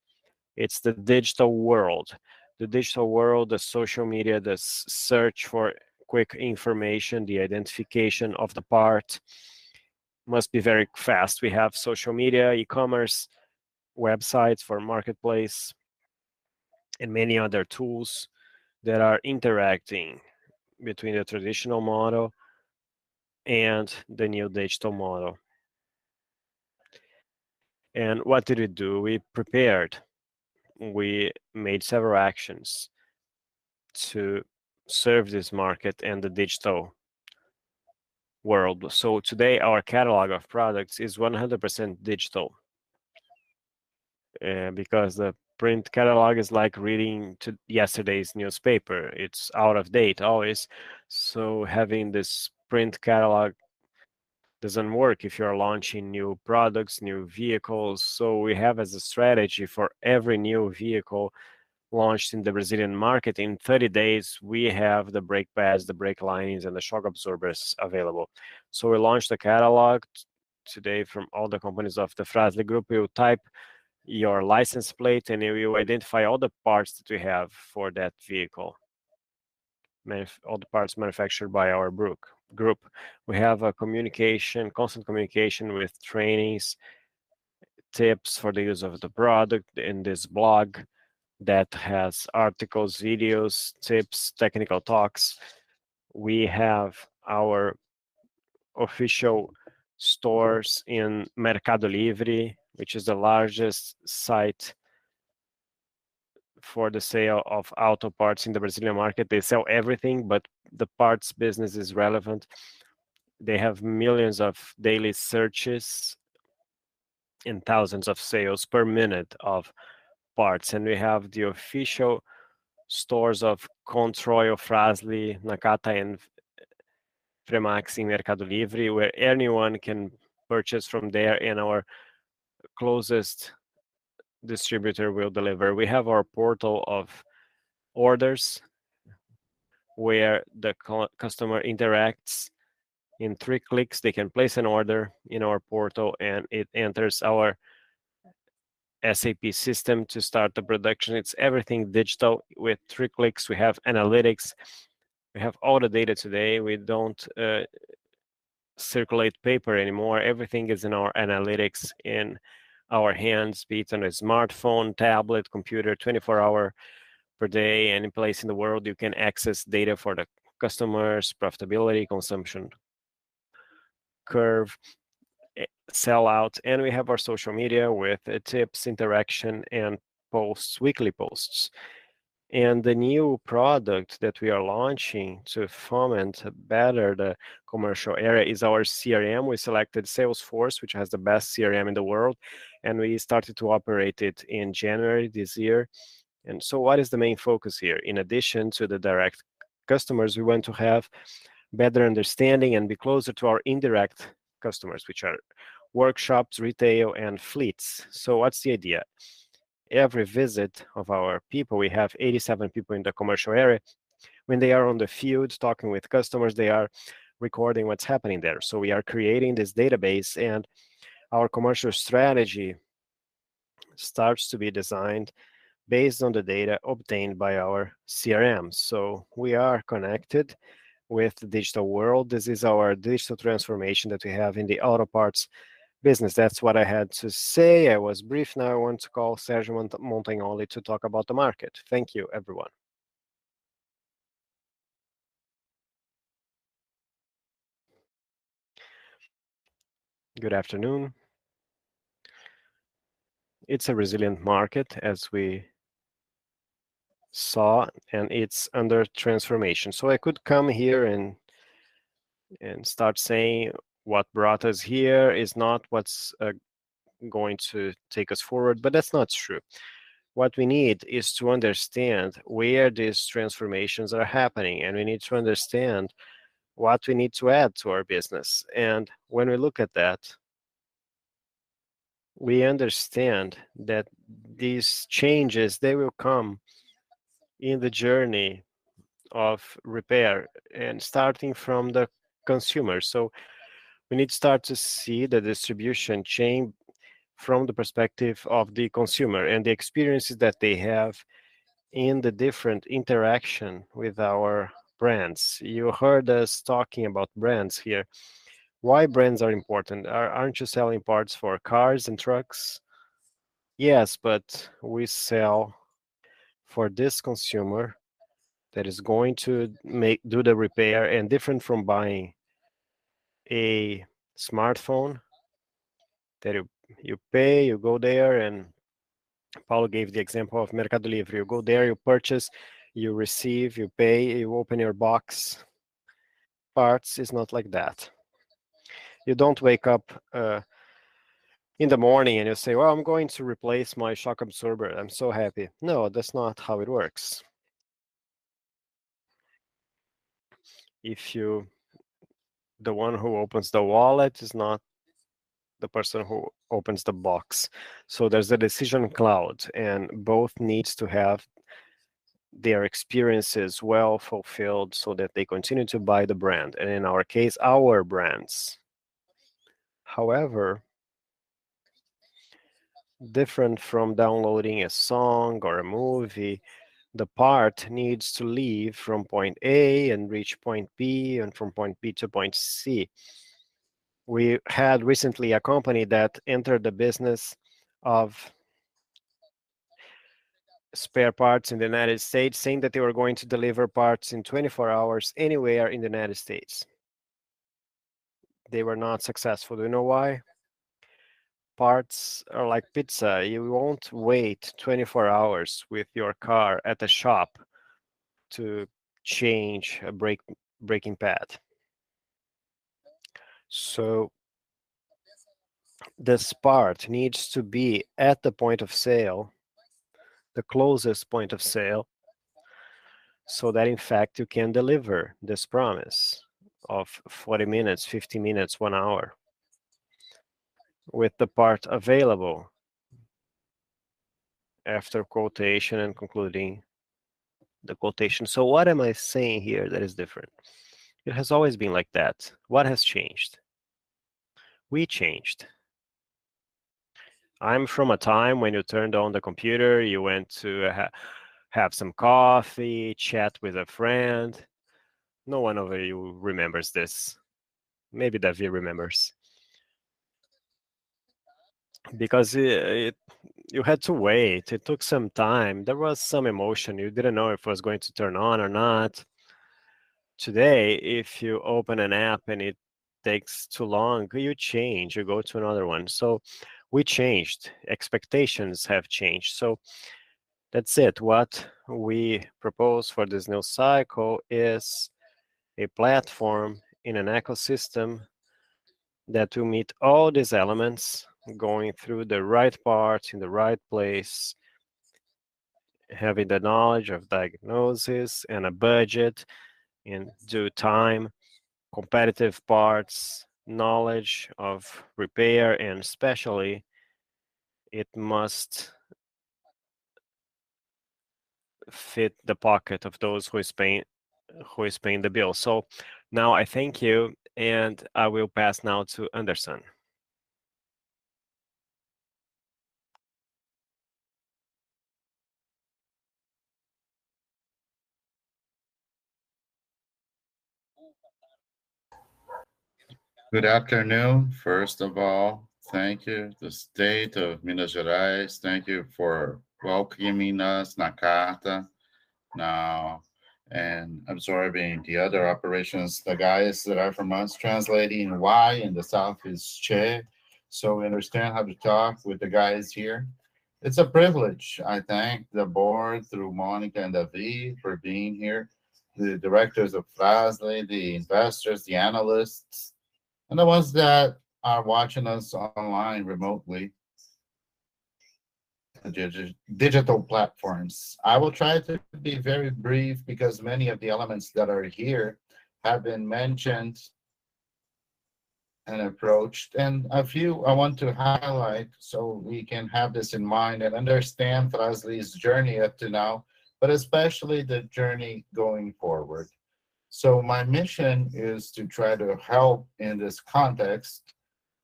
S10: It's the digital world. The digital world, the social media, the search for quick information, the identification of the part must be very fast. We have social media, e-commerce, websites for marketplace, and many other tools that are interacting between the traditional model and the new digital model. What did we do? We prepared. We made several actions to serve this market and the digital world. Today, our catalog of products is 100% digital, because the print catalog is like reading yesterday's newspaper. It's out of date always. Having this print catalog doesn't work if you're launching new products, new vehicles. We have as a strategy for every new vehicle launched in the Brazilian market, in 30 days, we have the brake pads, the brake linings, and the shock absorbers available. We launched a catalog today from all the companies of the Fras-le group. You type your license plate, and it will identify all the parts that we have for that vehicle. All the parts manufactured by our group. We have constant communication with trainings, tips for the use of the product in this blog that has articles, videos, tips, technical talks. We have our official stores in Mercado Livre, which is the largest site for the sale of auto parts in the Brazilian market. They sell everything, but the parts business is relevant. They have millions of daily searches and thousands of sales per minute of parts. We have the official stores of Controil, of Fras-le, Nakata, and FREMAX in Mercado Livre, where anyone can purchase from there, and our closest distributor will deliver. We have our portal of orders where the customer interacts. In three clicks, they can place an order in our portal, and it enters our SAP system to start the production. It's everything digital. With three clicks, we have analytics. We have all the data today. We don't circulate paper anymore. Everything is in our analytics, in our hands, be it on a smartphone, tablet, computer, 24-hour per day. Any place in the world, you can access data for the customers, profitability, consumption curve, sellouts. We have our social media with tips, interaction, and posts, weekly posts. The new product that we are launching to form and to better the commercial area is our CRM. We selected Salesforce, which has the best CRM in the world, and we started to operate it in January this year. What is the main focus here? In addition to the direct customers, we want to have better understanding and be closer to our indirect customers, which are workshops, retail, and fleets. What's the idea? Every visit of our people, we have 87 people in the commercial area. When they are on the field talking with customers, they are recording what's happening there. We are creating this database, and our commercial strategy starts to be designed based on the data obtained by our CRM. We are connected with the digital world. This is our digital transformation that we have in the auto parts business. That's what I had to say. I was brief. Now I want to call Sergio Montagnoli to talk about the market. Thank you, everyone.
S11: Good afternoon. It's a resilient market, as we saw, and it's under transformation. I could come here and start saying what brought us here is not what's going to take us forward, but that's not true. What we need is to understand where these transformations are happening, and we need to understand what we need to add to our business. When we look at that, we understand that these changes, they will come in the journey of repair and starting from the consumer. We need to start to see the distribution chain from the perspective of the consumer and the experiences that they have in the different interaction with our brands. You heard us talking about brands here. Why brands are important. Aren't you selling parts for cars and trucks? Yes, but we sell for this consumer that is going to do the repair. Different from buying a smartphone that you pay, you go there, and Paulo gave the example of Mercado Livre. You go there, you purchase, you receive, you pay, you open your box. Parts is not like that. You don't wake up in the morning and you say, "Well, I'm going to replace my shock absorber. I'm so happy." No, that's not how it works. The one who opens the wallet is not the person who opens the box. There's a decision cloud, and both needs to have their experiences well fulfilled so that they continue to buy the brand, and in our case, our brands. However, different from downloading a song or a movie, the part needs to leave from point A and reach point B, and from point B to point C. We had recently a company that entered the business of spare parts in the United States, saying that they were going to deliver parts in twenty-four hours anywhere in the United States. They were not successful. Do you know why? Parts are like pizza. You won't wait 24 hours with your car at the shop to change a braking pad. This part needs to be at the point of sale, the closest point of sale, so that, in fact, you can deliver this promise of 40 minutes, 50 minutes, 1 hour with the part available after quotation and concluding the quotation. What am I saying here that is different? It has always been like that. What has changed? We changed. I'm from a time when you turned on the computer, you went to have some coffee, chat with a friend. No one over here remembers this. Maybe David Randon remembers. You had to wait. It took some time. There was some emotion. You didn't know if it was going to turn on or not. Today, if you open an app and it takes too long, you change, you go to another one. We changed. Expectations have changed. That said, what we propose for this new cycle is a platform in an ecosystem that will meet all these elements, going through the right parts in the right place, having the knowledge of diagnosis and a budget in due time, competitive parts, knowledge of repair, and especially, it must fit the pocket of those who is paying, who is paying the bill. Now I thank you, and I will pass now to Anderson.
S12: Good afternoon. First of all, thank you, the state of Minas Gerais. Thank you for welcoming us, Nakata, now, and absorbing the other operations. The guys that are from Minas translating why in the south is Che, so we understand how to talk with the guys here. It's a privilege. I thank the board through Monica and David for being here, the directors of Fras-le, the investors, the analysts, and the ones that are watching us online remotely, digital platforms. I will try to be very brief because many of the elements that are here have been mentioned and approached. A few I want to highlight so we can have this in mind and understand Fras-le's journey up to now, but especially the journey going forward. My mission is to try to help in this context.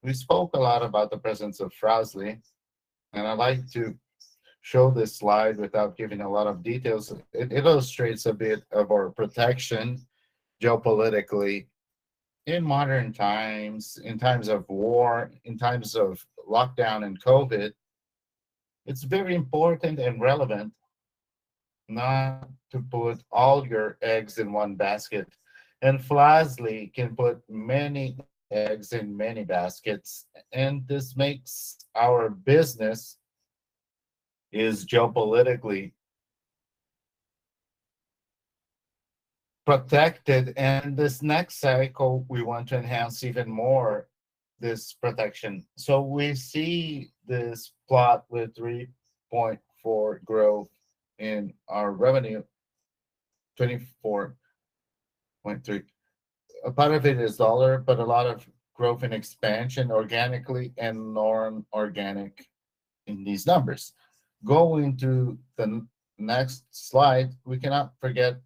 S12: We spoke a lot about the presence of Fras-le, and I'd like to show this slide without giving a lot of details. It illustrates a bit of our protection geopolitically in modern times, in times of war, in times of lockdown and COVID. It's very important and relevant not to put all your eggs in one basket. Fras-le can put many eggs in many baskets. This makes our business is geopolitically protected. This next cycle, we want to enhance even more this protection. We see this plot with 3.4% growth in our revenue, 24.3%. A part of it is dollar, but a lot of growth and expansion organically and non-organic in these numbers. Going to the next slide, we cannot forget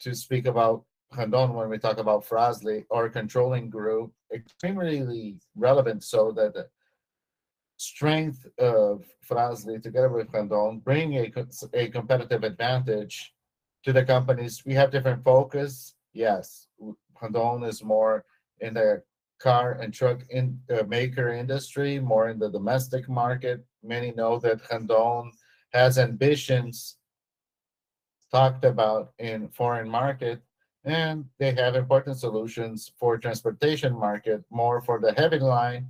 S12: to speak about Randon when we talk about Fras-le, our controlling group, extremely relevant so that the strength of Fras-le together with Randon bring a competitive advantage to the companies. We have different focus. Yes, Randon is more in the cargo and truck implement maker industry, more in the domestic market. Many know that Randon has ambitions talked about in foreign market, and they have important solutions for transportation market, more for the heavy line.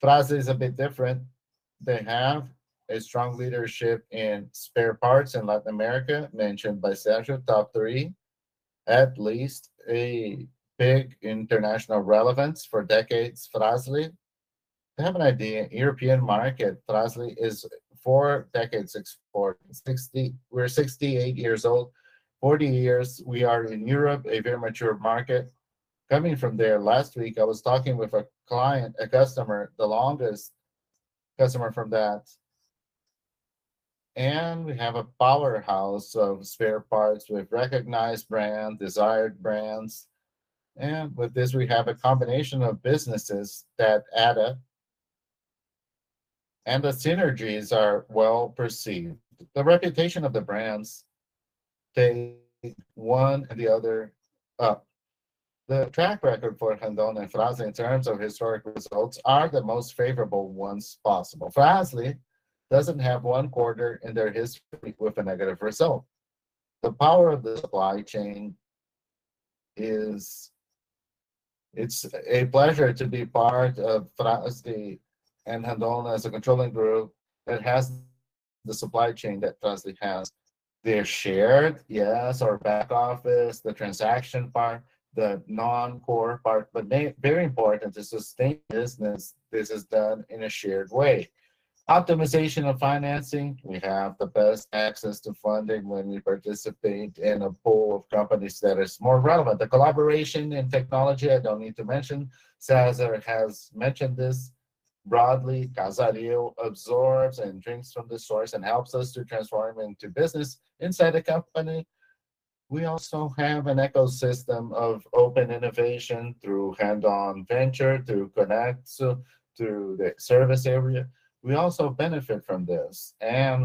S12: Fras-le is a bit different. They have a strong leadership in spare parts in Latin America, mentioned by Sergio, top three, at least a big international relevance for decades, Fras-le. To have an idea, European market, Fras-le is four decades export. We're 68 years old. 40 years we are in Europe, a very mature market. Coming from there last week, I was talking with a client, a customer, the longest customer from that. We have a powerhouse of spare parts with recognized brands, desired brands. With this, we have a combination of businesses that add up, and the synergies are well perceived. The reputation of the brands, they one-up one another. The track record for Randon and Fras-le in terms of historic results are the most favorable ones possible. Fras-le doesn't have one quarter in their history with a negative result. The power of the supply chain is. It's a pleasure to be part of Fras-le and Randon as a controlling group that has the supply chain that Fras-le has. They're shared, yes, our back office, the transaction part, the non-core part, but they're very important to sustain business, this is done in a shared way. Optimization of financing, we have the best access to funding when we participate in a pool of companies that is more relevant. The collaboration and technology, I don't need to mention. César has mentioned this broadly. Casaril absorbs and drinks from the source and helps us to transform into business inside the company. We also have an ecosystem of open innovation through Randon Ventures, through Conexo, through the service area. We also benefit from this.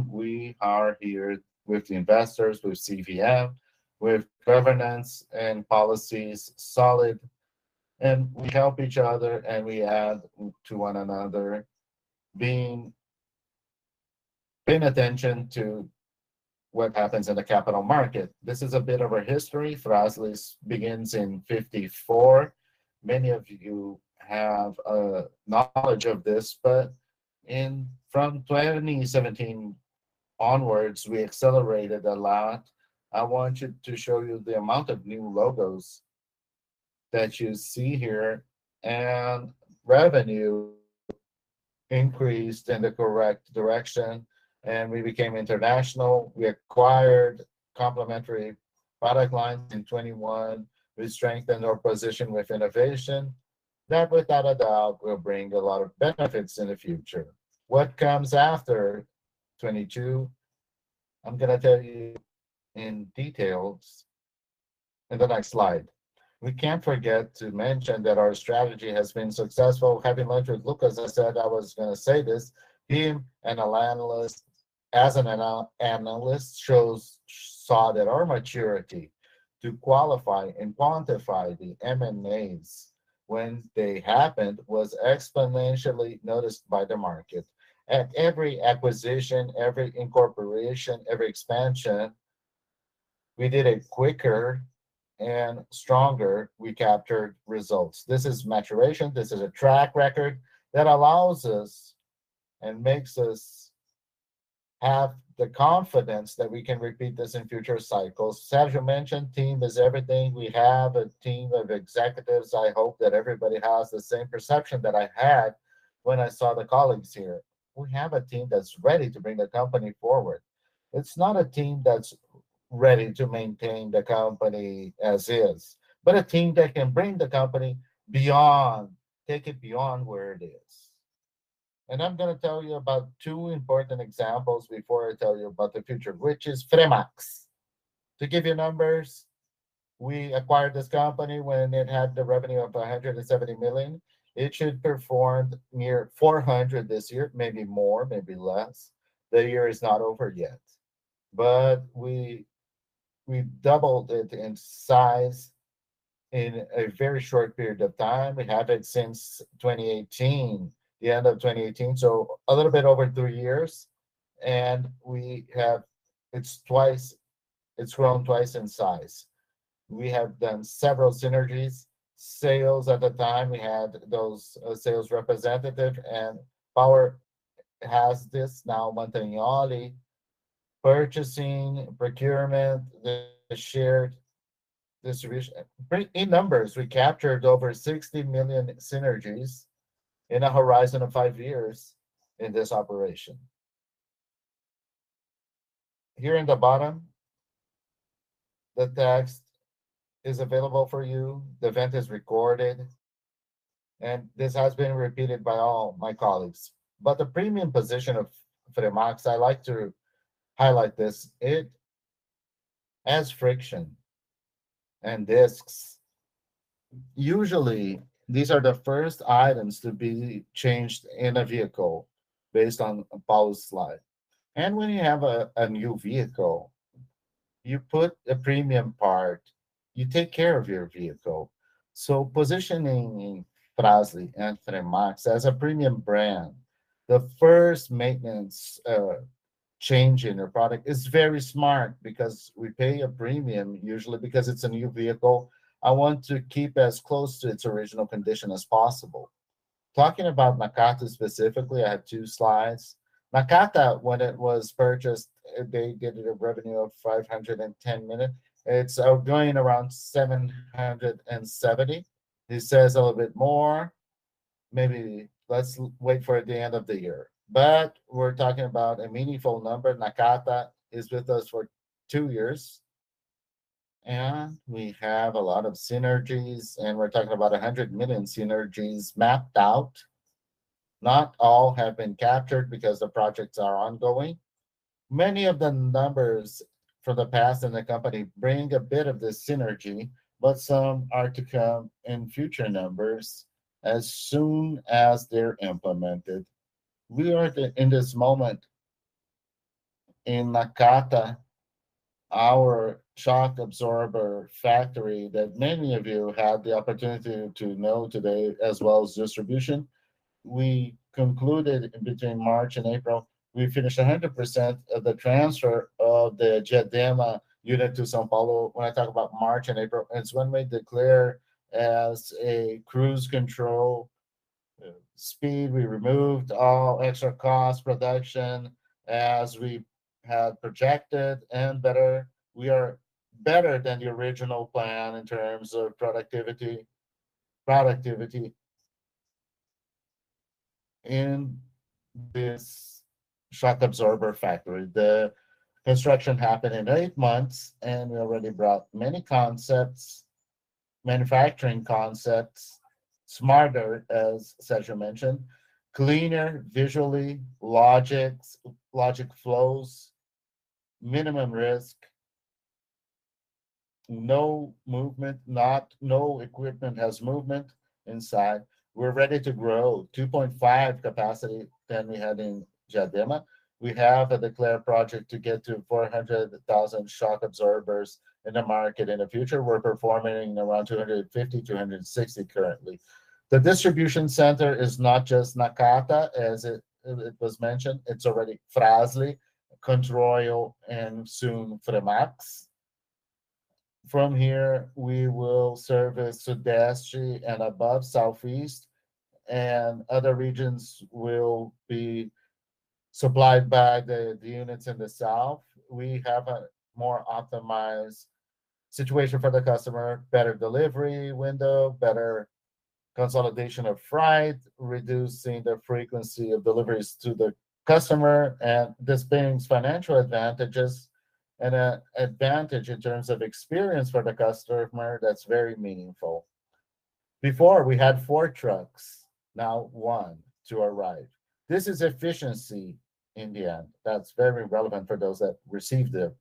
S12: We are here with the investors, with CVM, with governance and policies solid, and we help each other, and we add to one another being. Pay attention to what happens in the capital market. This is a bit of a history. Fras-le begins in 1954. Many of you have knowledge of this, but from 2017 onwards, we accelerated a lot. I want to show you the amount of new logos that you see here, and revenue increased in the correct direction, and we became international. We acquired complementary product lines in 2021. We strengthened our position with innovation. That, without a doubt, will bring a lot of benefits in the future. What comes after 2022, I'm gonna tell you in detail in the next slide. We can't forget to mention that our strategy has been successful. Having lunch with Lucas, I said I was gonna say this. He, an analyst—as an analyst, saw that our maturity to qualify and quantify the M&As when they happened was exponentially noticed by the market. At every acquisition, every incorporation, every expansion, we did it quicker and stronger, we captured results. This is maturation. This is a track record that allows us and makes us have the confidence that we can repeat this in future cycles. César mentioned team is everything. We have a team of executives. I hope that everybody has the same perception that I had when I saw the colleagues here. We have a team that's ready to bring the company forward. It's not a team that's ready to maintain the company as is, but a team that can bring the company beyond, take it beyond where it is. I'm gonna tell you about two important examples before I tell you about the future, which is FREMAX. To give you numbers, we acquired this company when it had the revenue of 170 million. It should perform near 400 million this year, maybe more, maybe less. The year is not over yet. We doubled it in size in a very short period of time. We have it since 2018, the end of 2018, so a little bit over three years, and we have grown twice in size. We have done several synergies. Sales at the time, we had those sales representatives, and buyer has this now, Montagnoli, purchasing, procurement, the shared distribution. In numbers, we captured over 60 million synergies in a horizon of five years in this operation. Here in the bottom, the text is available for you. The event is recorded, and this has been repeated by all my colleagues. The premium position of FREMAX, I like to highlight this. It, as friction and disks, usually, these are the first items to be changed in a vehicle based on Paulo's slide. When you have a new vehicle, you put a premium part, you take care of your vehicle. Positioning Fras-le and FREMAX as a premium brand, the first maintenance change in your product is very smart because we pay a premium, usually because it's a new vehicle. I want to keep as close to its original condition as possible. Talking about Nakata specifically, I have two slides. Nakata, when it was purchased, they get a revenue of 510 million. It's now at around 770 million. It's a little bit more. Maybe let's wait for the end of the year. We're talking about a meaningful number. Nakata is with us for two years, and we have a lot of synergies, and we're talking about 100 million synergies mapped out. Not all have been captured because the projects are ongoing. Many of the numbers for the past in the company bring a bit of this synergy, but some are to come in future numbers as soon as they're implemented. We are in this moment in Nakata, our shock absorber factory that many of you had the opportunity to know today, as well as distribution. We concluded between March and April, we finished 100% of the transfer of the Diadema unit to São Paulo. When I talk about March and April, it's when we are at cruise control speed. We removed all extra production costs as we had projected, and better, we are better than the original plan in terms of productivity. In this shock absorber factory, the construction happened in 8 months, and we already brought many concepts, manufacturing concepts, smarter, as Cesar mentioned, cleaner visually, logics, logic flows, minimum risk, no movement, no equipment has movement inside. We're ready to grow 2.5 capacity than we had in Diadema. We have a declared project to get to 400,000 shock absorbers in the market in the future. We're performing around 250, 260 currently. The distribution center is not just Nakata, as it was mentioned. It's already Fras-le, Controil, and soon FREMAX. From here, we will service Sudeste and above, Southeast, and other regions will be supplied by the units in the south. We have a more optimized situation for the customer, better delivery window, better consolidation of freight, reducing the frequency of deliveries to the customer, and this brings financial advantages and an advantage in terms of experience for the customer that's very meaningful. Before, we had four trucks, now one to arrive. This is efficiency in the end. That's very relevant for those that receive the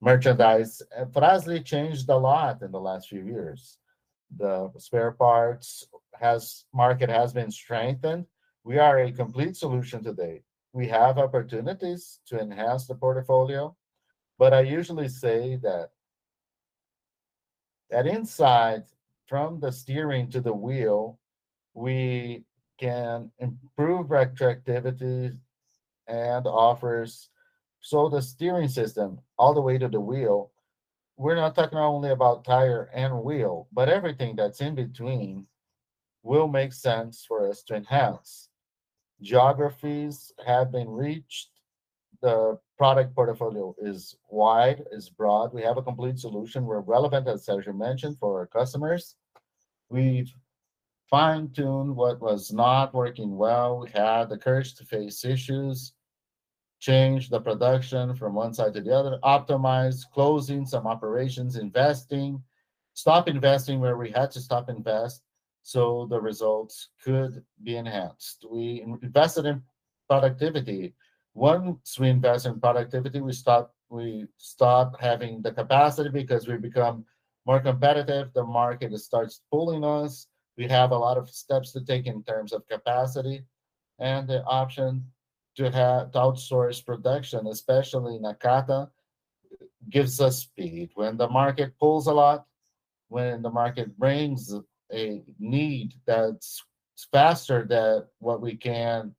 S12: merchandise. Fras-le changed a lot in the last few years. The spare parts market has been strengthened. We are a complete solution today. We have opportunities to enhance the portfolio, but I usually say that inside, from the steering to the wheel, we can improve attractivity and offers. The steering system all the way to the wheel, we're not talking only about tire and wheel, but everything that's in between will make sense for us to enhance. Geographies have been reached. The product portfolio is wide, is broad. We have a complete solution. We're relevant, as César mentioned, for our customers. We've fine-tuned what was not working well. We had the courage to face issues, change the production from one side to the other, optimize closing some operations, investing, stop investing where we had to stop invest, so the results could be enhanced. We invested in productivity. Once we invest in productivity, we stop having the capacity because we become more competitive. The market starts pulling us. We have a lot of steps to take in terms of capacity, and the option to outsource production, especially Nakata, gives us speed. When the market pulls a lot, when the market brings a need that's faster than what we can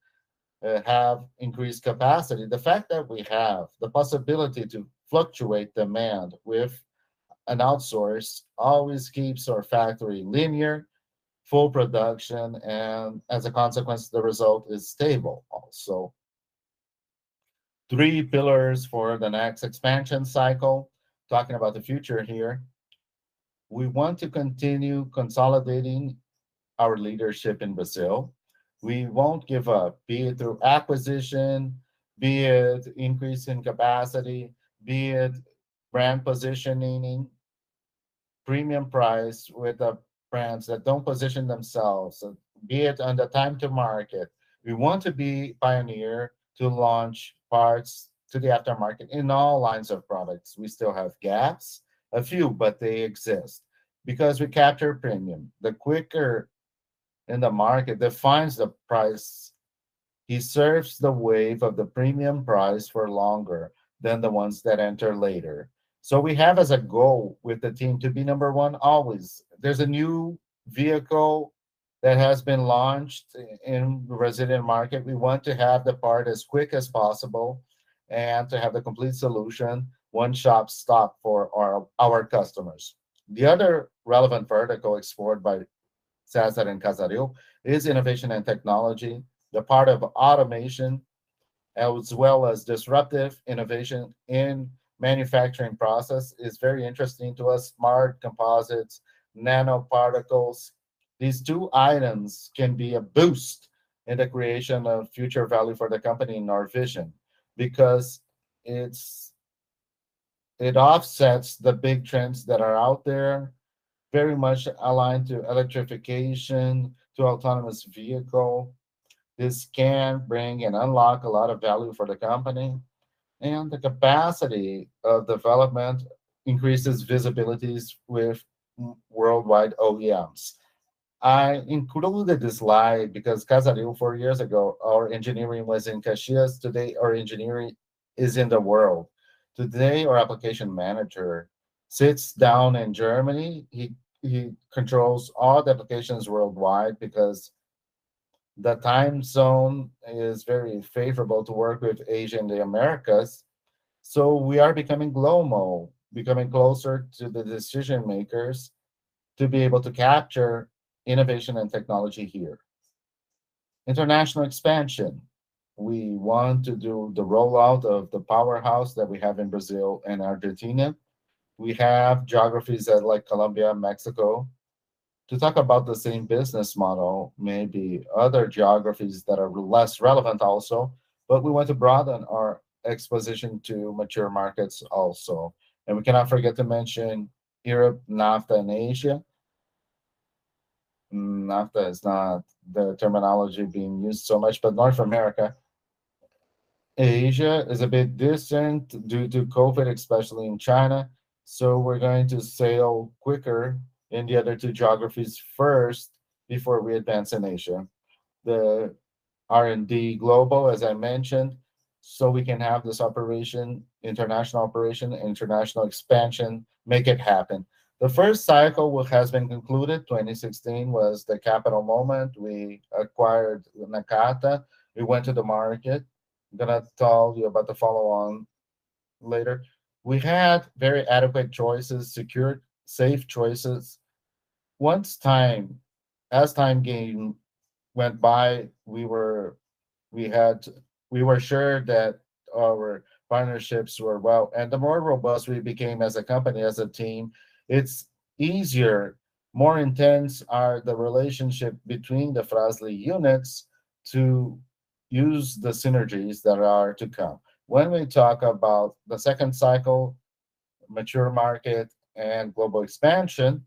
S12: have increased capacity, the fact that we have the possibility to fluctuate demand with an outsource always keeps our factory linear, full production, and as a consequence, the result is stable also. Three pillars for the next expansion cycle, talking about the future here. We want to continue consolidating our leadership in Brazil. We won't give up, be it through acquisition, be it increase in capacity, be it brand positioning, premium price with the brands that don't position themselves, be it on the time to market. We want to be pioneer to launch parts to the aftermarket in all lines of products. We still have gaps, a few, but they exist. Because we capture premium, the quicker in the market defines the price, he surfs the wave of the premium price for longer than the ones that enter later. We have as a goal with the team to be number one always. There's a new vehicle that has been launched in the Brazilian market. We want to have the part as quick as possible and to have the complete solution, one-stop shop for our customers. The other relevant vertical explored by César and Casaril is innovation and technology. The part of automation, as well as disruptive innovation in manufacturing process is very interesting to us. Smart Composites, nanoparticles. These two items can be a boost in the creation of future value for the company in our vision because it offsets the big trends that are out there, very much aligned to electrification, to autonomous vehicle. This can bring and unlock a lot of value for the company, and the capacity of development increases visibility with worldwide OEMs. I included this slide because Casaril, four years ago, our engineering was in Caxias. Today, our engineering is in the world. Today, our application manager sits down in Germany. He controls all the applications worldwide because the time zone is very favorable to work with Asia and the Americas. We are becoming global, becoming closer to the decision-makers to be able to capture innovation and technology here. International expansion. We want to do the rollout of the powerhouse that we have in Brazil and Argentina. We have geographies at, like Colombia and Mexico. To talk about the same business model, maybe other geographies that are less relevant also, but we want to broaden our exposure to mature markets also, and we cannot forget to mention Europe, NAFTA, and Asia. NAFTA is not the terminology being used so much, but North America. Asia is a bit distant due to COVID, especially in China, so we're going to scale quicker in the other two geographies first before we advance in Asia. The global R&D, as I mentioned, so we can have this operation, international operation, international expansion, make it happen. The first cycle has been concluded. 2016 was the capital moment. We acquired Nakata. We went to the market. I'm gonna tell you about the follow-on later. We had very adequate choices, secured safe choices. As time went by, we were sure that our partnerships were well. The more robust we became as a company, as a team, it's easier, more intense are the relationship between the Fras-le units to use the synergies that are to come. When we talk about the second cycle, mature market, and global expansion,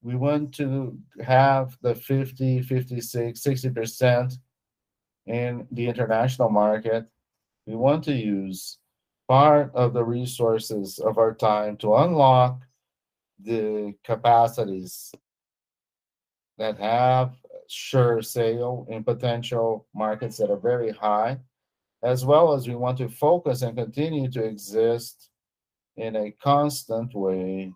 S12: we want to have the 50, 56, 60% in the international market. We want to use part of the resources of our time to unlock the capacities that have sure sale in potential markets that are very high. As well as we want to focus and continue to exist in a constant way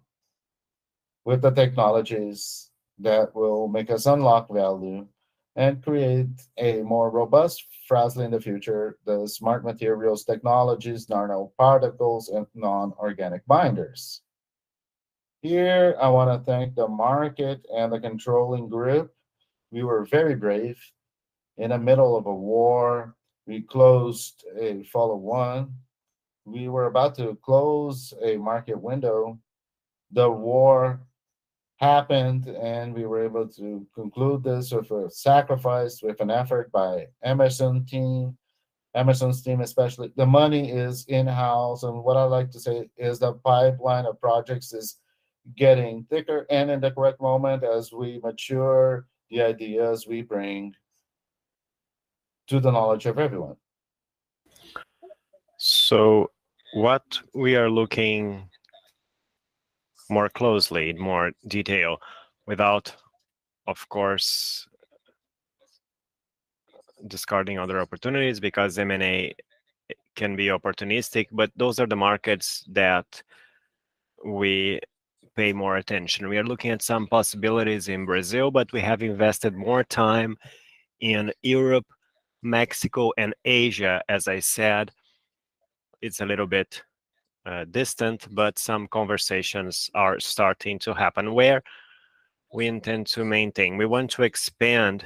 S12: with the technologies that will make us unlock value and create a more robust Fras-le in the future, the smart materials technologies, nanoparticles, and non-organic binders. Here, I wanna thank the market and the controlling group. We were very brave. In the middle of a war, we closed in follow-on. We were about to close a market window. The war happened, and we were able to conclude this with a sacrifice, with an effort by Hemerson's team, Hemerson's team especially. The money is in-house, and what I like to say is the pipeline of projects is getting thicker and in the correct moment as we mature the ideas we bring to the knowledge of everyone. What we are looking more closely, in more detail, without of course discarding other opportunities because M&A can be opportunistic, but those are the markets that we pay more attention. We are looking at some possibilities in Brazil, but we have invested more time in Europe, Mexico, and Asia. As I said, it's a little bit distant, but some conversations are starting to happen where we intend to maintain. We want to expand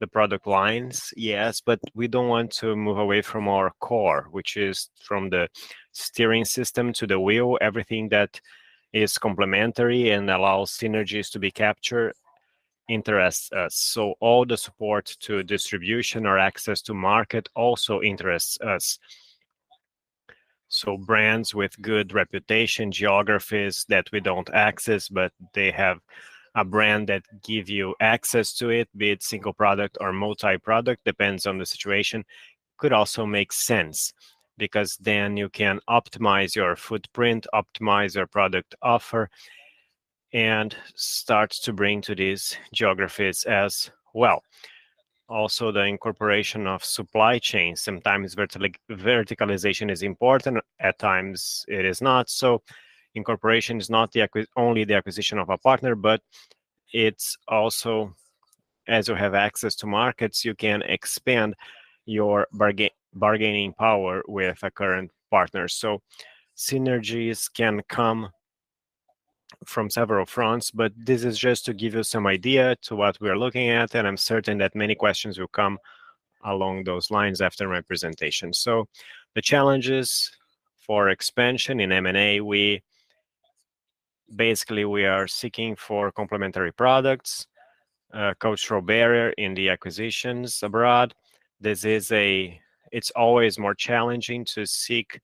S12: the product lines, yes, but we don't want to move away from our core, which is from the steering system to the wheel, everything that is complementary and allows synergies to be captured interests us. All the support to distribution or access to market also interests us. Brands with good reputation, geographies that we don't access, but they have a brand that give you access to it, be it single product or multi-product, depends on the situation, could also make sense because then you can optimize your footprint, optimize your product offer, and start to bring to these geographies as well. Also, the incorporation of supply chain. Sometimes vertical-verticalization is important. At times it is not. Incorporation is not only the acquisition of a partner, but it's also as you have access to markets, you can expand your bargaining power with a current partner. Synergies can come from several fronts, but this is just to give you some idea to what we're looking at, and I'm certain that many questions will come along those lines after my presentation. The challenges for expansion in M&A, we are seeking for complementary products, cultural barrier in the acquisitions abroad. It's always more challenging to seek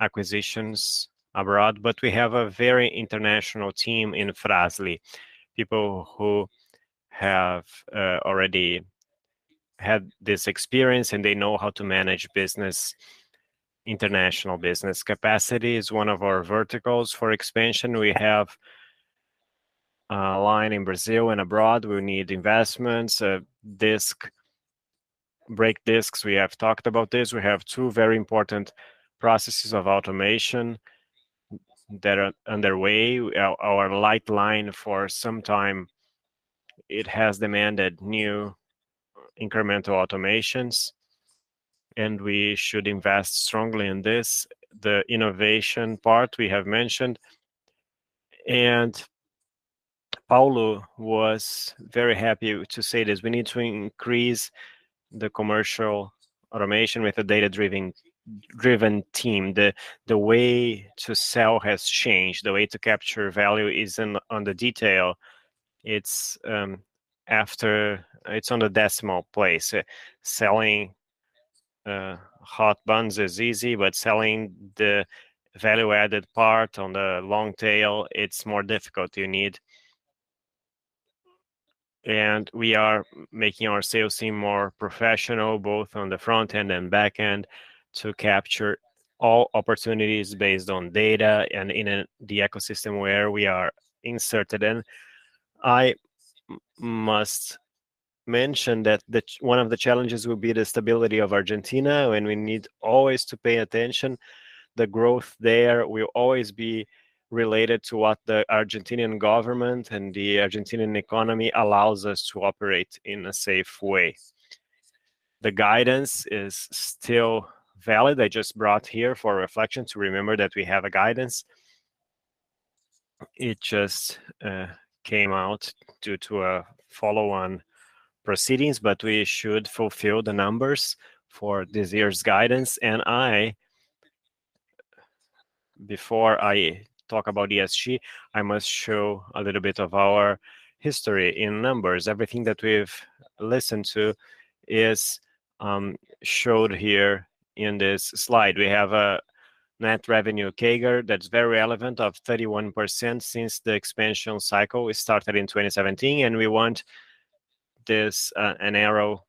S12: acquisitions abroad, but we have a very international team in Fras-le, people who have already had this experience, and they know how to manage business, international business. Capacity is one of our verticals for expansion. We have a line in Brazil and abroad. We need investments, disc brake discs. We have talked about this. We have two very important processes of automation that are underway. Our light line for some time, it has demanded new incremental automations, and we should invest strongly in this. The innovation part we have mentioned. Paulo was very happy to say this. We need to increase the commercial automation with a data-driven team. The way to sell has changed. The way to capture value isn't on the detail. It's on the decimal place. Selling hot buns is easy, but selling the value-added part on the long tail, it's more difficult. We are making our sales team more professional, both on the front end and back end, to capture all opportunities based on data and the ecosystem where we are inserted in. I must mention that one of the challenges will be the stability of Argentina, and we need always to pay attention. The growth there will always be related to what the Argentinian government and the Argentinian economy allows us to operate in a safe way. The guidance is still valid. I just brought here for reflection to remember that we have a guidance. It just came out due to a follow-on, but we should fulfill the numbers for this year's guidance. Before I talk about ESG, I must show a little bit of our history in numbers. Everything that we've listened to is shown here in this slide. We have a net revenue CAGR that's very relevant of 31% since the expansion cycle. We started in 2017, and we want this arrow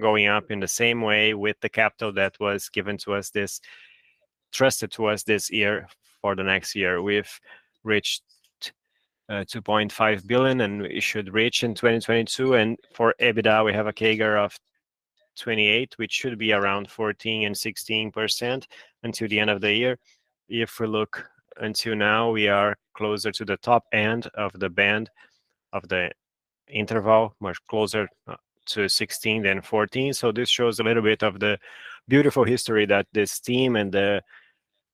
S12: going up in the same way with the capital that was trusted to us this year for the next year. We've reached 2.5 billion, and it should reach in 2022. For EBITDA, we have a CAGR of 28, which should be around 14%-16% until the end of the year. If we look until now, we are closer to the top end of the band of the interval, much closer, to 16 than 14. This shows a little bit of the beautiful history that this team and the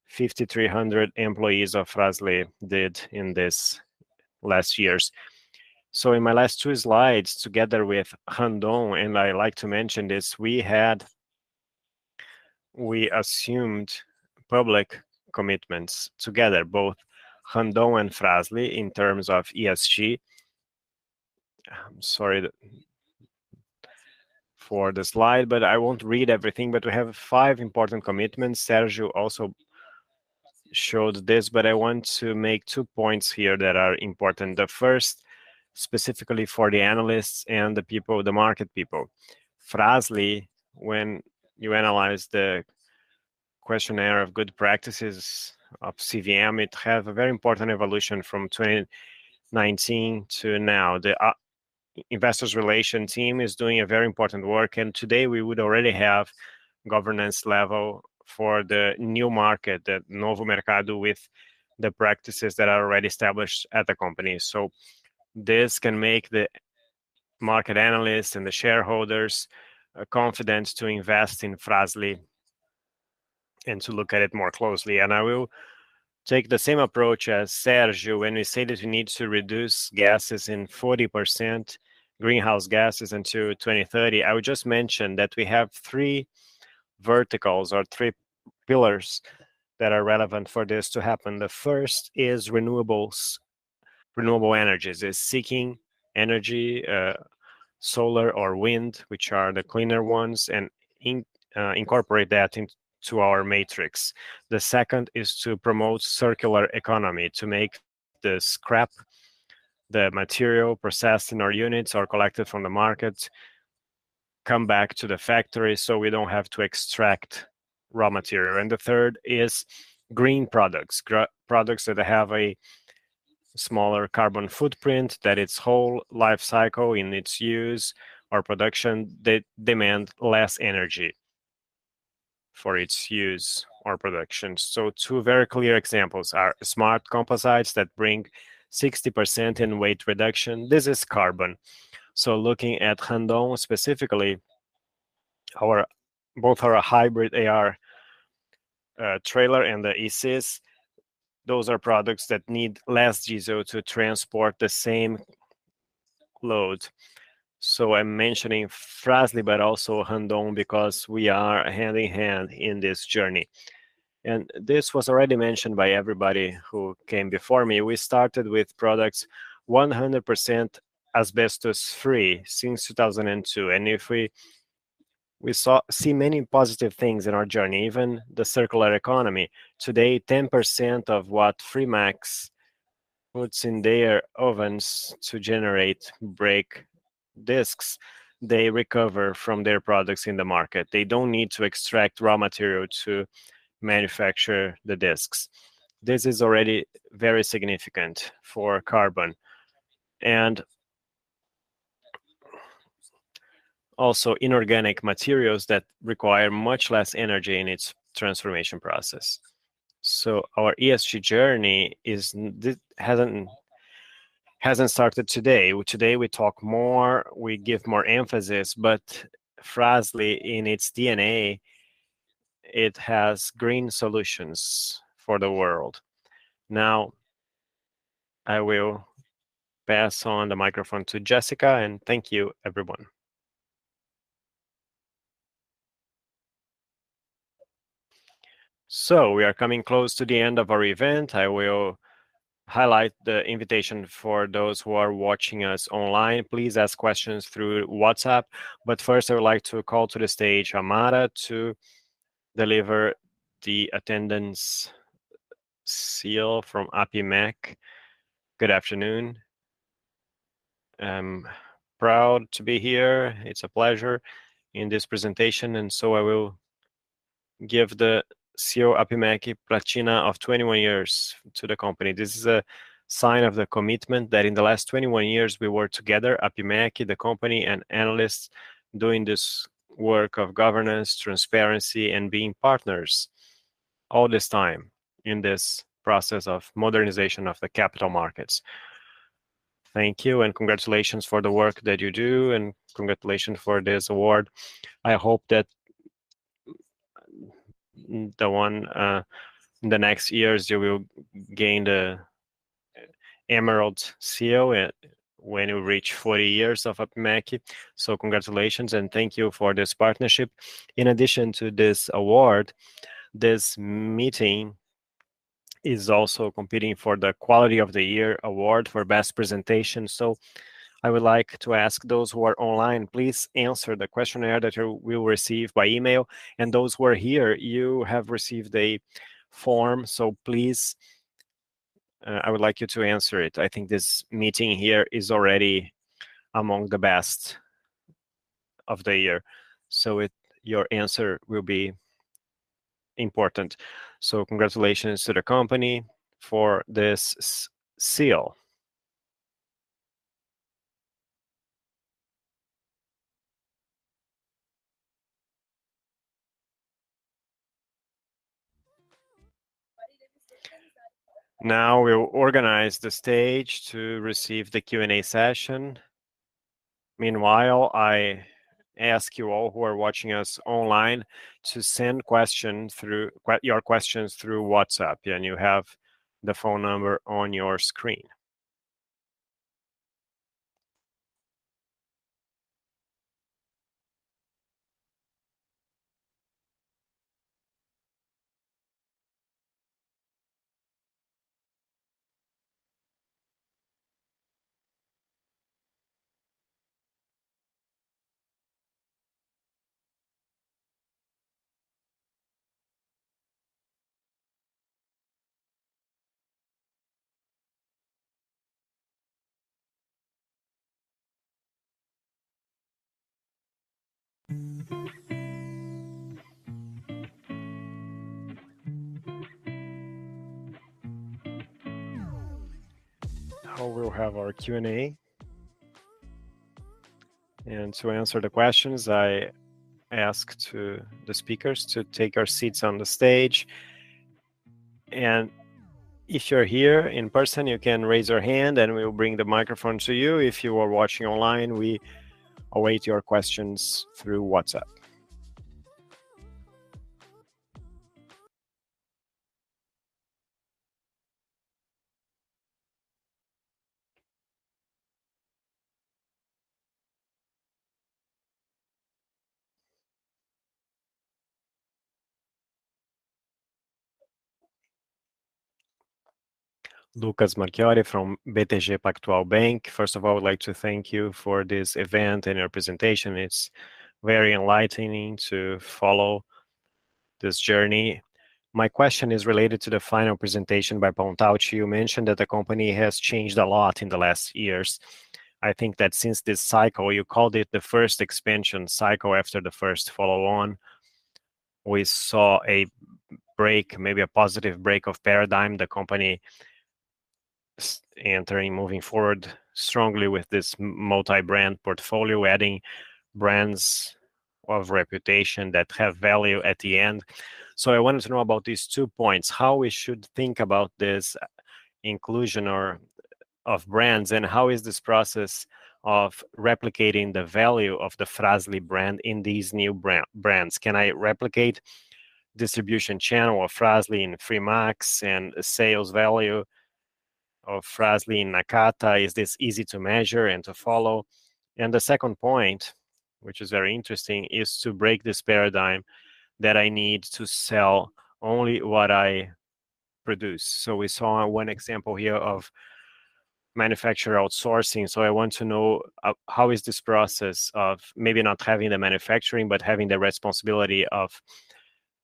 S12: 5,300 employees of Fras-le did in this last years. In my last two slides, together with Randon, and I like to mention this, we assumed public commitments together, both Randon and Fras-le in terms of ESG. I'm sorry for the slide, but I won't read everything, but we have five important commitments. Sergio also showed this, but I want to make two points here that are important. The first, specifically for the analysts and the people, the market people. Fras-le, when you analyze the questionnaire of good practices of CVM, it have a very important evolution from 2019 to now. The Investor Relations team is doing a very important work, and today we would already have governance level for the new market, the Novo Mercado, with the practices that are already established at the company. This can make the market analysts and the shareholders confident to invest in Fras-le and to look at it more closely. I will take the same approach as Sergio when we say that we need to reduce greenhouse gases by 40% until 2030. I would just mention that we have three verticals or three pillars that are relevant for this to happen. The first is renewables, renewable energies, seeking energy, solar or wind, which are the cleaner ones, and incorporate that into our matrix. The second is to promote circular economy, to make the scrap, the material processed in our units or collected from the market come back to the factory, so we don't have to extract raw material. The third is green products, pro-products that have a smaller carbon footprint, that its whole life cycle in its use or production they demand less energy for its use or production. Two very clear examples are Smart Composites that bring 60% in weight reduction. This is carbon. Looking at Randon specifically, both our hybrid AR trailer and the e-Sys, those are products that need less diesel to transport the same load. I'm mentioning Fras-le but also Randon because we are hand in hand in this journey. This was already mentioned by everybody who came before me. We started with products 100% asbestos-free since 2002. If we see many positive things in our journey, even the circular economy. Today, 10% of what FREMAX puts in their ovens to generate brake discs, they recover from their products in the market. They don't need to extract raw material to manufacture the discs. This is already very significant for carbon and also inorganic materials that require much less energy in its transformation process. Our ESG journey hasn't started today. Today, we talk more, we give more emphasis, but Fras-le in its DNA, it has green solutions for the world. Now, I will pass on the microphone to Jessica, and thank you, everyone.
S1: We are coming close to the end of our event. I will highlight the invitation for those who are watching us online. Please ask questions through WhatsApp. First I would like to call to the stage Amanda to deliver the attendance seal from APIMEC.
S13: Good afternoon. I'm proud to be here. It's a pleasure in this presentation. I will give the APIMEC Platina of 21 years to the company. This is a sign of the commitment that in the last 21 years we were together, APIMEC, the company, and analysts doing this work of governance, transparency, and being partners. All this time in this process of modernization of the capital markets. Thank you and congratulations for the work that you do, and congratulations for this award. I hope that in the next years you will gain the emerald seal when you reach 40 years of APIMEC. Congratulations, and thank you for this partnership.
S1: In addition to this award, this meeting is also competing for the Quality of the Year award for best presentation. I would like to ask those who are online, please answer the questionnaire that you will receive by email. Those who are here, you have received a form, so please, I would like you to answer it. I think this meeting here is already among the best of the year, your answer will be important. Congratulations to the company for this seal. Now we'll organize the stage to receive the Q&A session. Meanwhile, I ask you all who are watching us online to send your questions through WhatsApp. You have the phone number on your screen. Now we'll have our Q&A. To answer the questions, I ask to the speakers to take our seats on the stage. If you're here in person, you can raise your hand, and we will bring the microphone to you. If you are watching online, we await your questions through WhatsApp.
S14: Lucas Marquiori from BTG Pactual. First of all, I would like to thank you for this event and your presentation. It's very enlightening to follow this journey. My question is related to the final presentation by Pontalti. You mentioned that the company has changed a lot in the last years. I think that since this cycle, you called it the first expansion cycle after the first follow-on, we saw a break, maybe a positive break of paradigm, the company entering, moving forward strongly with this multi-brand portfolio, adding brands of reputation that have value at the end. I wanted to know about these two points, how we should think about this inclusion of brands, and how is this process of replicating the value of the Fras-le brand in these new brands. Can I replicate distribution channel of Fras-le in FREMAX and sales value of Fras-le in Nakata? Is this easy to measure and to follow? The second point, which is very interesting, is to break this paradigm that I need to sell only what I produce. We saw one example here of manufacturer outsourcing. I want to know how is this process of maybe not having the manufacturing, but having the responsibility of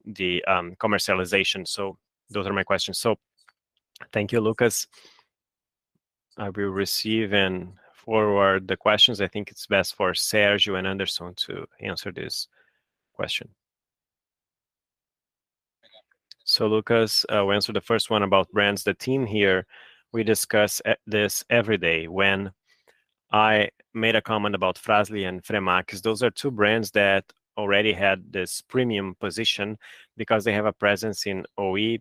S14: the commercialization. Those are my questions.
S1: Thank you, Lucas. I will receive and forward the questions. I think it's best for Sergio and Anderson to answer this question.
S12: Lucas, we answer the first one about brands. The team here, we discuss this every day. When I made a comment about Fras-le and FREMAX, those are two brands that already had this premium position because they have a presence in OE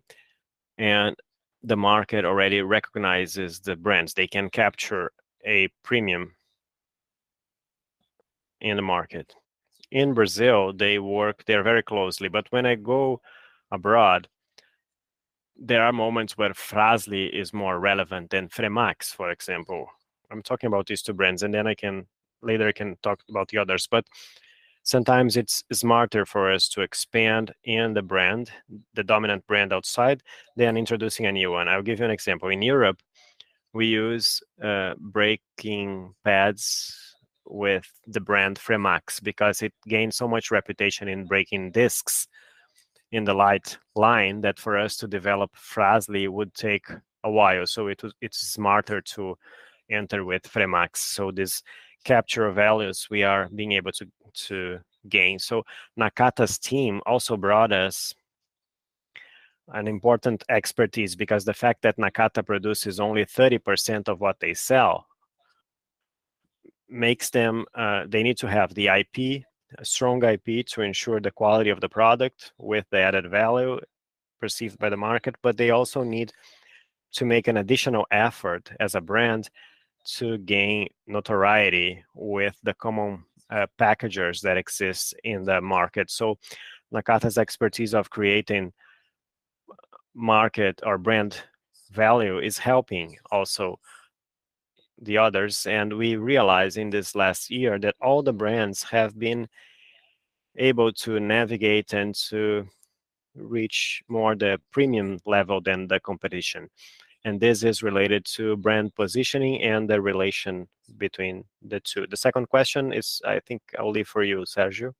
S12: and the market already recognizes the brands. They can capture a premium in the market. In Brazil, they work there very closely. When I go abroad, there are moments where Fras-le is more relevant than FREMAX, for example. I'm talking about these two brands, and then later I can talk about the others. Sometimes it's smarter for us to expand in the brand, the dominant brand outside, than introducing a new one. I'll give you an example. In Europe, we use brake pads with the brand FREMAX because it gained so much reputation in brake discs in the light line that for us to develop Fras-le would take a while. It's smarter to enter with FREMAX. This capture of values we are being able to gain. Nakata's team also brought us an important expertise because the fact that Nakata produces only 30% of what they sell makes them. They need to have the IP, a strong IP, to ensure the quality of the product with the added value perceived by the market. They also need to make an additional effort as a brand to gain notoriety with the common packagers that exist in the market. Nakata's expertise of creating market or brand value is helping also the others, and we realize in this last year that all the brands have been able to navigate and to reach more the premium level than the competition, and this is related to brand positioning and the relation between the two. The second question is, I think I'll leave for you, Sergio.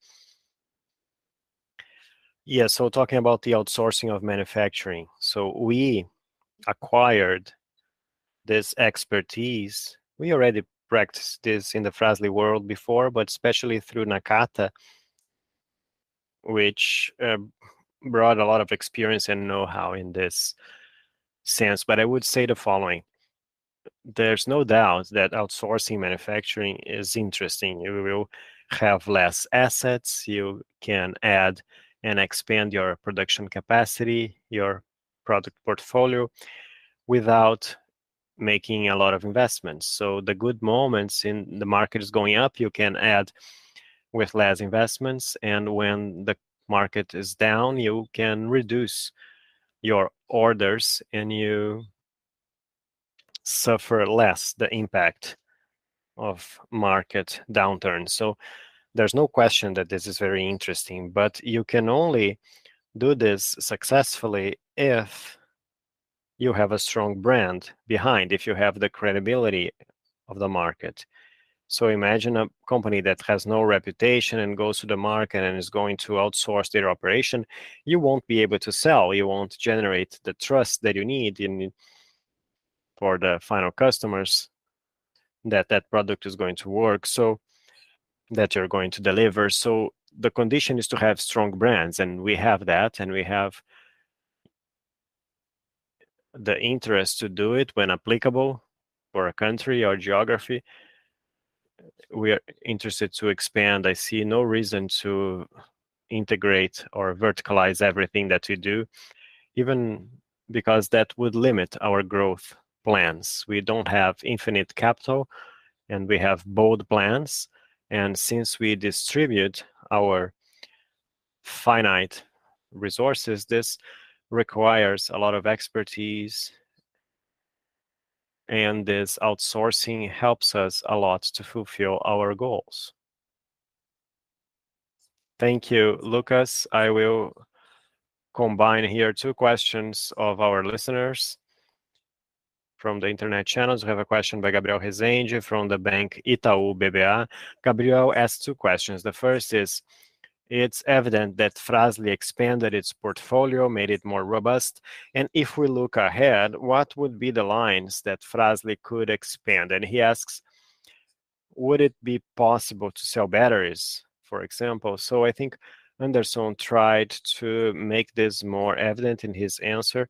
S11: Yeah. Talking about the outsourcing of manufacturing. We acquired this expertise. We already practiced this in the Fras-le world before, but especially through Nakata, which brought a lot of experience and know-how in this sense. I would say the following: there's no doubt that outsourcing manufacturing is interesting. You will have less assets. You can add and expand your production capacity, your product portfolio without making a lot of investments. The good moments in the market is going up, you can add with less investments, and when the market is down, you can reduce your orders and you suffer less the impact of market downturns. There's no question that this is very interesting, but you can only do this successfully if you have a strong brand behind, if you have the credibility of the market. Imagine a company that has no reputation and goes to the market and is going to outsource their operation. You won't be able to sell. You won't generate the trust that you need in for the final customers that product is going to work, so that you're going to deliver. The condition is to have strong brands, and we have that, and we have the interest to do it when applicable for a country or geography. We are interested to expand. I see no reason to integrate or verticalize everything that we do, even because that would limit our growth plans. We don't have infinite capital, and we have bold plans, and since we distribute our finite resources, this requires a lot of expertise, and this outsourcing helps us a lot to fulfill our goals.
S1: Thank you, Lucas. I will combine here two questions of our listeners from the internet channels. We have a question by Gabriel Rezende from the bank Itaú BBA. Gabriel asks two questions. The first is: It's evident that Fras-le expanded its portfolio, made it more robust, and if we look ahead, what would be the lines that Fras-le could expand? And he asks: Would it be possible to sell batteries, for example?
S11: I think Anderson tried to make this more evident in his answer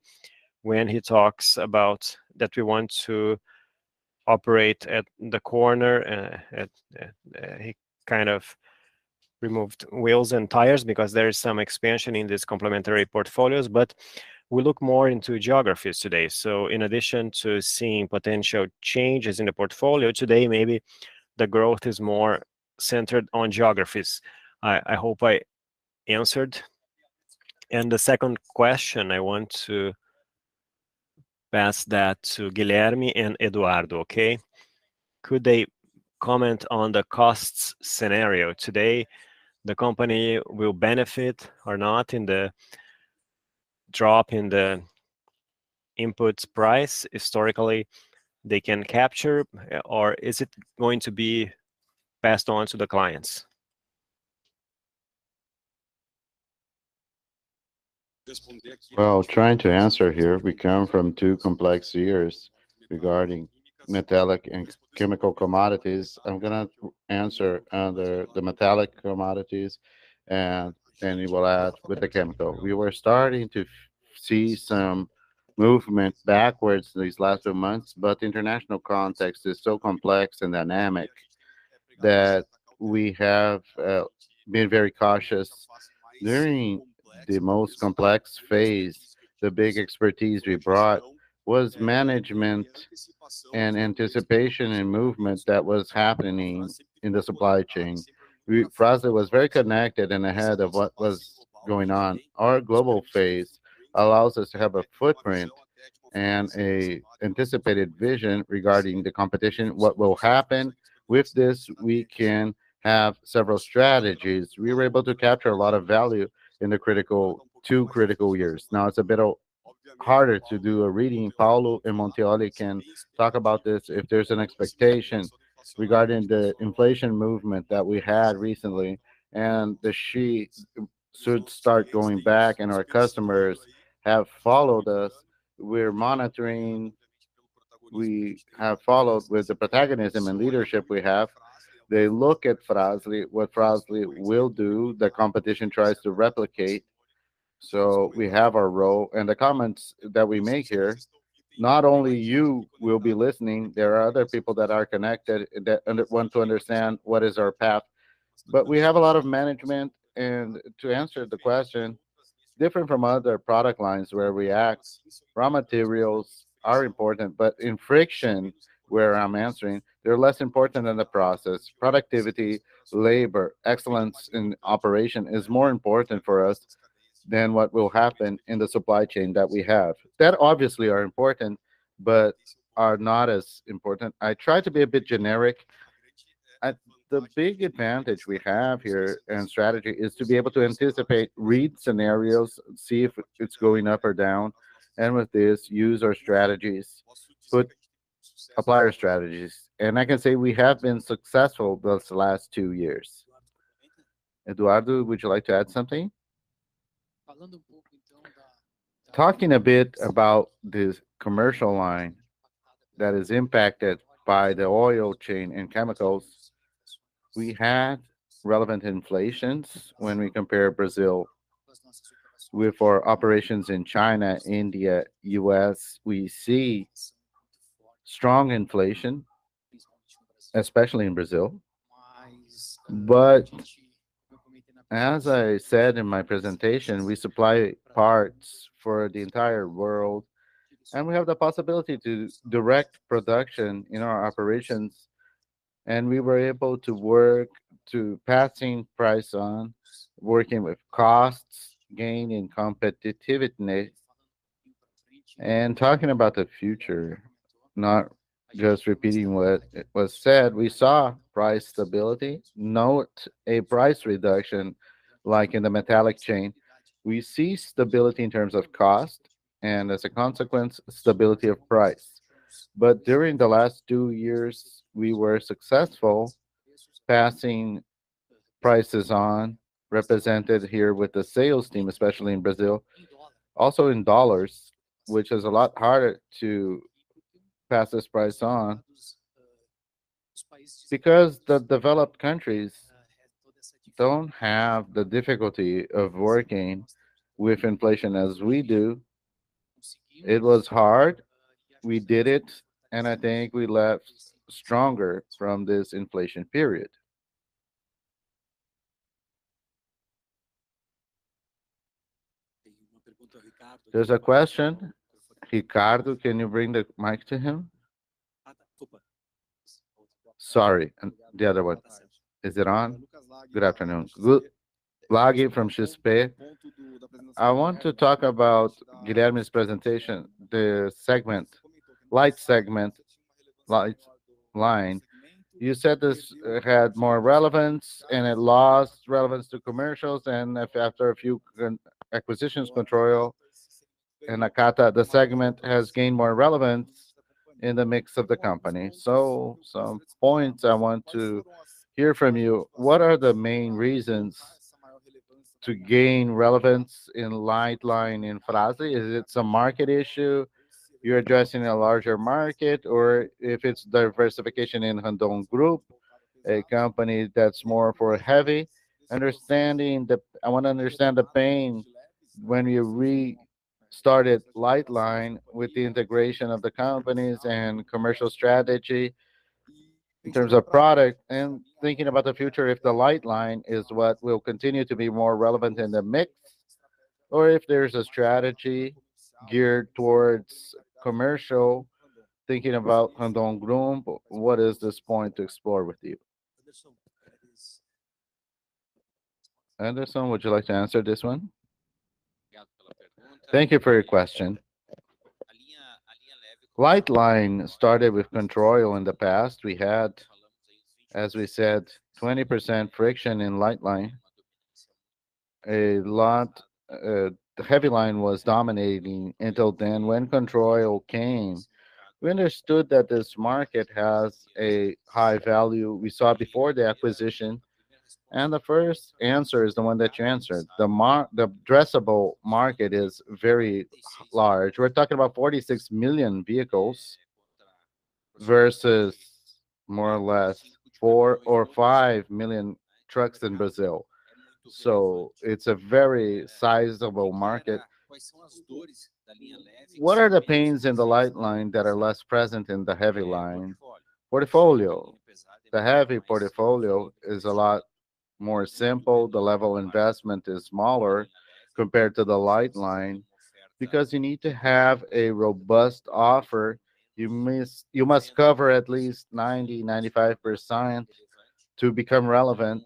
S11: when he talks about that we want to operate at the corner. He kind of removed wheels and tires because there is some expansion in these complementary portfolios, but we look more into geographies today. In addition to seeing potential changes in the portfolio today, maybe the growth is more centered on geographies. I hope I answered.
S1: The second question, I want to pass that to Guilherme and Eduardo. Okay? Could they comment on the costs scenario? Today, the company will benefit or not in the drop in the input price. Historically, they can capture, or is it going to be passed on to the clients?
S5: Well, trying to answer here, we come from two complex years regarding metallic and chemical commodities. I'm gonna answer under the metallic commodities, and we will add with the chemical. We were starting to see some movement backwards these last few months, but international context is so complex and dynamic that we have been very cautious. During the most complex phase, the big expertise we brought was management and anticipation and movement that was happening in the supply chain. Fras-le was very connected and ahead of what was going on. Our global phase allows us to have a footprint and an anticipated vision regarding the competition. What will happen with this, we can have several strategies. We were able to capture a lot of value in the critical two critical years. Now it's a bit harder to do a reading. Paulo and Montagnoli can talk about this. If there's an expectation regarding the inflation movement that we had recently, and the sheets should start going back, and our customers have followed us. We're monitoring. We have followed with the protagonism and leadership we have. They look at Fras-le, what Fras-le will do. The competition tries to replicate. So we have our role, and the comments that we make here, not only you will be listening, there are other people that are connected that want to understand what is our path. We have a lot of management, and to answer the question, different from other product lines where we act, raw materials are important, but in friction, where I'm answering, they're less important than the process. Productivity, labor, excellence in operation is more important for us than what will happen in the supply chain that we have. That obviously are important but are not as important. I try to be a bit generic. The big advantage we have here in strategy is to be able to anticipate, read scenarios, see if it's going up or down, and with this, use our strategies, apply our strategies. I can say we have been successful these last two years. Eduardo, would you like to add something?
S7: Talking a bit about this commercial line that is impacted by the oil chain and chemicals, we had relevant inflations when we compare Brazil with our operations in China, India, U.S. We see strong inflation, especially in Brazil. But as I said in my presentation, we supply parts for the entire world, and we have the possibility to direct production in our operations. We were able to work to passing price on, working with costs, gaining competitiveness. Talking about the future, not just repeating what was said, we saw price stability, not a price reduction like in the metallic chain. We see stability in terms of cost and, as a consequence, stability of price. During the last two years, we were successful passing prices on, represented here with the sales team, especially in Brazil. Also in dollars, which is a lot harder to pass this price on because the developed countries don't have the difficulty of working with inflation as we do. It was hard, we did it, and I think we left stronger from this inflation period.
S1: There's a question. Ricardo, can you bring the mic to him? Sorry, the other one. Is it on?
S15: Good afternoon. Lage from XP. I want to talk about Guilherme's presentation, the segment, light segment, light line. You said this had more relevance, and it lost relevance to commercials. If after a few acquisitions, Controil and Nakata, the segment has gained more relevance in the mix of the company. Some points I want to hear from you. What are the main reasons to gain relevance in light line in Fras-le? Is it some market issue, you're addressing a larger market, or if it's diversification in Randon Group, a company that's more for heavy? I want to understand the plan when you restarted light line with the integration of the companies and commercial strategy in terms of product and thinking about the future, if the light line is what will continue to be more relevant in the mix or if there's a strategy geared towards commercial, thinking about Randon Group. What is this point to explore with you?
S1: Anderson, would you like to answer this one?
S12: Thank you for your question. Light line started with Controil in the past. We had, as we said, 20% friction in light line. A lot, the heavy line was dominating until then. When Controil came, we understood that this market has a high value we saw before the acquisition, and the first answer is the one that you answered. The addressable market is very large. We're talking about 46 million vehicles versus more or less 4 or 5 million trucks in Brazil. It's a very sizable market. What are the pains in the light line that are less present in the heavy line? Portfolio. The heavy portfolio is a lot more simple. The level investment is smaller compared to the light line because you need to have a robust offer. You miss. You must cover at least 90%-95% to become relevant.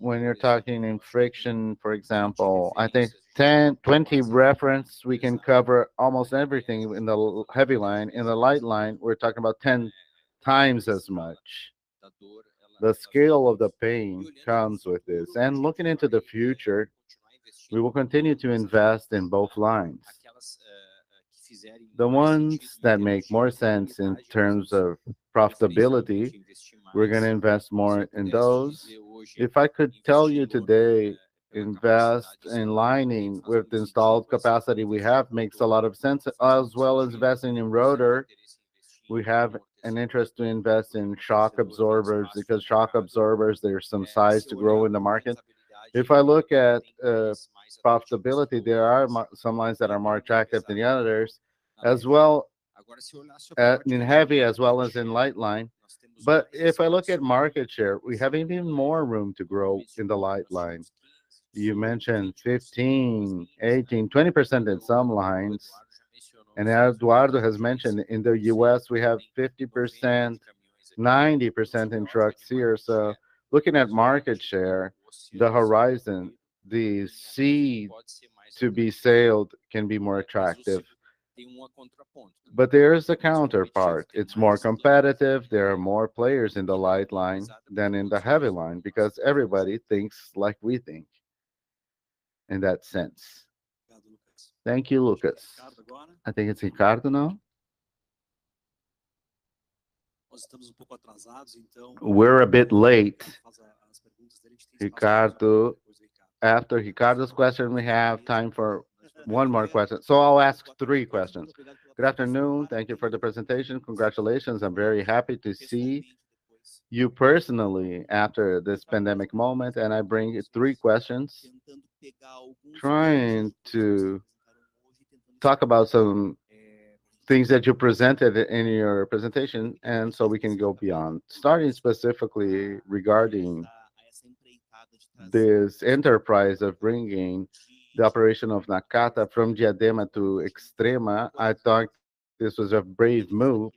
S12: When you're talking in friction, for example, I think 10, 20 reference, we can cover almost everything in the heavy line. In the light line, we're talking about 10 times as much. The scale of the pain comes with this. Looking into the future, we will continue to invest in both lines. The ones that make more sense in terms of profitability, we're gonna invest more in those. If I could tell you today, invest in lining with the installed capacity we have makes a lot of sense, as well as investing in rotor. We have an interest to invest in shock absorbers because shock absorbers, there are some size to grow in the market. If I look at profitability, there are some lines that are more attractive than the others as well in heavy as well as in light line. If I look at market share, we have even more room to grow in the light line. You mentioned 15, 18, 20% in some lines. As Eduardo has mentioned, in the US we have 50%, 90% in trucks here. Looking at market share, the horizon, the sea to be sailed can be more attractive. There is a counterpart. It's more competitive, there are more players in the light line than in the heavy line, because everybody thinks like we think in that sense.
S1: Thank you, Lucas. I think it's Ricardo now. We're a bit late. Ricardo. After Ricardo's question, we have time for one more question, so I'll ask three questions. Good afternoon.
S13: Thank you for the presentation. Congratulations. I'm very happy to see you personally after this pandemic moment, and I bring three questions, trying to talk about some things that you presented in your presentation, and so we can go beyond. Starting specifically regarding this enterprise of bringing the operation of Nakata from Diadema to Extrema, I thought this was a brave move,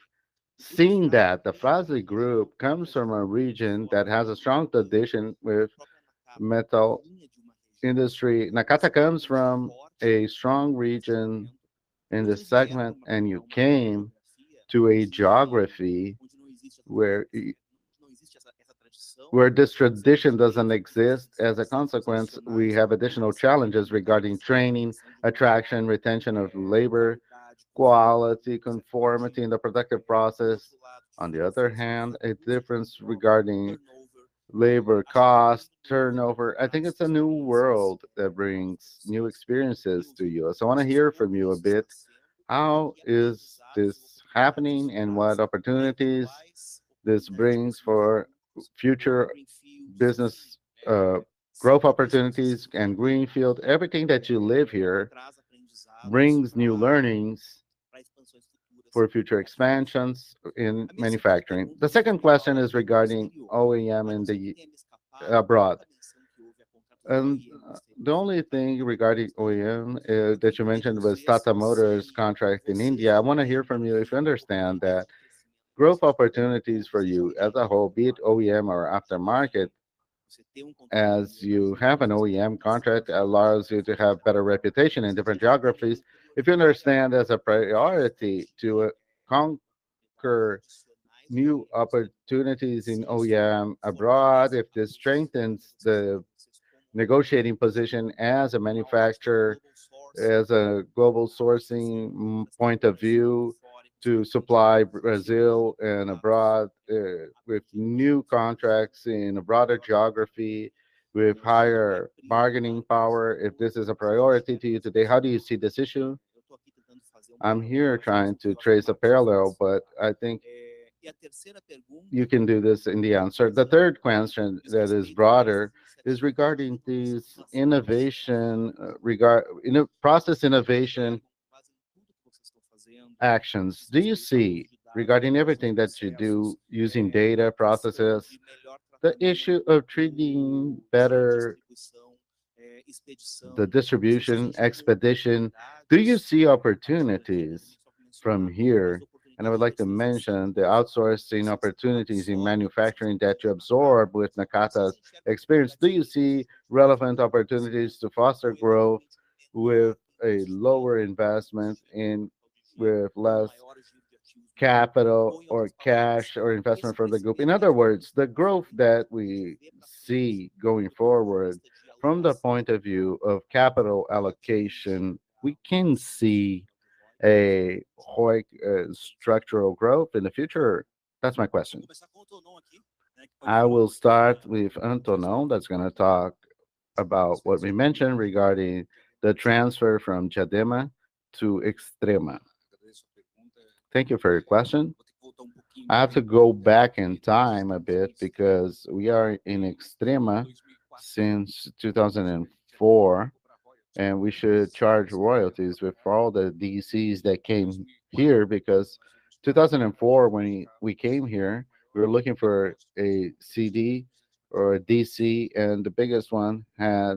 S13: seeing that the Fras-le group comes from a region that has a strong tradition with metal industry. Nakata comes from a strong region in this segment, and you came to a geography where where this tradition doesn't exist. As a consequence, we have additional challenges regarding training, attraction, retention of labor, quality, conformity in the productive process. On the other hand, a difference regarding labor cost, turnover. I think it's a new world that brings new experiences to you. I want to hear from you a bit, how is this happening and what opportunities this brings for future business, growth opportunities and greenfield. Everything that you live here brings new learnings for future expansions in manufacturing. The second question is regarding OEM abroad. The only thing regarding OEM that you mentioned was Tata Motors' contract in India. I wanna hear from you if you understand that growth opportunities for you as a whole, be it OEM or aftermarket, as you have an OEM contract allows you to have better reputation in different geographies. If you understand as a priority to conquer new opportunities in OEM abroad, if this strengthens the negotiating position as a manufacturer, as a global sourcing point of view to supply Brazil and abroad, with new contracts in a broader geography with higher bargaining power. If this is a priority to you today, how do you see this issue? I'm here trying to trace a parallel, but I think you can do this in the answer. The third question that is broader is regarding these innovation. You know, process innovation actions. Do you see, regarding everything that you do using data processes, the issue of treating better the distribution, expedition. Do you see opportunities from here? I would like to mention the outsourcing opportunities in manufacturing that you absorb with Nakata's experience. Do you see relevant opportunities to foster growth with a lower investment in, with less capital or cash or investment for the group? In other words, the growth that we see going forward from the point of view of capital allocation, we can see a high, structural growth in the future? That's my question.
S1: I will start with Antonio, that's gonna talk about what we mentioned regarding the transfer from Diadema to Extrema.
S16: Thank you for your question. I have to go back in time a bit because we are in Extrema since 2004, and we should charge royalties with for all the DCs that came here. Because 2004, when we came here, we were looking for a CD or a DC, and the biggest one had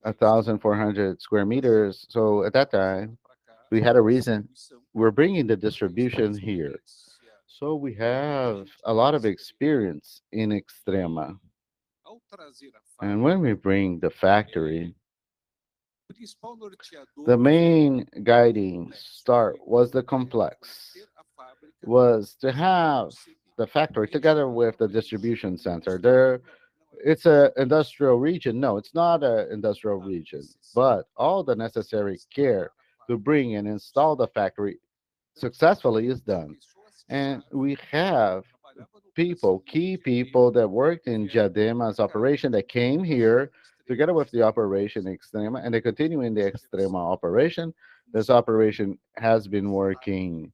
S16: 1,400 square meters. At that time, we had a reason. We're bringing the distribution here. We have a lot of experience in Extrema. When we bring the factory, the main guiding star was the complex, to have the factory together with the distribution center there. It's an industrial region. No, it's not an industrial region. All the necessary care to bring and install the factory successfully is done. We have people, key people that worked in Diadema's operation that came here together with the operation in Extrema, and they continue in the Extrema operation. This operation has been working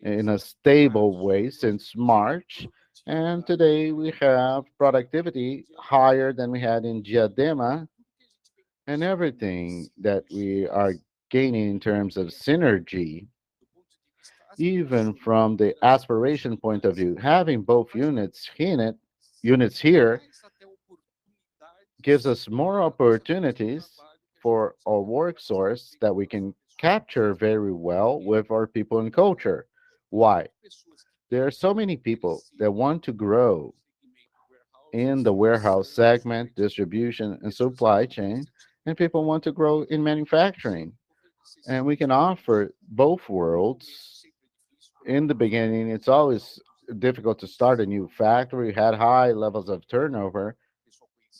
S16: in a stable way since March, and today we have productivity higher than we had in Diadema. Everything that we are gaining in terms of synergy, even from the aspiration point of view, having both units in it, units here, gives us more opportunities for a workforce that we can capture very well with our people and culture. Why? There are so many people that want to grow in the warehouse segment, distribution, and supply chain, and people want to grow in manufacturing, and we can offer both worlds. In the beginning, it's always difficult to start a new factory. We had high levels of turnover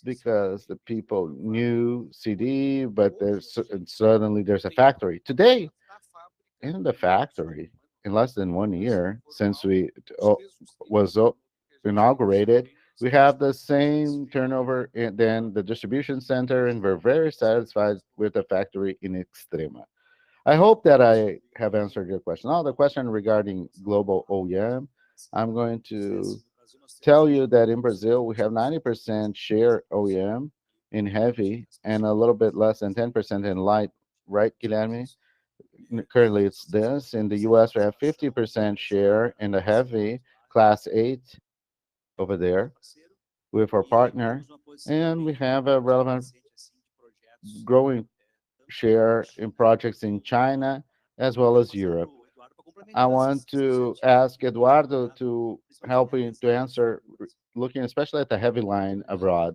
S16: because the people knew CD, but there's. Suddenly there's a factory. Today, in the factory, in less than one year since we was inaugurated, we have the same turnover than the distribution center, and we're very satisfied with the factory in Extrema. I hope that I have answered your question. Now, the question regarding global OEM, I'm going to tell you that in Brazil, we have 90% share OEM in heavy and a little bit less than 10% in light. Right, Guilherme? Currently, it's this. In the U.S., we have 50% share in the heavy Class 8 over there with our partner, and we have a relevant growing share in projects in China as well as Europe. I want to ask Eduardo to help me to answer, looking especially at the heavy line abroad.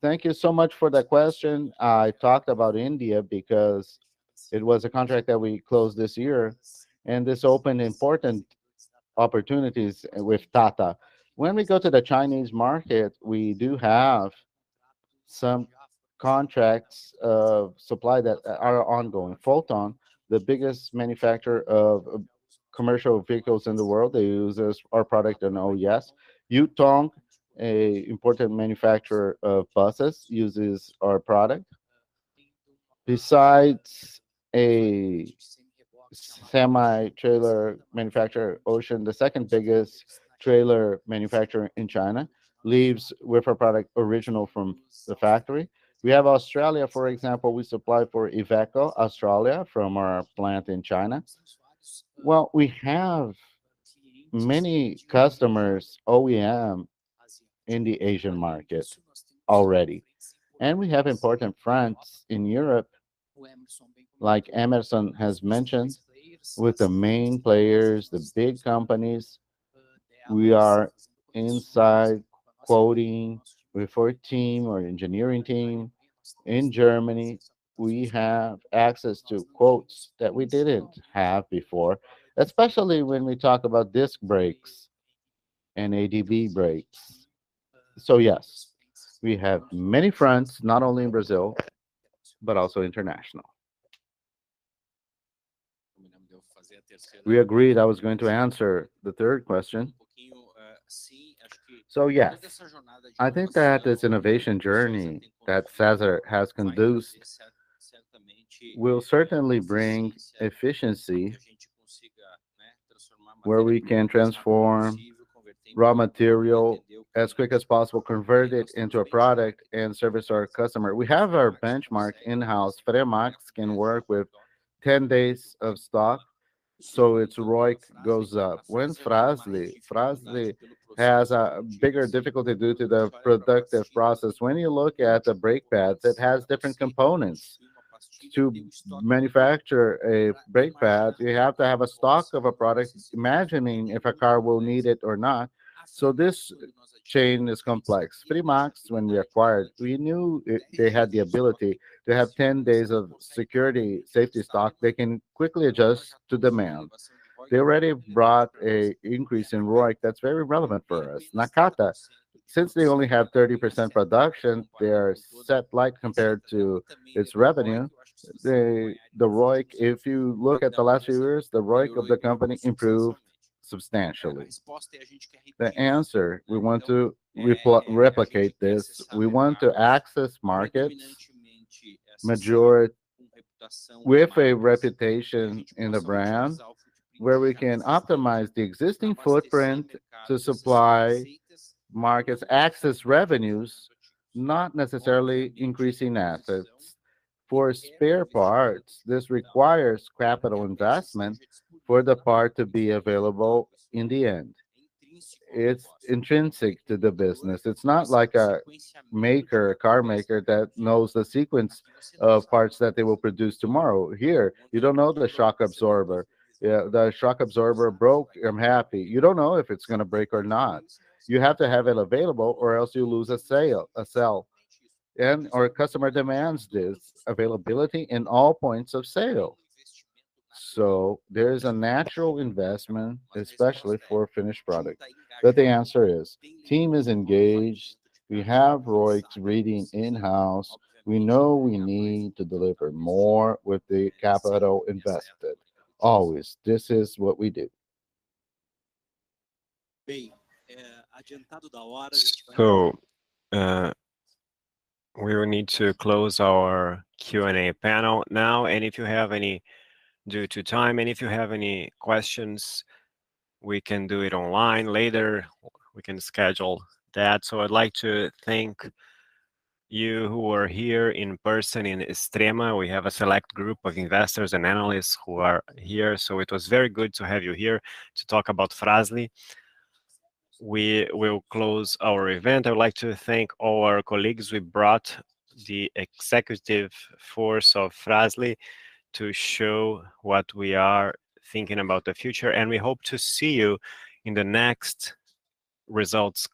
S7: Thank you so much for that question. I talked about India because it was a contract that we closed this year, and this opened important opportunities with Tata. When we go to the Chinese market, we do have some contracts of supply that are ongoing. Foton, the biggest manufacturer of commercial vehicles in the world, they use our product and OES. Yutong, an important manufacturer of buses, uses our product. Besides a semi-trailer manufacturer, CIMC, the second biggest trailer manufacturer in China, leaves with our product original from the factory. We have Australia, for example. We supply for Iveco Australia from our plant in China. Well, we have many OEM customers in the Asian market already, and we have important fronts in Europe, like Hemerson has mentioned, with the main players, the big companies. We are inside quoting with our team, our engineering team. In Germany, we have access to quotes that we didn't have before, especially when we talk about disc brakes and ADB brakes. Yes, we have many fronts, not only in Brazil, but also international. We agreed I was going to answer the third question. Yes, I think that this innovation journey that César has conducted will certainly bring efficiency where we can transform raw material as quick as possible, convert it into a product, and service our customer. We have our benchmark in-house. FREMAX can work with 10 days of stock, so its ROIC goes up. Fras-le has a bigger difficulty due to the productive process. When you look at the brake pads, it has different components. To manufacture a brake pad, you have to have a stock of a product, imagining if a car will need it or not. This chain is complex. FREMAX, when we acquired, we knew it, they had the ability to have 10 days of security safety stock. They can quickly adjust to demand. They already brought an increase in ROIC that's very relevant for us. Nakata, since they only have 30% production, they are set light compared to its revenue. The ROIC, if you look at the last few years, the ROIC of the company improved substantially. The answer, we want to replicate this. We want to access markets, majority, with a reputation in the brand where we can optimize the existing footprint to supply markets, access revenues, not necessarily increasing assets. For spare parts, this requires capital investment for the part to be available in the end. It's intrinsic to the business. It's not like a maker, a car maker that knows the sequence of parts that they will produce tomorrow. Here, you don't know the shock absorber. The shock absorber broke, I'm happy. You don't know if it's gonna break or not. You have to have it available or else you lose a sale. Our customer demands this availability in all points of sale. There is a natural investment, especially for a finished product. The answer is team is engaged. We have ROIC reading in-house. We know we need to deliver more with the capital invested. Always. This is what we do.
S1: We will need to close our Q&A panel now. Due to time, if you have any questions, we can do it online later. We can schedule that. I'd like to thank you who are here in person in Extrema. We have a select group of investors and analysts who are here, so it was very good to have you here to talk about Fras-le. We will close our event. I would like to thank all our colleagues. We brought the executive force of Fras-le to show what we are thinking about the future, and we hope to see you in the next results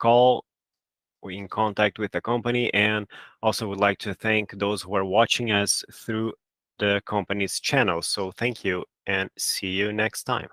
S1: call or in contact with the company. I would like to thank those who are watching us through the company's channel. Thank you, and see you next time.